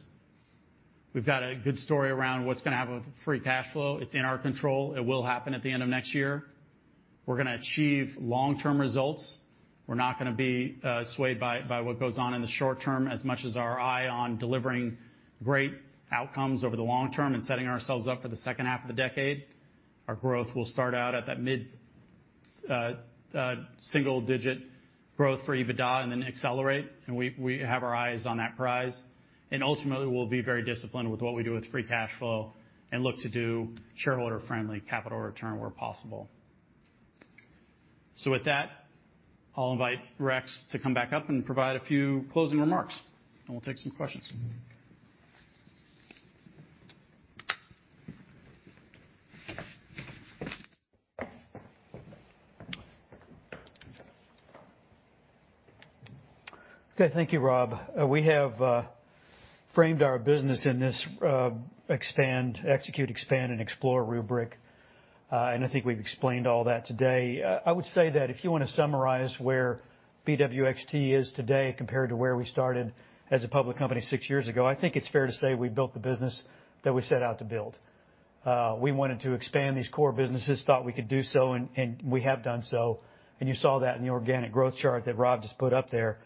We've got a good story around what's gonna happen with free cash flow. It's in our control. It will happen at the end of next year. We're gonna achieve long-term results. We're not gonna be swayed by what goes on in the short term as much as our eye on delivering great outcomes over the long term and setting ourselves up for the second half of the decade. Our growth will start out at that mid single-digit growth for EBITDA and then accelerate, and we have our eyes on that prize. Ultimately, we'll be very disciplined with what we do with free cash flow and look to do shareholder-friendly capital return where possible. With that, I'll invite Rex to come back up and provide a few closing remarks, and we'll take some questions. Okay. Thank you, Rob. We have framed our business in this execute, expand, and explore rubric. I think we've explained all that today. I would say that if you wanna summarize where BWXT is today compared to where we started as a public company six years ago, I think it's fair to say we built the business that we set out to build. We wanted to expand these core businesses, thought we could do so, and we have done so, and you saw that in the organic growth chart that Rob just put up there.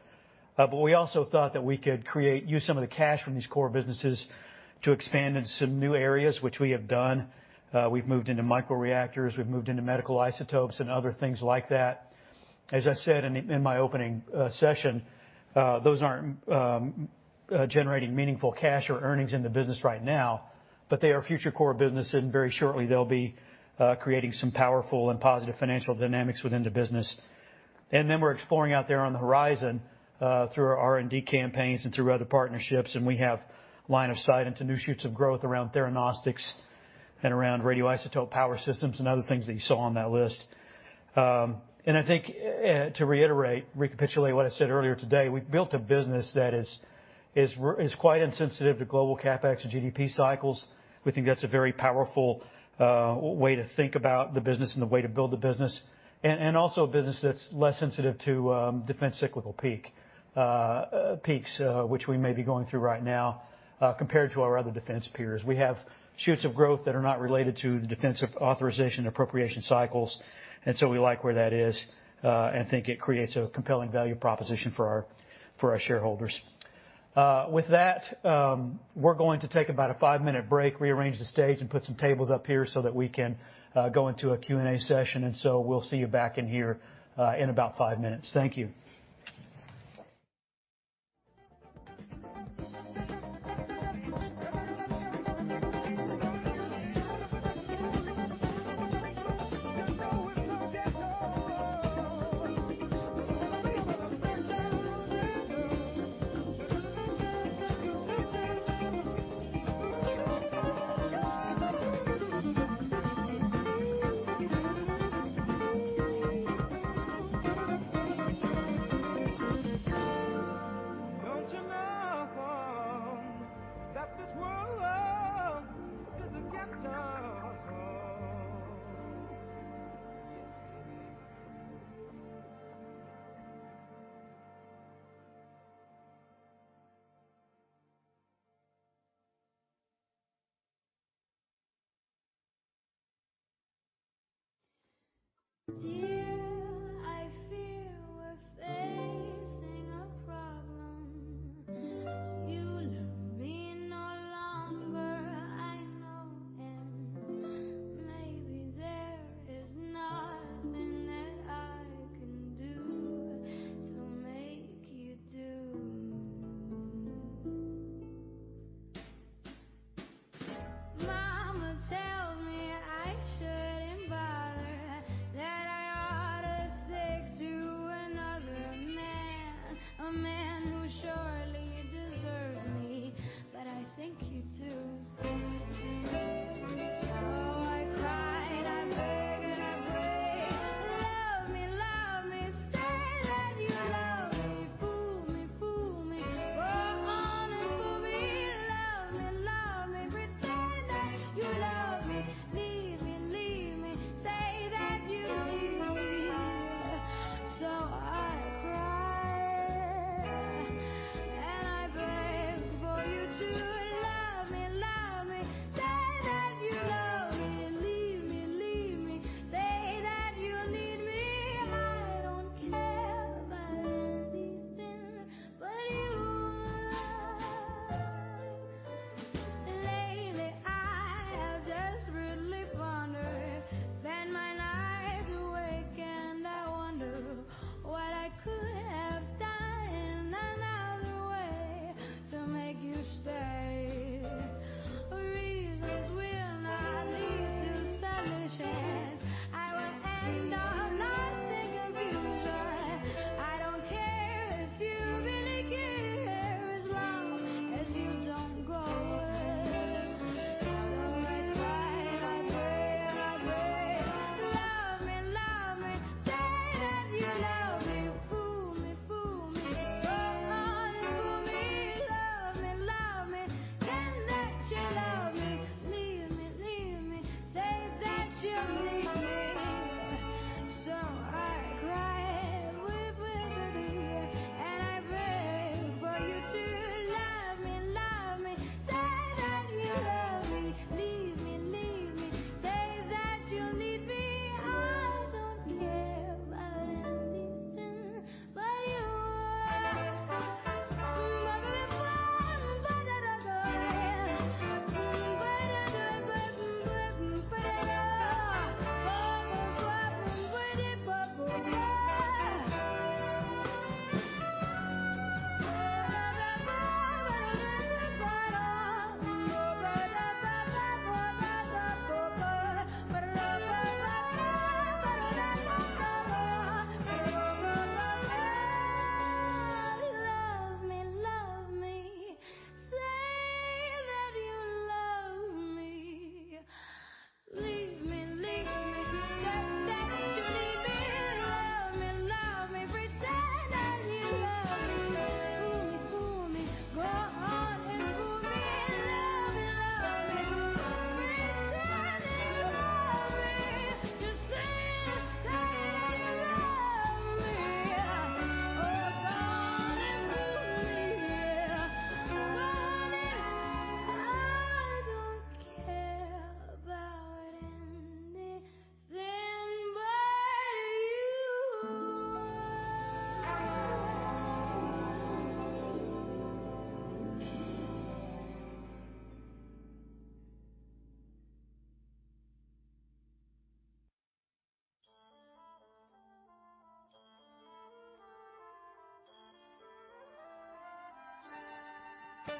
But we also thought that we could use some of the cash from these core businesses to expand into some new areas, which we have done. We've moved into microreactors, we've moved into medical isotopes, and other things like that. As I said in my opening session, those aren't generating meaningful cash or earnings in the business right now, but they are future core business, and very shortly they'll be creating some powerful and positive financial dynamics within the business. We're exploring out there on the horizon through our R&D campaigns and through other partnerships, and we have line of sight into new shoots of growth around theranostics and around radioisotope power systems and other things that you saw on that list. I think to reiterate, recapitulate what I said earlier today, we've built a business that is quite insensitive to global CapEx or GDP cycles. We think that's a very powerful way to think about the business and the way to build the business. Also a business that's less sensitive to defense cyclical peaks, which we may be going through right now, compared to our other defense peers. We have shoots of growth that are not related to the defense authorization appropriation cycles, and so we like where that is, and think it creates a compelling value proposition for our shareholders. With that, we're going to take about a five-minute break, rearrange the stage, and put some tables up here so that we can go into a Q&A session. We'll see you back in here in about five minutes. Thank you.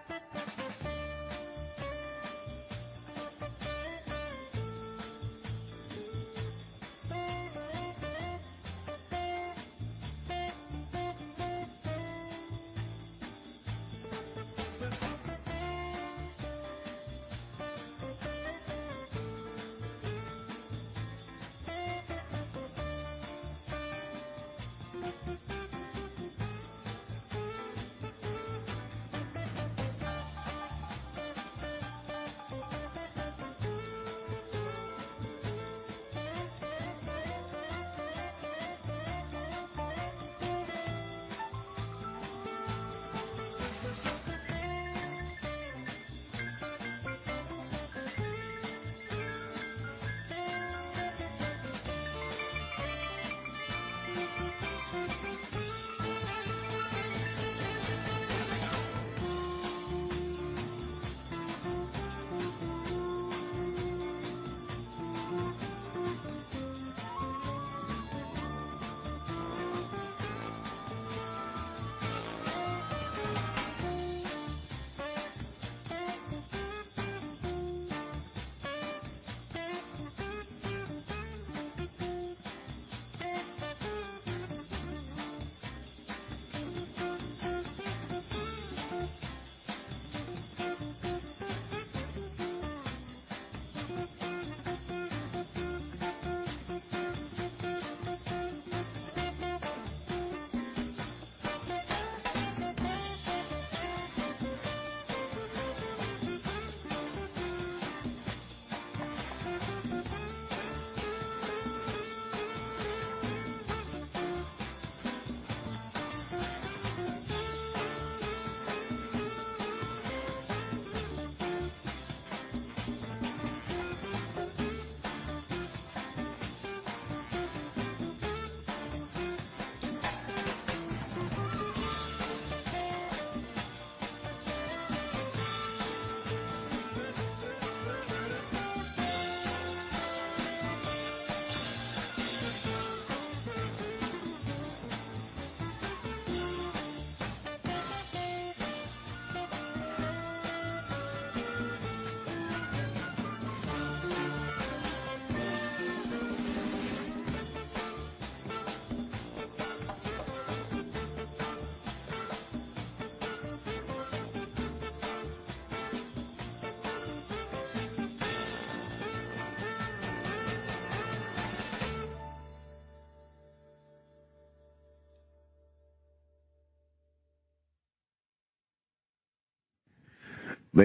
All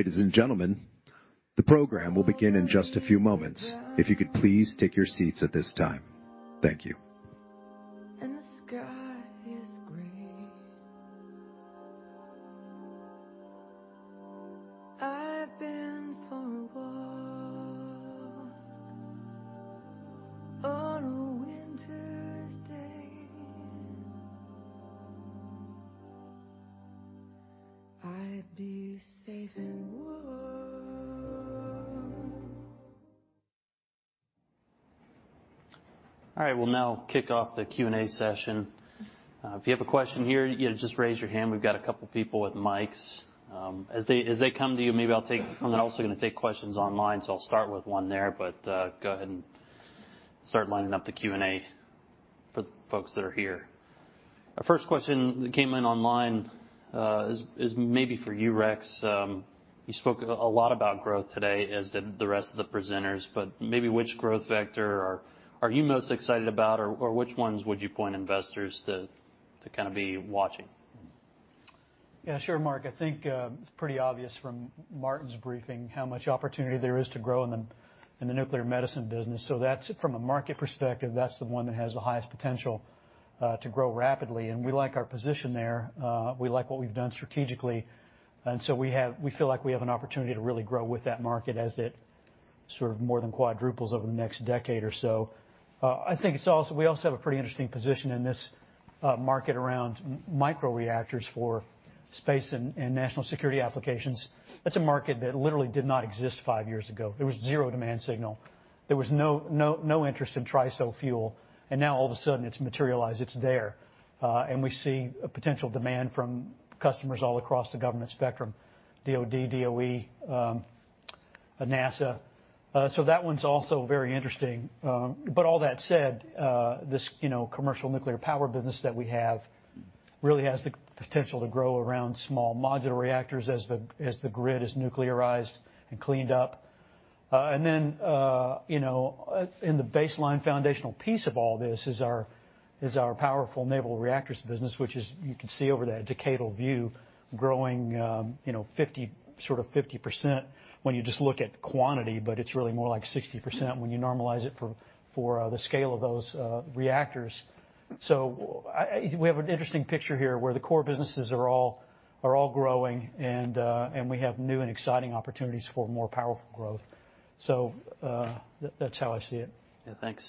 right. We'll now kick off the Q&A session. If you have a question here, yeah, just raise your hand. We've got a couple people with mics. As they come to you, maybe I'll take. I'm also gonna take questions online, so I'll start with one there. Go ahead and start lining up the Q&A for the folks that are here. Our first question that came in online is maybe for you, Rex. You spoke a lot about growth today as did the rest of the presenters, but maybe which growth vector are you most excited about or which ones would you point investors to kind of be watching? Yeah, sure, Mark. I think it's pretty obvious from Martyn's briefing how much opportunity there is to grow in the nuclear medicine business. From a market perspective, that's the one that has the highest potential to grow rapidly. We like our position there. We like what we've done strategically, and we feel like we have an opportunity to really grow with that market as it sort of more than quadruples over the next decade or so. We also have a pretty interesting position in this market around micro reactors for space and national security applications. That's a market that literally did not exist five years ago. There was zero demand signal. There was no interest in TRISO fuel, and now all of a sudden it's materialized. It's there. We see a potential demand from customers all across the government spectrum, DOD, DOE, NASA. That one's also very interesting. All that said, this, you know, commercial nuclear power business that we have really has the potential to grow around small modular reactors as the grid is nuclearized and cleaned up. You know, in the baseline foundational piece of all this is our powerful naval reactors business, which is, you can see over that decadal view, growing, you know, 50%, sort of 50% when you just look at quantity, but it's really more like 60% when you normalize it for the scale of those reactors. We have an interesting picture here where the core businesses are all growing and we have new and exciting opportunities for more powerful growth. That's how I see it. Yeah, thanks.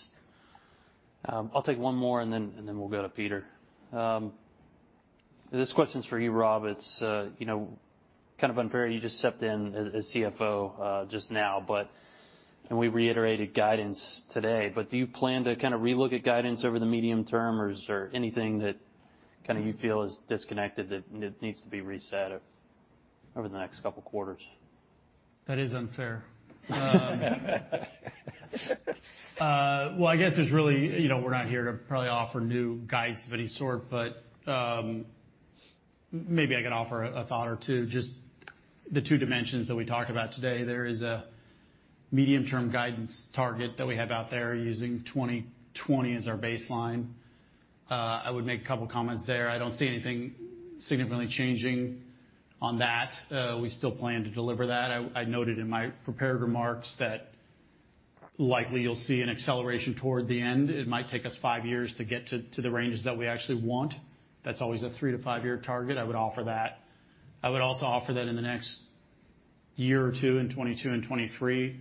I'll take one more, and then we'll go to Peter. This question's for you, Robb. It's you know, kind of unfair. You just stepped in as CFO just now, but we reiterated guidance today, but do you plan to kind of relook at guidance over the medium term or is there anything that kind of you feel is disconnected that needs to be reset over the next couple quarters? That is unfair. Well, I guess it's really, you know, we're not here to probably offer new guidance of any sort. Maybe I could offer a thought or two, just the two dimensions that we talked about today. There is a medium-term guidance target that we have out there using 2020 as our baseline. I would make a couple comments there. I don't see anything significantly changing on that. We still plan to deliver that. I noted in my prepared remarks that likely you'll see an acceleration toward the end. It might take us five years to get to the ranges that we actually want. That's always a 3-5 year target. I would offer that. I would also offer that in the next year or two, in 2022 and 2023,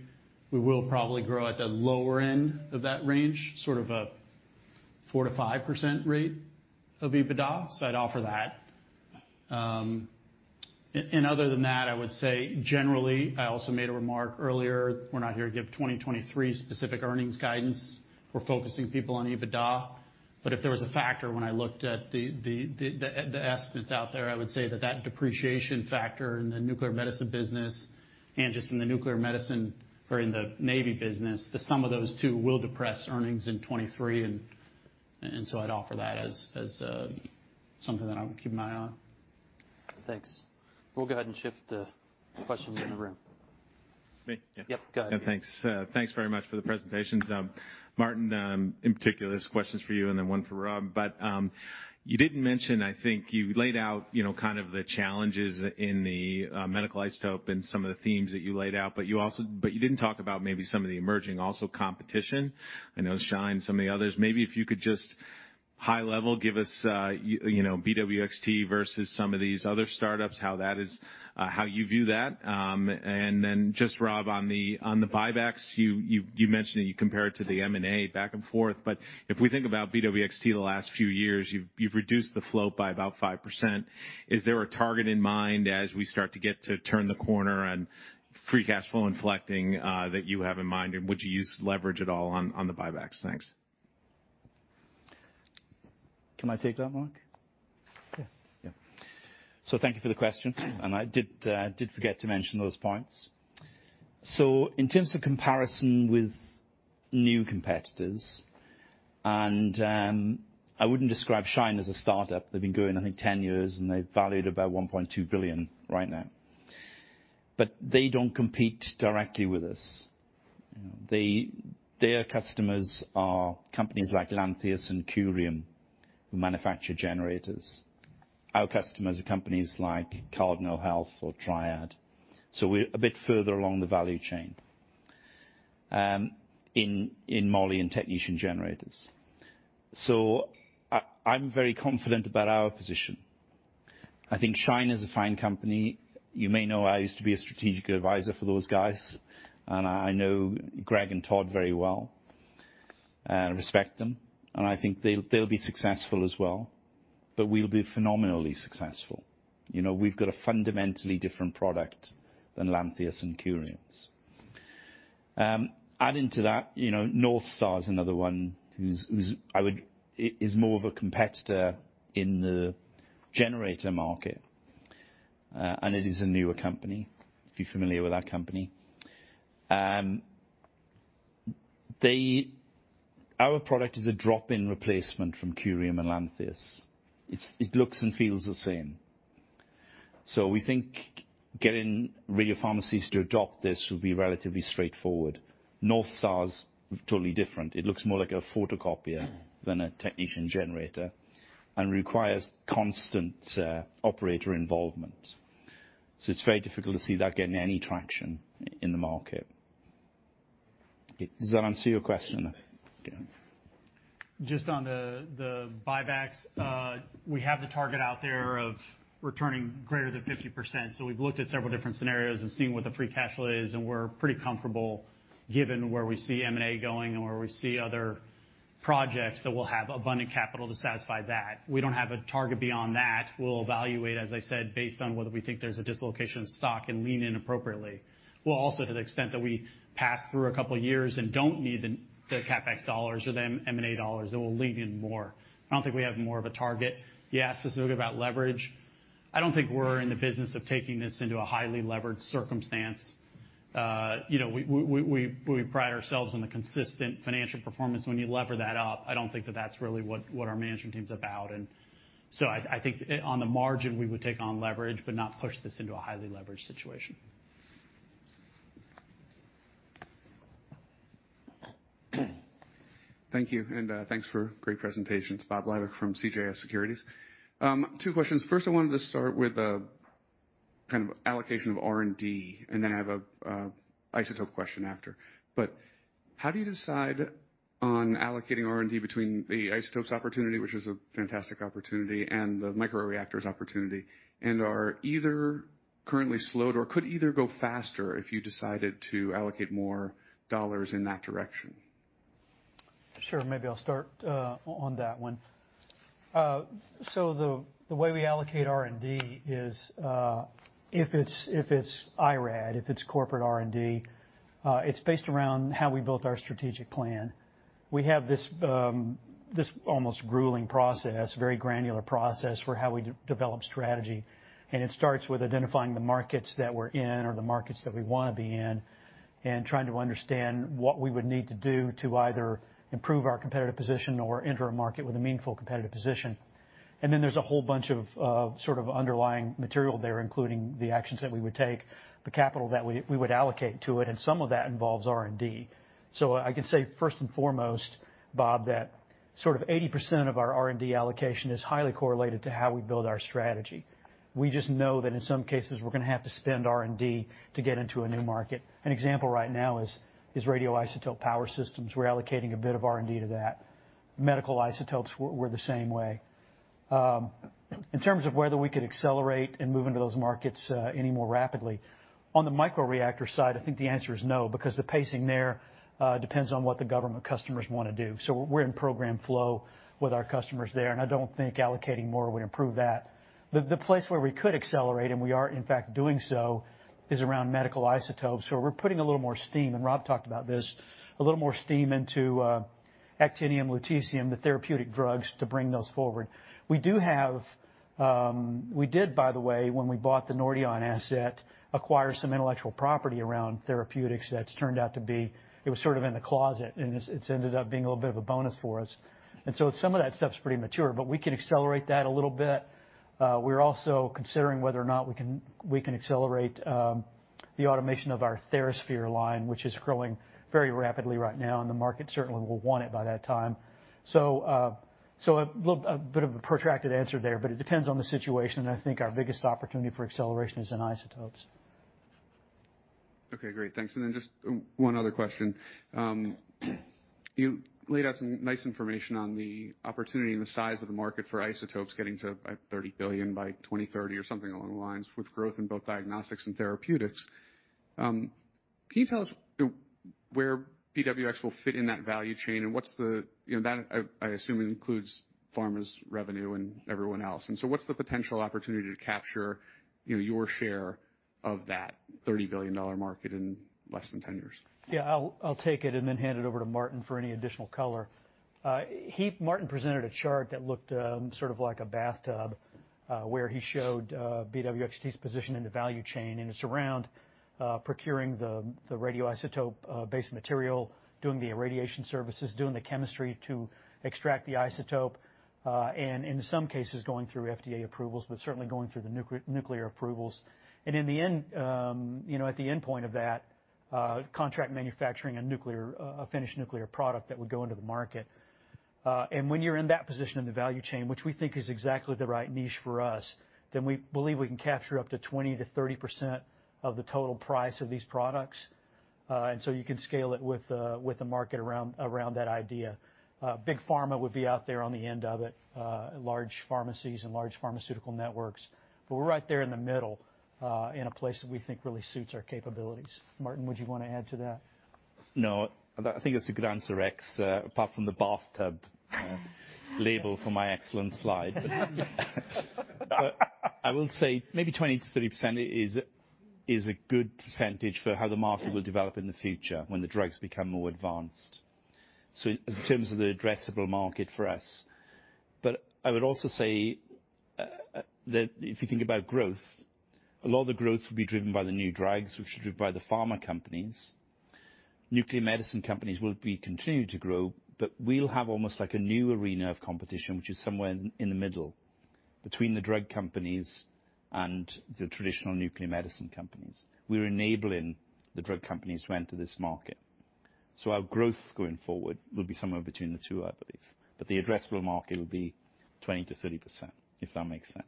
we will probably grow at the lower end of that range, sort of a 4%-5% rate of EBITDA. I'd offer that. And other than that, I would say generally, I also made a remark earlier, we're not here to give 2023 specific earnings guidance. We're focusing people on EBITDA. If there was a factor when I looked at the estimates out there, I would say that depreciation factor in the nuclear medicine business and just in the nuclear medicine or in the Navy business, the sum of those two will depress earnings in 2023 and so I'd offer that as something that I would keep my eye on. Thanks. We'll go ahead and shift to questions in the room. Me? Yep, go ahead. Yeah, thanks. Thanks very much for the presentations. Martyn, in particular, this question's for you and then one for Robb. You didn't mention, I think you laid out, you know, kind of the challenges in the medical isotope and some of the themes that you laid out, but you also didn't talk about maybe some of the emerging also competition. I know SHINE, some of the others. Maybe if you could just high level give us you know, BWXT versus some of these other startups, how that is, how you view that. And then just Robb, on the buybacks, you mentioned that you compare it to the M&A back and forth. If we think about BWXT the last few years, you've reduced the float by about 5%. Is there a target in mind as we start to get to turn the corner on free cash flow inflecting, that you have in mind? Would you use leverage at all on the buybacks? Thanks. Can I take that, Mark? Yeah. Yeah. Thank you for the question, and I did forget to mention those points. In terms of comparison with new competitors, and I wouldn't describe SHINE as a startup. They've been going, I think, 10 years, and they're valued about $1.2 billion right now. They don't compete directly with us. Their customers are companies like Lantheus and Curium, who manufacture generators. Our customers are companies like Cardinal Health or Triad. We're a bit further along the value chain, in moly and technetium generators. I'm very confident about our position. I think SHINE is a fine company. You may know I used to be a strategic advisor for those guys, and I know Greg and Todd very well, respect them, and I think they'll be successful as well, but we'll be phenomenally successful. You know, we've got a fundamentally different product than Lantheus and Curium's. Adding to that, you know, NorthStar is another one who is more of a competitor in the generator market, and it is a newer company, if you're familiar with that company. Our product is a drop-in replacement from Curium and Lantheus. It looks and feels the same. So we think getting radiopharmacies to adopt this will be relatively straightforward. NorthStar's totally different. It looks more like a photocopier than a technetium generator and requires constant operator involvement. So it's very difficult to see that getting any traction in the market. Does that answer your question? Just on the buybacks, we have the target out there of returning greater than 50%. We've looked at several different scenarios and seen what the free cash flow is, and we're pretty comfortable given where we see M&A going and where we see other projects that will have abundant capital to satisfy that. We don't have a target beyond that. We'll evaluate, as I said, based on whether we think there's a dislocation of stock and lean in appropriately. We'll also, to the extent that we pass through a couple of years and don't need the CapEx dollars or the M&A dollars, then we'll lean in more. I don't think we have more of a target. You asked specifically about leverage. I don't think we're in the business of taking this into a highly leveraged circumstance. You know, we pride ourselves on the consistent financial performance. When you lever that up, I don't think that that's really what our management team's about. I think on the margin we would take on leverage, but not push this into a highly leveraged situation. Thank you, and thanks for great presentations. Bob Labick from CJS Securities. Two questions. First, I wanted to start with kind of allocation of R&D, and then I have a isotope question after. How do you decide on allocating R&D between the isotopes opportunity, which is a fantastic opportunity, and the microreactors opportunity? Are either currently slowed or could either go faster if you decided to allocate more dollars in that direction? Sure. Maybe I'll start on that one. The way we allocate R&D is, if it's IRAD, if it's corporate R&D, it's based around how we built our strategic plan. We have this almost grueling process, very granular process for how we develop strategy. It starts with identifying the markets that we're in or the markets that we wanna be in, and trying to understand what we would need to do to either improve our competitive position or enter a market with a meaningful competitive position. Then there's a whole bunch of sort of underlying material there, including the actions that we would take, the capital that we would allocate to it, and some of that involves R&D. I can say first and foremost, Bob, that sort of 80% of our R&D allocation is highly correlated to how we build our strategy. We just know that in some cases, we're gonna have to spend R&D to get into a new market. An example right now is radioisotope power systems. We're allocating a bit of R&D to that. Medical isotopes, we're the same way. In terms of whether we could accelerate and move into those markets any more rapidly, on the microreactor side, I think the answer is no, because the pacing there depends on what the government customers wanna do. We're in program flow with our customers there, and I don't think allocating more would improve that. The place where we could accelerate, and we are in fact doing so, is around medical isotopes, where we're putting a little more steam, and Rob talked about this, a little more steam into actinium, Lutetium-177, the therapeutic drugs to bring those forward. We did, by the way, when we bought the Nordion asset, acquire some intellectual property around therapeutics that's turned out to be, it was sort of in the closet, and it's ended up being a little bit of a bonus for us. Some of that stuff's pretty mature, but we can accelerate that a little bit. We're also considering whether or not we can accelerate the automation of our TheraSphere line, which is growing very rapidly right now, and the market certainly will want it by that time. A little, a bit of a protracted answer there, but it depends on the situation, and I think our biggest opportunity for acceleration is in isotopes. Okay, great. Thanks. Just one other question. You laid out some nice information on the opportunity and the size of the market for isotopes getting to $30 billion by 2030 or something along the lines with growth in both diagnostics and therapeutics. Can you tell us where BWX will fit in that value chain and what's the, you know, that I assume includes pharma's revenue and everyone else. What's the potential opportunity to capture, you know, your share of that $30 billion market in less than 10 years? Yeah, I'll take it and then hand it over to Martyn for any additional color. Martyn presented a chart that looked sort of like a bathtub, where he showed BWXT's position in the value chain, and it's around procuring the radioisotope base material, doing the irradiation services, doing the chemistry to extract the isotope, and in some cases, going through FDA approvals, but certainly going through the nuclear approvals. In the end, you know, at the endpoint of that, contract manufacturing a nuclear, a finished nuclear product that would go into the market. When you're in that position in the value chain, which we think is exactly the right niche for us, then we believe we can capture up to 20%-30% of the total price of these products. You can scale it with the market around that idea. Big pharma would be out there on the end of it, large pharmacies and large pharmaceutical networks, but we're right there in the middle, in a place that we think really suits our capabilities. Martyn, would you wanna add to that? No, I think that's a good answer, Rex, apart from the bathtub label for my excellent slide. I will say maybe 20%-30% is a good percentage for how the market will develop in the future when the drugs become more advanced, so in terms of the addressable market for us. I would also say that if you think about growth, a lot of the growth will be driven by the new drugs, which are driven by the pharma companies. Nuclear medicine companies will be continuing to grow, but we'll have almost like a new arena of competition, which is somewhere in the middle between the drug companies and the traditional nuclear medicine companies. We're enabling the drug companies to enter this market. Our growth going forward will be somewhere between the two, I believe. The addressable market will be 20%-30%, if that makes sense.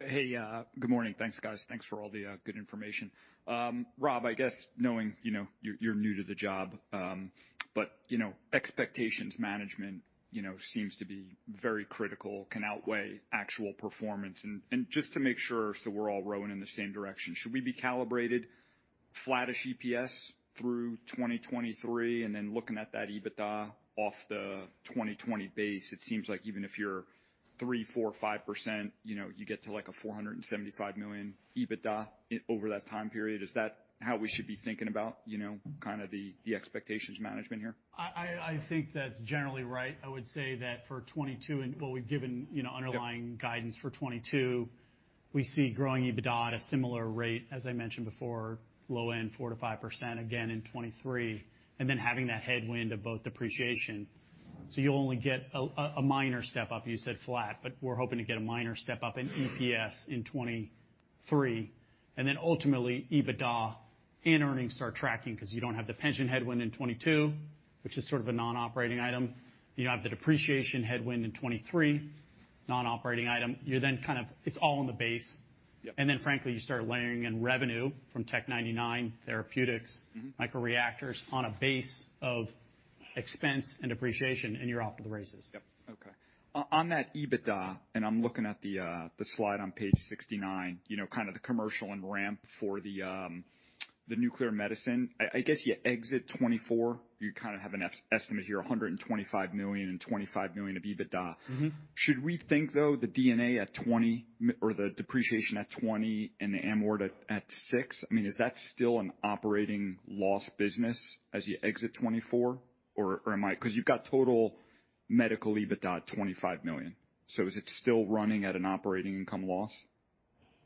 Hey, good morning. Thanks, guys. Thanks for all the good information. Robb, I guess knowing, you know, you're new to the job, but, you know, expectations management, you know, seems to be very critical, can outweigh actual performance. Just to make sure so we're all rowing in the same direction, should we be calibrated? Flattish EPS through 2023, and then looking at that EBITDA off the 2020 base, it seems like even if you're 3%, 4%, 5%, you know, you get to like a $475 million EBITDA over that time period. Is that how we should be thinking about, you know, kind of the expectations management here? I think that's generally right. I would say that for 2022 and what we've given, you know. Yep. Underlying guidance for 2022, we see growing EBITDA at a similar rate, as I mentioned before, low end 4%-5% again in 2023, and then having that headwind of both depreciation. You'll only get a minor step up. You said flat, but we're hoping to get a minor step up in EPS in 2023. Ultimately, EBITDA and earnings start tracking because you don't have the pension headwind in 2022, which is sort of a non-operating item. You don't have the depreciation headwind in 2023, non-operating item. You're then kind of, it's all in the base. Yep. Frankly, you start layering in revenue from Tc-99 therapeutics. Mm-hmm. Micro reactors on a basis of expense and depreciation, and you're off to the races. Yep. Okay. On that EBITDA, and I'm looking at the slide on page 69, you know, kind of the commercial and ramp for the nuclear medicine. I guess you exit 2024, you kind of have an estimate here, $125 million and $25 million of EBITDA. Mm-hmm. Should we think, though, the D&A at $20 million or the depreciation at $20 million and the amort at $6 million, I mean, is that still an operating loss business as you exit 2024? Or am I? Because you've got total medical EBITDA at $25 million. Is it still running at an operating income loss?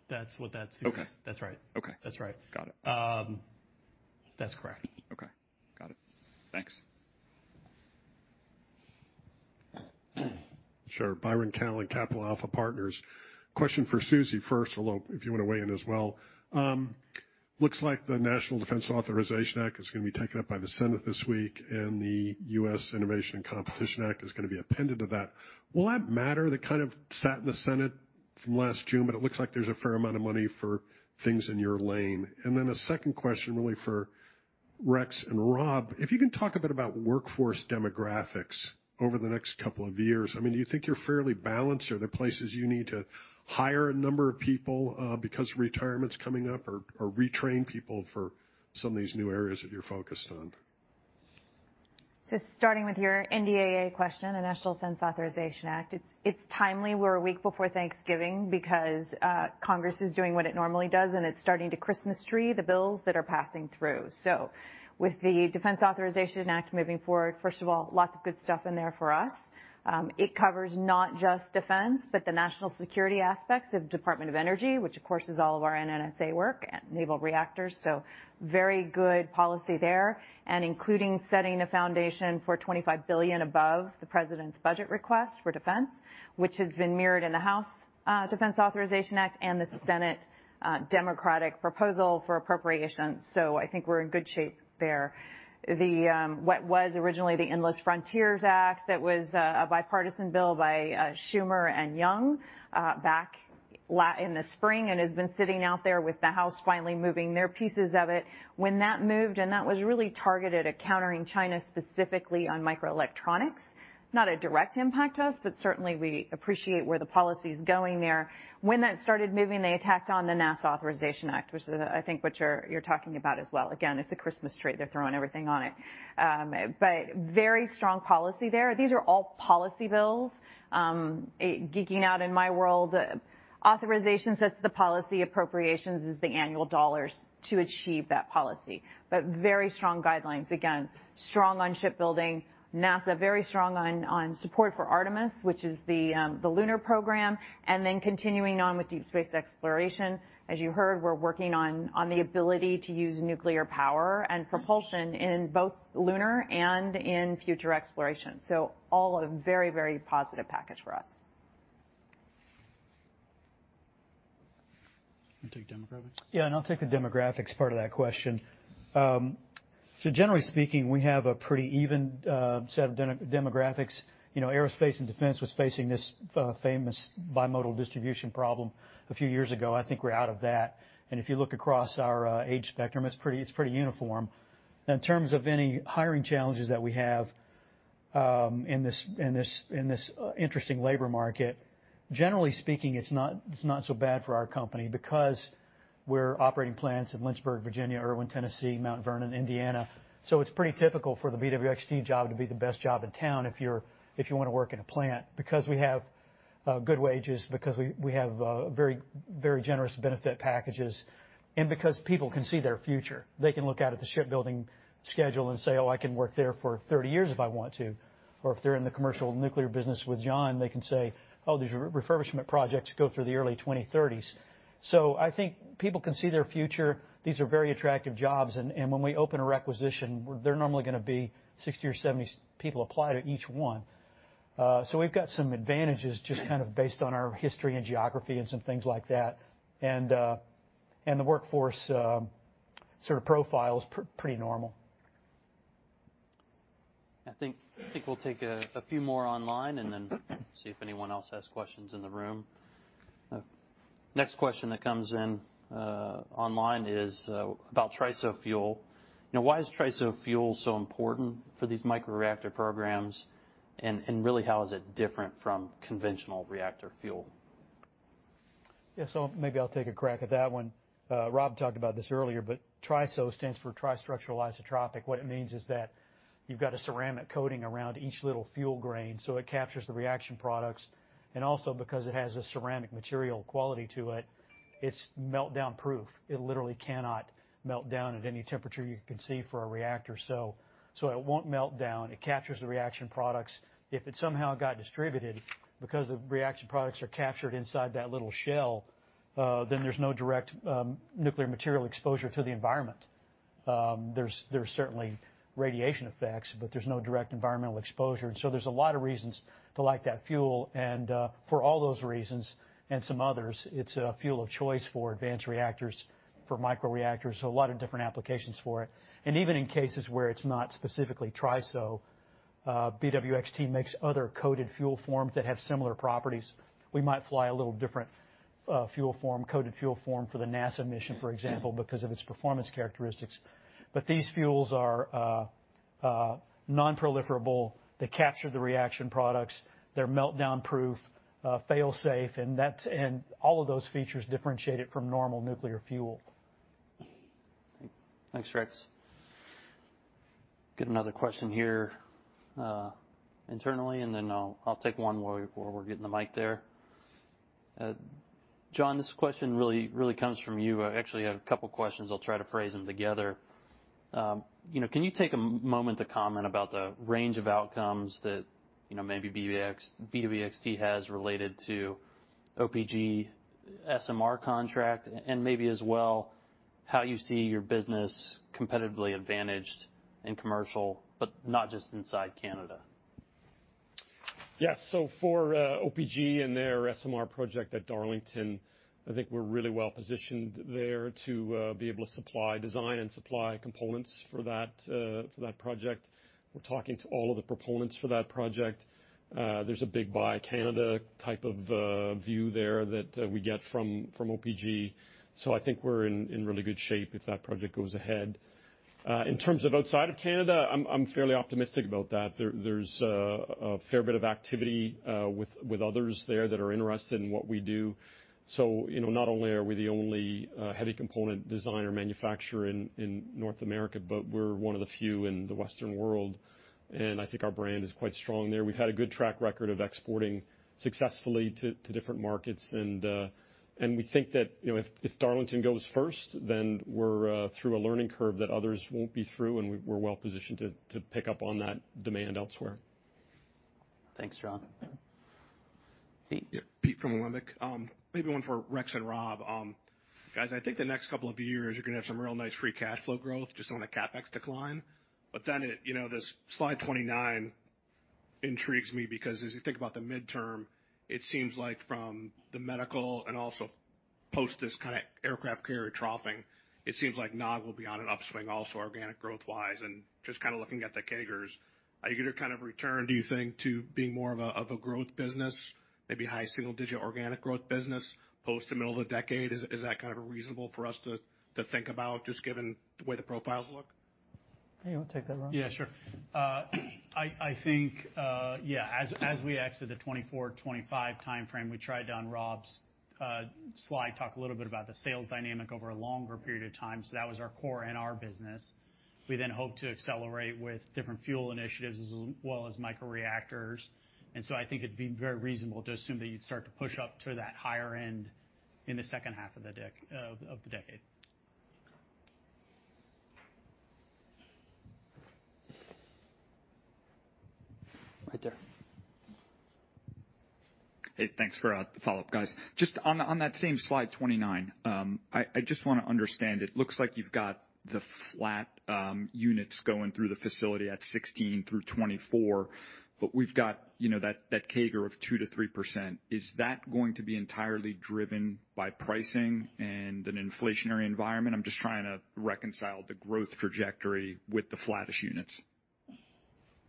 That's what that seems. Okay. That's right. Okay. That's right. Got it. That's correct. Okay. Got it. Thanks. Sure. Byron Callan, Capital Alpha Partners. Question for Suzy first, although if you want to weigh in as well. Looks like the National Defense Authorization Act is going to be taken up by the Senate this week, and the U.S. Innovation and Competition Act is going to be appended to that. Will that matter? That kind of sat in the Senate from last June, but it looks like there's a fair amount of money for things in your lane. A second question really for Rex and Robb. If you can talk a bit about workforce demographics over the next couple of years. I mean, do you think you're fairly balanced? Are there places you need to hire a number of people because retirement's coming up or retrain people for some of these new areas that you're focused on? Starting with your NDAA question, the National Defense Authorization Act, it's timely. We're a week before Thanksgiving because Congress is doing what it normally does, and it's starting to Christmas tree the bills that are passing through. With the Defense Authorization Act moving forward, first of all, lots of good stuff in there for us. It covers not just defense, but the national security aspects of Department of Energy, which of course is all of our NNSA work, naval reactors. Very good policy there, and including setting the foundation for $25 billion above the President's budget request for defense, which has been mirrored in the House Defense Authorization Act and the Senate Democratic proposal for appropriations. I think we're in good shape there. What was originally the Endless Frontier Act, that was a bipartisan bill by Schumer and Young back in the spring and has been sitting out there with the House finally moving their pieces of it. When that moved, that was really targeted at countering China specifically on microelectronics, not a direct impact to us, but certainly we appreciate where the policy is going there. When that started moving, they tacked on the NASA Authorization Act, which is, I think, what you're talking about as well. Again, it's a Christmas tree. They're throwing everything on it. But very strong policy there. These are all policy bills. Geeking out in my world, authorizations, that's the policy, appropriations is the annual dollars to achieve that policy. But very strong guidelines. Again, strong on shipbuilding, NASA, very strong on support for Artemis, which is the lunar program, and then continuing on with deep space exploration. As you heard, we're working on the ability to use nuclear power and propulsion in both lunar and in future exploration. All a very positive package for us. You want to take demographics? I'll take the demographics part of that question. Generally speaking, we have a pretty even set of demographics. You know, aerospace and defense was facing this famous bimodal distribution problem a few years ago. I think we're out of that. If you look across our age spectrum, it's pretty uniform. In terms of any hiring challenges that we have in this interesting labor market, generally speaking, it's not so bad for our company because we're operating plants in Lynchburg, Virginia, Erwin, Tennessee, Mount Vernon, Indiana. It's pretty typical for the BWXT job to be the best job in town if you want to work in a plant, because we have good wages, because we have very, very generous benefit packages, and because people can see their future. They can look out at the shipbuilding schedule and say, "Oh, I can work there for 30 years if I want to." Or if they're in the commercial nuclear business with John, they can say, "Oh, these refurbishment projects go through the early 2030s." I think people can see their future. These are very attractive jobs. When we open a requisition, they're normally gonna be 60 or 70 people apply to each one. We've got some advantages just kind of based on our history and geography and some things like that. The workforce sort of profile is pretty normal. I think we'll take a few more online and then see if anyone else has questions in the room. Next question that comes in online is about TRISO fuel. You know, why is TRISO fuel so important for these micro reactor programs? Really, how is it different from conventional reactor fuel? Yes. Maybe I'll take a crack at that one. Rob talked about this earlier, but TRISO stands for tri-structural isotropic. What it means is that you've got a ceramic coating around each little fuel grain, so it captures the reaction products, and also because it has a ceramic material quality to it's meltdown-proof. It literally cannot melt down at any temperature you can see for a reactor. It won't melt down. It captures the reaction products. If it somehow got distributed, because the reaction products are captured inside that little shell, then there's no direct nuclear material exposure to the environment. There's certainly radiation effects, but there's no direct environmental exposure. There's a lot of reasons to like that fuel, and for all those reasons, and some others, it's a fuel of choice for advanced reactors, for microreactors. A lot of different applications for it. Even in cases where it's not specifically TRISO, BWXT makes other coated fuel forms that have similar properties. We might fly a little different fuel form, coated fuel form for the NASA mission, for example, because of its performance characteristics. These fuels are non-proliferable. They capture the reaction products. They're meltdown-proof, fail-safe, and all of those features differentiate it from normal nuclear fuel. Thanks, Rex. Get another question here, internally, and then I'll take one while we're getting the mic there. John, this question really comes from you. I actually have a couple questions. I'll try to phrase them together. You know, can you take a moment to comment about the range of outcomes that, you know, maybe BWXT has related to OPG SMR contract, and maybe as well, how you see your business competitively advantaged in commercial, but not just inside Canada? Yes. For OPG and their SMR project at Darlington, I think we're really well-positioned there to be able to supply, design and supply components for that project. We're talking to all of the proponents for that project. There's a big buy Canada type of view there that we get from OPG. I think we're in really good shape if that project goes ahead. In terms of outside of Canada, I'm fairly optimistic about that. There's a fair bit of activity with others there that are interested in what we do. You know, not only are we the only heavy component designer manufacturer in North America, but we're one of the few in the Western world, and I think our brand is quite strong there. We've had a good track record of exporting successfully to different markets and we think that, you know, if Darlington goes first, then we're through a learning curve that others won't be through, and we're well-positioned to pick up on that demand elsewhere. Thanks, John. Pete? Yeah, Pete from Alembic. Maybe one for Rex and Robb. Guys, I think the next couple of years you're gonna have some real nice free cash flow growth just on the CapEx decline. You know, this slide 29 intrigues me because as you think about the midterm, it seems like from the medical and also post this kind of aircraft carrier troughing, it seems like NOG will be on an upswing also, organic growth-wise. Just kind of looking at the CAGRs, are you gonna kind of return, do you think, to being more of a growth business, maybe high single digit organic growth business post the middle of the decade? Is that kind of reasonable for us to think about, just given the way the profiles look? You wanna take that, Robb? Yeah, sure. I think, yeah, as we exit the 2024-2025 timeframe, we tried to, on Rob's slide, talk a little bit about the sales dynamic over a longer period of time, so that was our core NR business. We then hope to accelerate with different fuel initiatives as well as microreactors. I think it'd be very reasonable to assume that you'd start to push up to that higher end in the second half of the decade. Right there. Hey, thanks for the follow-up, guys. Just on that same slide 29, I just wanna understand. It looks like you've got the flat units going through the facility at 2016 through 2024, but we've got, you know, that CAGR of 2%-3%. Is that going to be entirely driven by pricing and an inflationary environment? I'm just trying to reconcile the growth trajectory with the flattish units.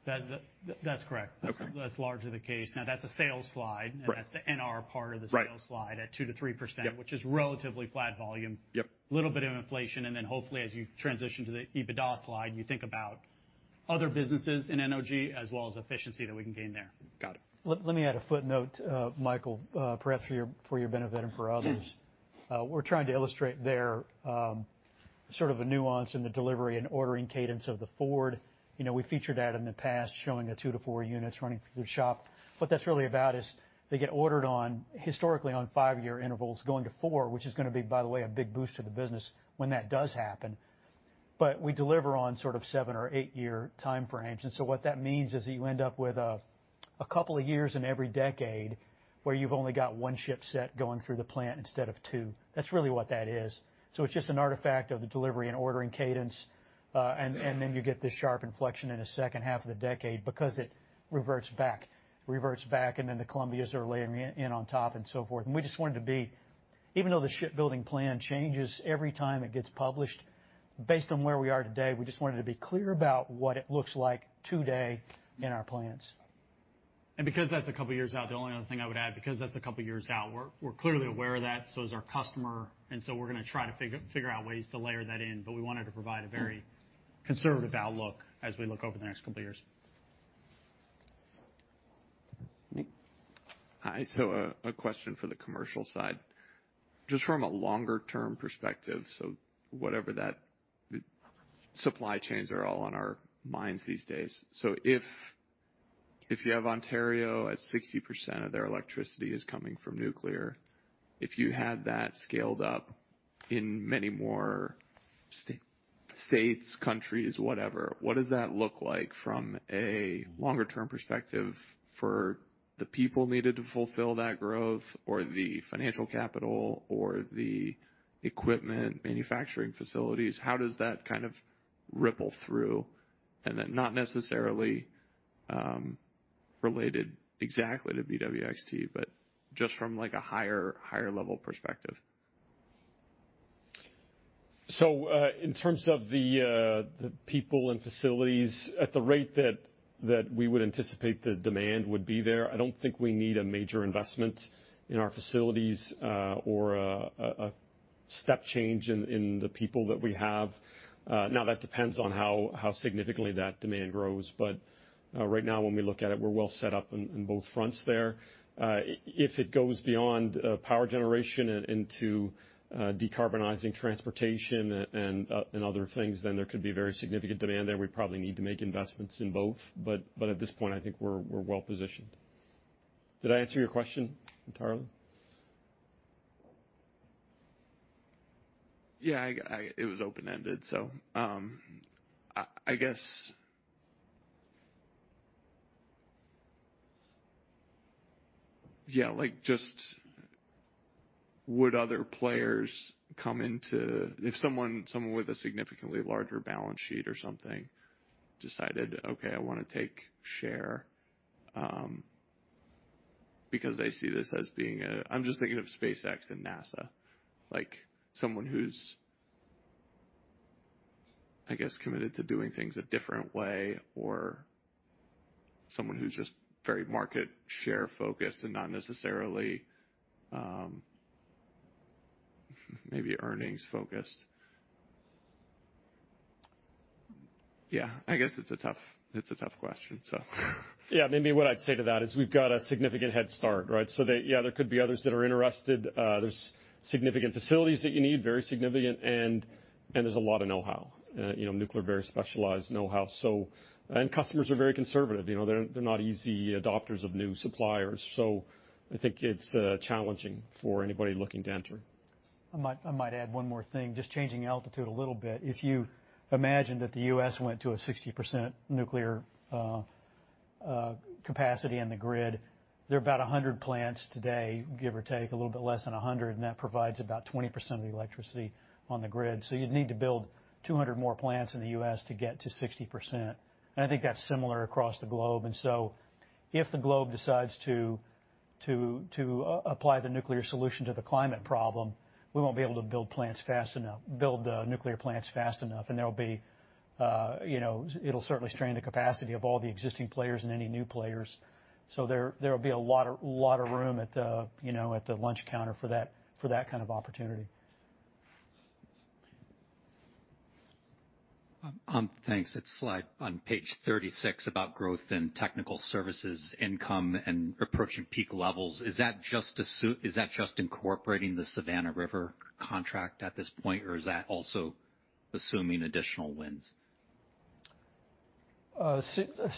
That's correct. Okay. That's largely the case. Now that's a sales slide. Right. That's the NR part of the sales slide at 2%-3% which is relatively flat volume. Little bit of inflation, and then hopefully as you transition to the EBITDA slide, you think about other businesses in NOG as well as efficiency that we can gain there. Got it. Let me add a footnote, Michael, perhaps for your benefit and for others. We're trying to illustrate there sort of a nuance in the delivery and ordering cadence of the Ford. You know, we featured that in the past, showing the 2-4 units running through the shop. What that's really about is they get ordered historically on five-year intervals going to four, which is gonna be, by the way, a big boost to the business when that does happen. But we deliver on sort of seven or eight-year time frames, and so what that means is that you end up with a couple of years in every decade where you've only got one ship set going through the plant instead of two. That's really what that is. It's just an artifact of the delivery and ordering cadence. Then you get this sharp inflection in the second half of the decade because it reverts back, and then the Columbias are layering in on top and so forth. We just wanted to be, even though the shipbuilding plan changes every time it gets published, based on where we are today, we just wanted to be clear about what it looks like today in our plans. Because that's a couple years out, the only other thing I would add, we're clearly aware of that, so is our customer, and so we're gonna try to figure out ways to layer that in, but we wanted to provide a very conservative outlook as we look over the next couple years. Hi. A question for the commercial side. Just from a longer-term perspective, so whatever that supply chains are all on our minds these days. If you have Ontario at 60% of their electricity is coming from nuclear, if you had that scaled up in many more states, countries, whatever, what does that look like from a longer-term perspective for the people needed to fulfill that growth or the financial capital or the equipment manufacturing facilities? How does that kind of ripple through? Not necessarily related exactly to BWXT, but just from like a higher level perspective. In terms of the people and facilities at the rate that we would anticipate the demand would be there, I don't think we need a major investment in our facilities, or a step change in the people that we have. Now that depends on how significantly that demand grows. Right now when we look at it, we're well set up in both fronts there. If it goes beyond power generation into decarbonizing transportation and other things, then there could be very significant demand there. We probably need to make investments in both. At this point, I think we're well-positioned. Did I answer your question entirely? Yeah, it was open-ended, so, I guess. Yeah, like, just would other players come in if someone with a significantly larger balance sheet or something decided, "Okay, I wanna take share," because they see this as being a. I'm just thinking of SpaceX and NASA. Like, someone who's, I guess, committed to doing things a different way or someone who's just very market share focused and not necessarily, maybe earnings focused. Yeah, I guess it's a tough question, so. Yeah, maybe what I'd say to that is we've got a significant head start, right? There could be others that are interested. There's significant facilities that you need, very significant, and there's a lot of know-how. You know, nuclear, very specialized know-how. Customers are very conservative, you know, they're not easy adopters of new suppliers. So I think it's challenging for anybody looking to enter. I might add one more thing, just changing altitude a little bit. If you imagine that the U.S. went to a 60% nuclear capacity on the grid, there are about 100 plants today, give or take, a little bit less than 100, and that provides about 20% of the electricity on the grid. You'd need to build 200 more plants in the U.S. to get to 60%. I think that's similar across the globe. If the globe decides to apply the nuclear solution to the climate problem, we won't be able to build nuclear plants fast enough, and it'll certainly strain the capacity of all the existing players and any new players. There will be a lot of room at the, you know, at the lunch counter for that kind of opportunity. Thanks. It's slide on page 36 about growth in technical services income and approaching peak levels. Is that just incorporating the Savannah River contract at this point, or is that also assuming additional wins?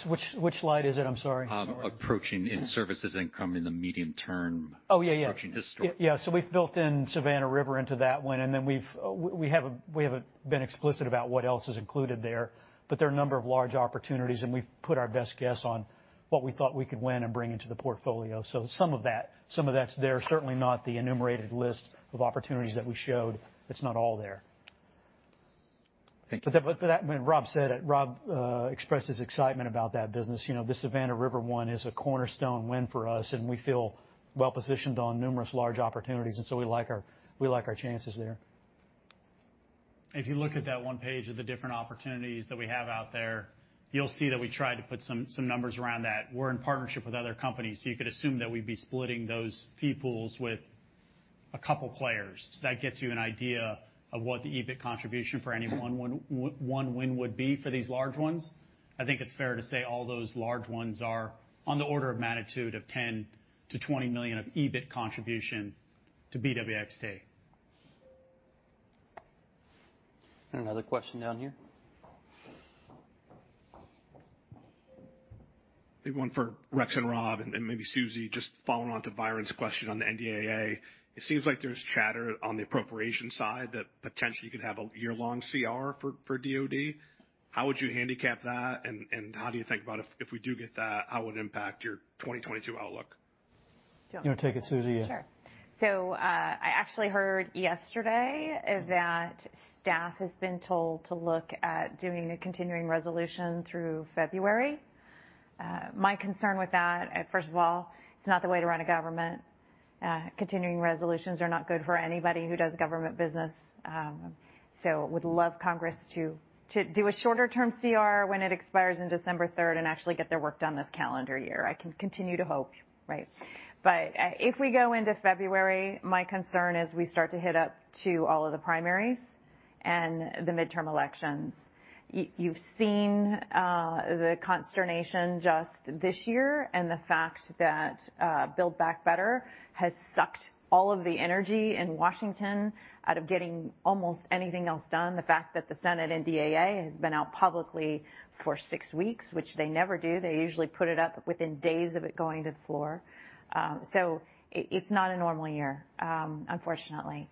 Which slide is it? I'm sorry. Approaching in services income in the medium term approaching historical. Oh, yeah. Yeah. We've built in Savannah River into that one, and then we haven't been explicit about what else is included there, but there are a number of large opportunities, and we've put our best guess on what we thought we could win and bring into the portfolio. Some of that, some of that's there. Certainly not the enumerated list of opportunities that we showed. It's not all there. Thank you. When Robb said it, Robb expressed his excitement about that business. You know, the Savannah River one is a cornerstone win for us, and we feel well-positioned on numerous large opportunities, and so we like our chances there. If you look at that one page of the different opportunities that we have out there, you'll see that we tried to put some numbers around that. We're in partnership with other companies, so you could assume that we'd be splitting those fee pools with a couple players. That gets you an idea of what the EBIT contribution for any one win would be for these large ones. I think it's fair to say all those large ones are on the order of magnitude of $10 million-$20 million of EBIT contribution to BWXT. Another question down here. Maybe one for Rex and Robb and maybe Suzy, just following on to Byron's question on the NDAA. It seems like there's chatter on the appropriation side that potentially you could have a year-long CR for DoD. How would you handicap that, and how do you think about if we do get that, how it would impact your 2022 outlook? You wanna take it, Suzy? Sure. I actually heard yesterday that staff has been told to look at doing a continuing resolution through February. My concern with that, first of all, it's not the way to run a government. Continuing resolutions are not good for anybody who does government business. Would love Congress to do a shorter term CR when it expires in December 3rd and actually get their work done this calendar year. I can continue to hope, right? If we go into February, my concern is we start to hit up to all of the primaries and the midterm elections. You've seen the consternation just this year and the fact that Build Back Better has sucked all of the energy in Washington out of getting almost anything else done. The fact that the Senate NDAA has been out publicly for six weeks, which they never do. They usually put it up within days of it going to the floor. It's not a normal year, unfortunately.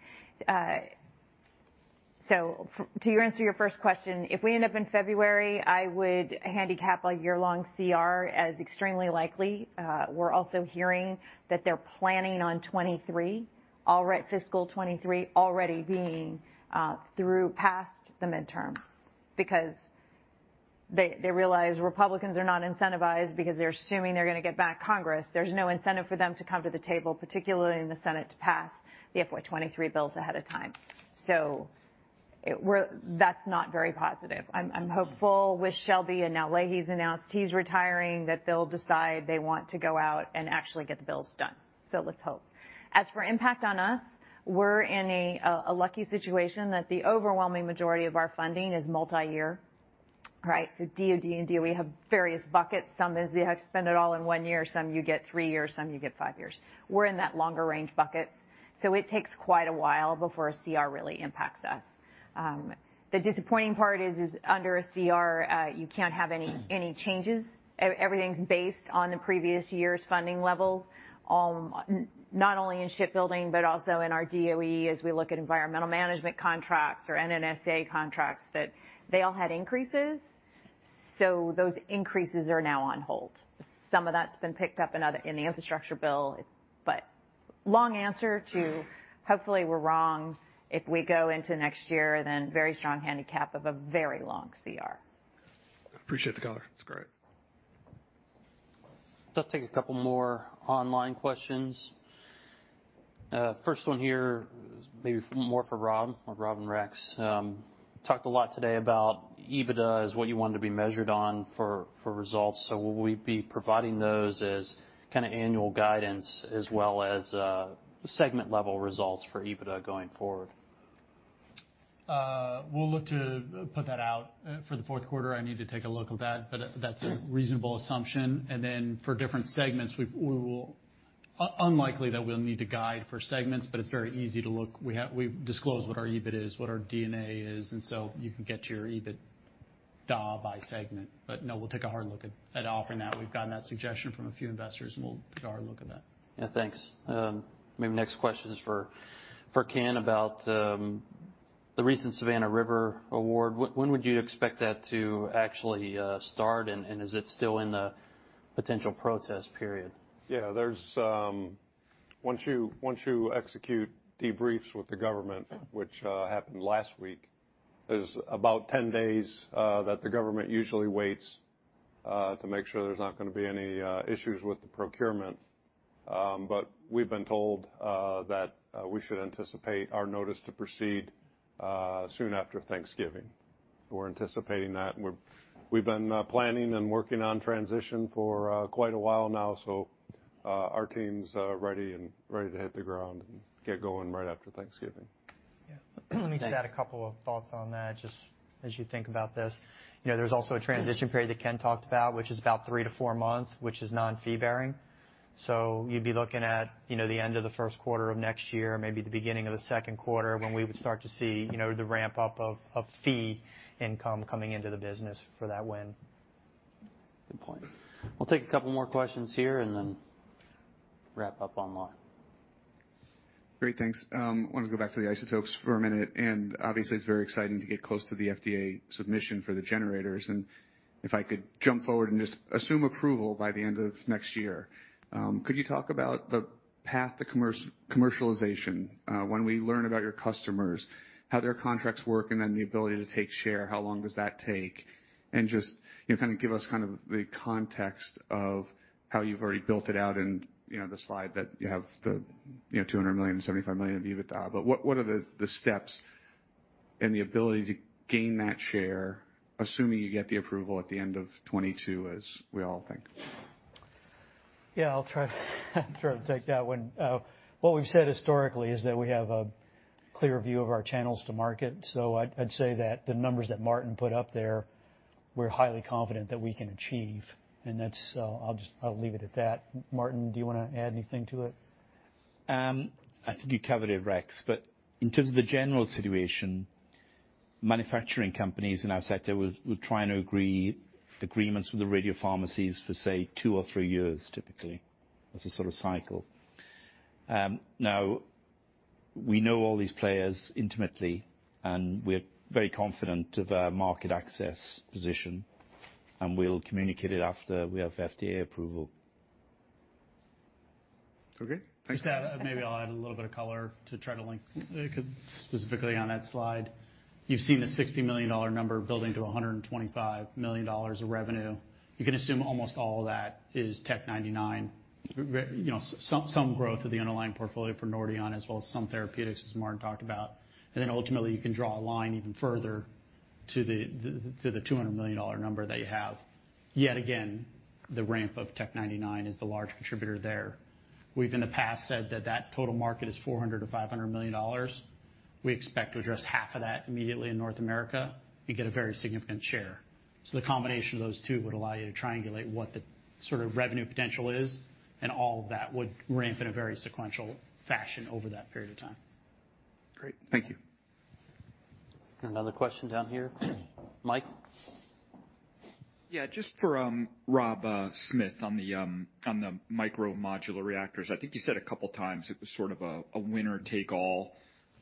To answer your first question, if we end up in February, I would handicap a year-long CR as extremely likely. We're also hearing that they're planning on 2023, all right, fiscal 2023 already being through past the midterms because they realize Republicans are not incentivized because they're assuming they're gonna get back Congress. There's no incentive for them to come to the table, particularly in the Senate, to pass the FY 2023 bills ahead of time. That's not very positive. I'm hopeful with Shelby, and now Leahy's announced he's retiring, that they'll decide they want to go out and actually get the bills done. Let's hope. As for impact on us, we're in a lucky situation that the overwhelming majority of our funding is multi-year, right? DoD and DOE have various buckets. Some is you have to spend it all in one year, some you get three years, some you get five years. We're in that longer range buckets, so it takes quite a while before a CR really impacts us. The disappointing part is under a CR, you can't have any changes. Everything's based on the previous year's funding levels, not only in shipbuilding but also in our DOE as we look at environmental management contracts or NNSA contracts that they all had increases, so those increases are now on hold. Some of that's been picked up in other, in the infrastructure bill. Long answer to, hopefully we're wrong. If we go into next year, then very strong handicap of a very long CR. Appreciate the color. It's great. Let's take a couple more online questions. First one here, maybe for Robb or Robb and Rex. Talked a lot today about EBITDA as what you wanted to be measured on for results. Will we be providing those as kinda annual guidance as well as segment-level results for EBITDA going forward? We'll look to put that out. For the fourth quarter, I need to take a look at that, but that's a reasonable assumption. For different segments, unlikely that we'll need to guide for segments, but it's very easy to look. We have disclosed what our EBIT is, what our D&A is, and so you can get to your EBITDA by segment. No, we'll take a hard look at offering that. We've gotten that suggestion from a few investors, and we'll take a hard look at that. Yeah, thanks. Maybe next question is for Ken about the recent Savannah River award. When would you expect that to actually start, and is it still in the potential protest period? Once you execute debriefs with the government, which happened last week, is about 10 days that the government usually waits to make sure there's not gonna be any issues with the procurement. We've been told that we should anticipate our notice to proceed soon after Thanksgiving. We're anticipating that. We've been planning and working on transition for quite a while now, so our team's ready to hit the ground and get going right after Thanksgiving. Yeah. Let me just add a couple of thoughts on that just as you think about this. You know, there's also a transition period that Ken talked about, which is about 3-4 months, which is non-fee-bearing. You'd be looking at, you know, the end of the first quarter of next year, maybe the beginning of the second quarter, when we would start to see, you know, the ramp-up of fee income coming into the business for that win. Good point. We'll take a couple more questions here and then wrap up online. Great. Thanks. Wanted to go back to the isotopes for a minute, and obviously it's very exciting to get close to the FDA submission for the generators. If I could jump forward and just assume approval by the end of next year, could you talk about the path to commercialization, when we learn about your customers, how their contracts work, and then the ability to take share? How long does that take? Just, you know, kind of give us kind of the context of how you've already built it out and, you know, the slide that you have the, you know, $200 million, $75 million of EBITDA. What are the steps and the ability to gain that share, assuming you get the approval at the end of 2022 as we all think? Yeah, I'll try to take that one. What we've said historically is that we have a clear view of our channels to market. I'd say that the numbers that Martyn put up there, we're highly confident that we can achieve. That's, I'll just leave it at that. Martyn, do you wanna add anything to it? I think you covered it, Rex. In terms of the general situation, manufacturing companies in our sector will try and agree agreements with the radiopharmacies for, say, two or three years, typically, as a sort of cycle. Now we know all these players intimately, and we're very confident of our market access position, and we'll communicate it after we have FDA approval. Okay. Thanks. Just to add, maybe I'll add a little bit of color to try to link, 'cause specifically on that slide, you've seen the $60 million number building to a $125 million of revenue. You can assume almost all of that is Tc-99. You know, some growth of the underlying portfolio for Nordion as well as some therapeutics, as Martyn talked about. Ultimately, you can draw a line even further. To the $200 million number that you have. Yet again, the ramp of Tc-99 is the large contributor there. We've in the past said that total market is $400 million-$500 million. We expect to address half of that immediately in North America and get a very significant share. The combination of those two would allow you to triangulate what the sort of revenue potential is, and all of that would ramp in a very sequential fashion over that period of time. Great. Thank you. Another question down here. Mike? Yeah, just for Rob Smith, on the small modular reactors. I think you said a couple times it was sort of a winner-take-all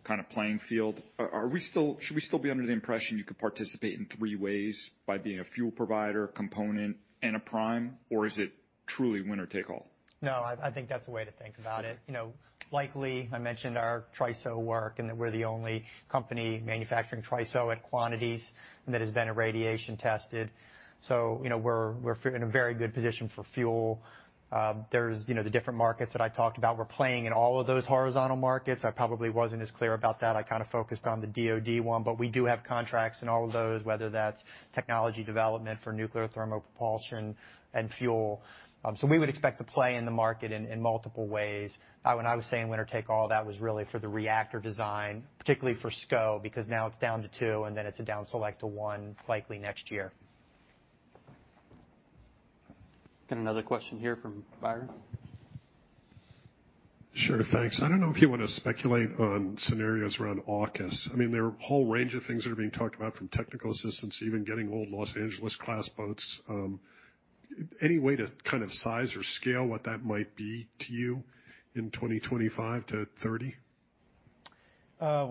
kind of playing field. Should we still be under the impression you could participate in three ways by being a fuel provider, component, and a prime, or is it truly winner-take-all? No, I think that's the way to think about it. You know, likely, I mentioned our TRISO work and that we're the only company manufacturing TRISO at quantities that has been irradiation tested. So, you know, we're in a very good position for fuel. There's, you know, the different markets that I talked about, we're playing in all of those horizontal markets. I probably wasn't as clear about that. I kind of focused on the DoD one, but we do have contracts in all of those, whether that's technology development for nuclear thermal propulsion and fuel. So we would expect to play in the market in multiple ways. When I was saying winner take all, that was really for the reactor design, particularly for SCO, because now it's down to two, and then it's a down select to one likely next year. Got another question here from Byron. Sure. Thanks. I don't know if you wanna speculate on scenarios around AUKUS. I mean, there are a whole range of things that are being talked about from technical assistance, even getting old Los Angeles-class boats. Any way to kind of size or scale what that might be to you in 2025-2030?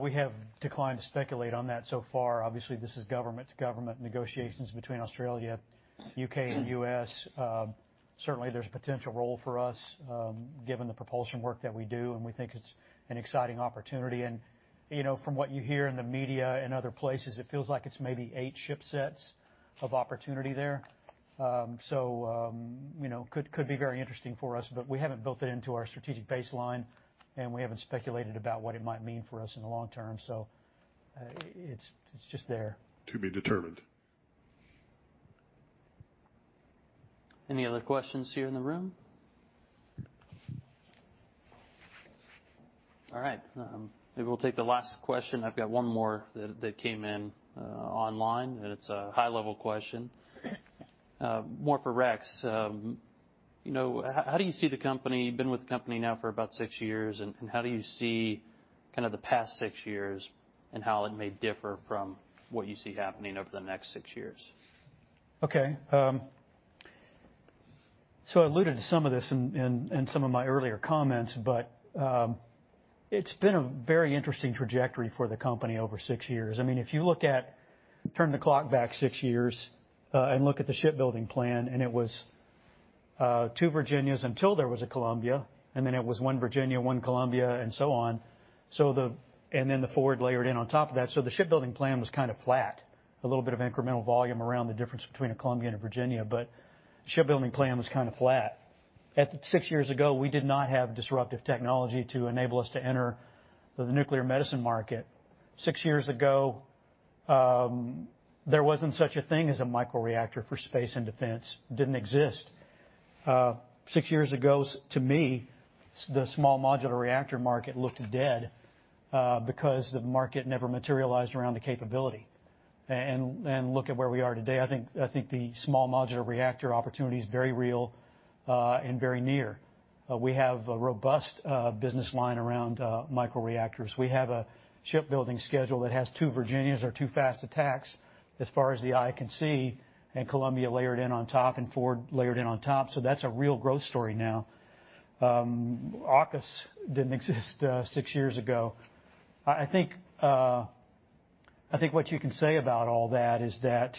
We have declined to speculate on that so far. Obviously, this is government to government negotiations between Australia, U.K., and U.S. Certainly there's a potential role for us, given the propulsion work that we do, and we think it's an exciting opportunity. You know, from what you hear in the media and other places, it feels like it's maybe eight ship sets of opportunity there. You know, could be very interesting for us, but we haven't built it into our strategic baseline, and we haven't speculated about what it might mean for us in the long term. It's just there. To be determined. Any other questions here in the room? All right. Maybe we'll take the last question. I've got one more that came in online, and it's a high-level question. More for Rex. You know, how do you see the company? You've been with the company now for about six years, and how do you see kind of the past six years and how it may differ from what you see happening over the next six years? Okay. I alluded to some of this in some of my earlier comments, but it's been a very interesting trajectory for the company over six years. I mean, if you look at turn the clock back six years and look at the shipbuilding plan, and it was two Virginias until there was a Columbia, and then it was one Virginia, one Columbia, and so on. The Ford layered in on top of that. The shipbuilding plan was kind of flat, a little bit of incremental volume around the difference between a Columbia and a Virginia, but the shipbuilding plan was kind of flat. Six years ago, we did not have disruptive technology to enable us to enter the nuclear medicine market. Six years ago, there wasn't such a thing as a microreactor for space and defense. It didn't exist. Six years ago, to me, the small modular reactor market looked dead, because the market never materialized around the capability. Look at where we are today. I think the small modular reactor opportunity is very real, and very near. We have a robust business line around microreactors. We have a shipbuilding schedule that has two Virginias or two fast attacks as far as the eye can see, and Columbia layered in on top and Ford layered in on top. That's a real growth story now. AUKUS didn't exist six years ago. I think what you can say about all that is that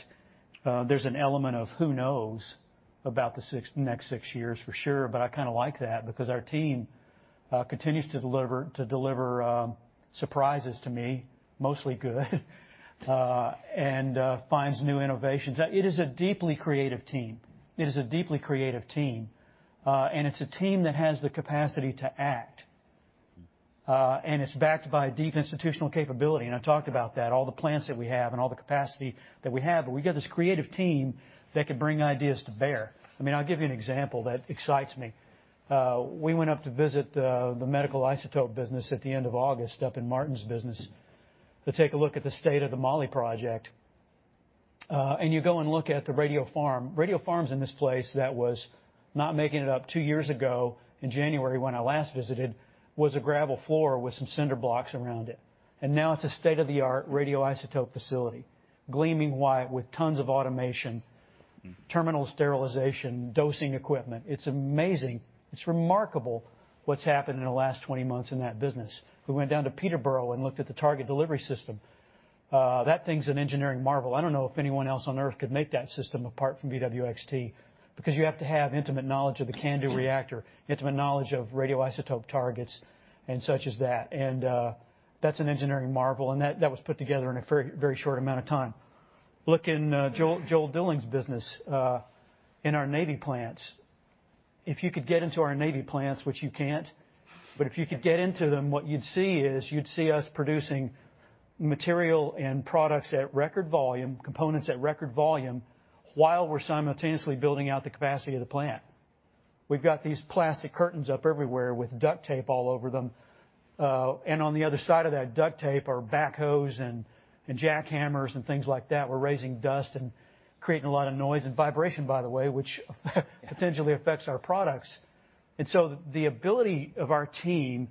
there's an element of who knows about the next six years for sure, but I kinda like that because our team continues to deliver surprises to me, mostly good, and finds new innovations. It is a deeply creative team, and it's a team that has the capacity to act. It's backed by a deep institutional capability, and I talked about that, all the plants that we have and all the capacity that we have, but we got this creative team that can bring ideas to bear. I mean, I'll give you an example that excites me. We went up to visit the medical isotope business at the end of August, up in Martyn's business, to take a look at the state of the moly project. You go and look at the radiopharm. Radiopharms in this place that was, not making it up, two years ago in January when I last visited, was a gravel floor with some cinder blocks around it. Now it's a state-of-the-art radioisotope facility, gleaming white with tons of automation, terminal sterilization, dosing equipment. It's amazing. It's remarkable what's happened in the last 20 months in that business. We went down to Peterborough and looked at the target delivery system. That thing's an engineering marvel. I don't know if anyone else on Earth could make that system apart from BWXT, because you have to have intimate knowledge of the CANDU reactor, intimate knowledge of radioisotope targets and such as that. That's an engineering marvel, and that was put together in a very, very short amount of time. Look in Joel Duling's business in our Navy plants. If you could get into our Navy plants, which you can't, but if you could get into them, what you'd see is you'd see us producing material and products at record volume, components at record volume, while we're simultaneously building out the capacity of the plant. We've got these plastic curtains up everywhere with duct tape all over them. On the other side of that duct tape are backhoes and jackhammers and things like that. We're raising dust and creating a lot of noise and vibration, by the way, which potentially affects our products. The ability of our team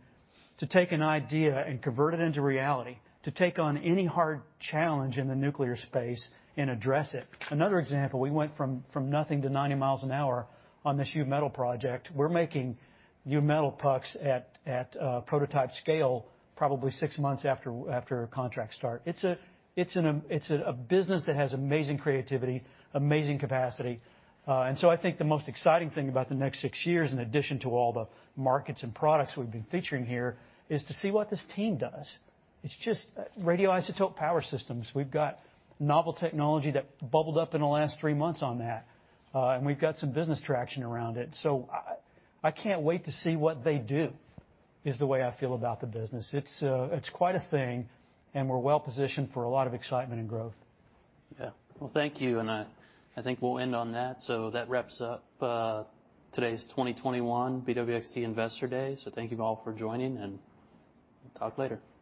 to take an idea and convert it into reality, to take on any hard challenge in the nuclear space and address it. Another example, we went from nothing to 90 miles an hour on this U-Metal project. We're making U-Metal pucks at prototype scale probably six months after contract start. It's a business that has amazing creativity, amazing capacity. I think the most exciting thing about the next six years, in addition to all the markets and products we've been featuring here, is to see what this team does. It's just radioisotope power systems. We've got novel technology that bubbled up in the last three months on that. We've got some business traction around it. I can't wait to see what they do, is the way I feel about the business. It's quite a thing, and we're well positioned for a lot of excitement and growth. Well, thank you, and I think we'll end on that. That wraps up today's 2021 BWXT Investor Day. Thank you all for joining, and we'll talk later.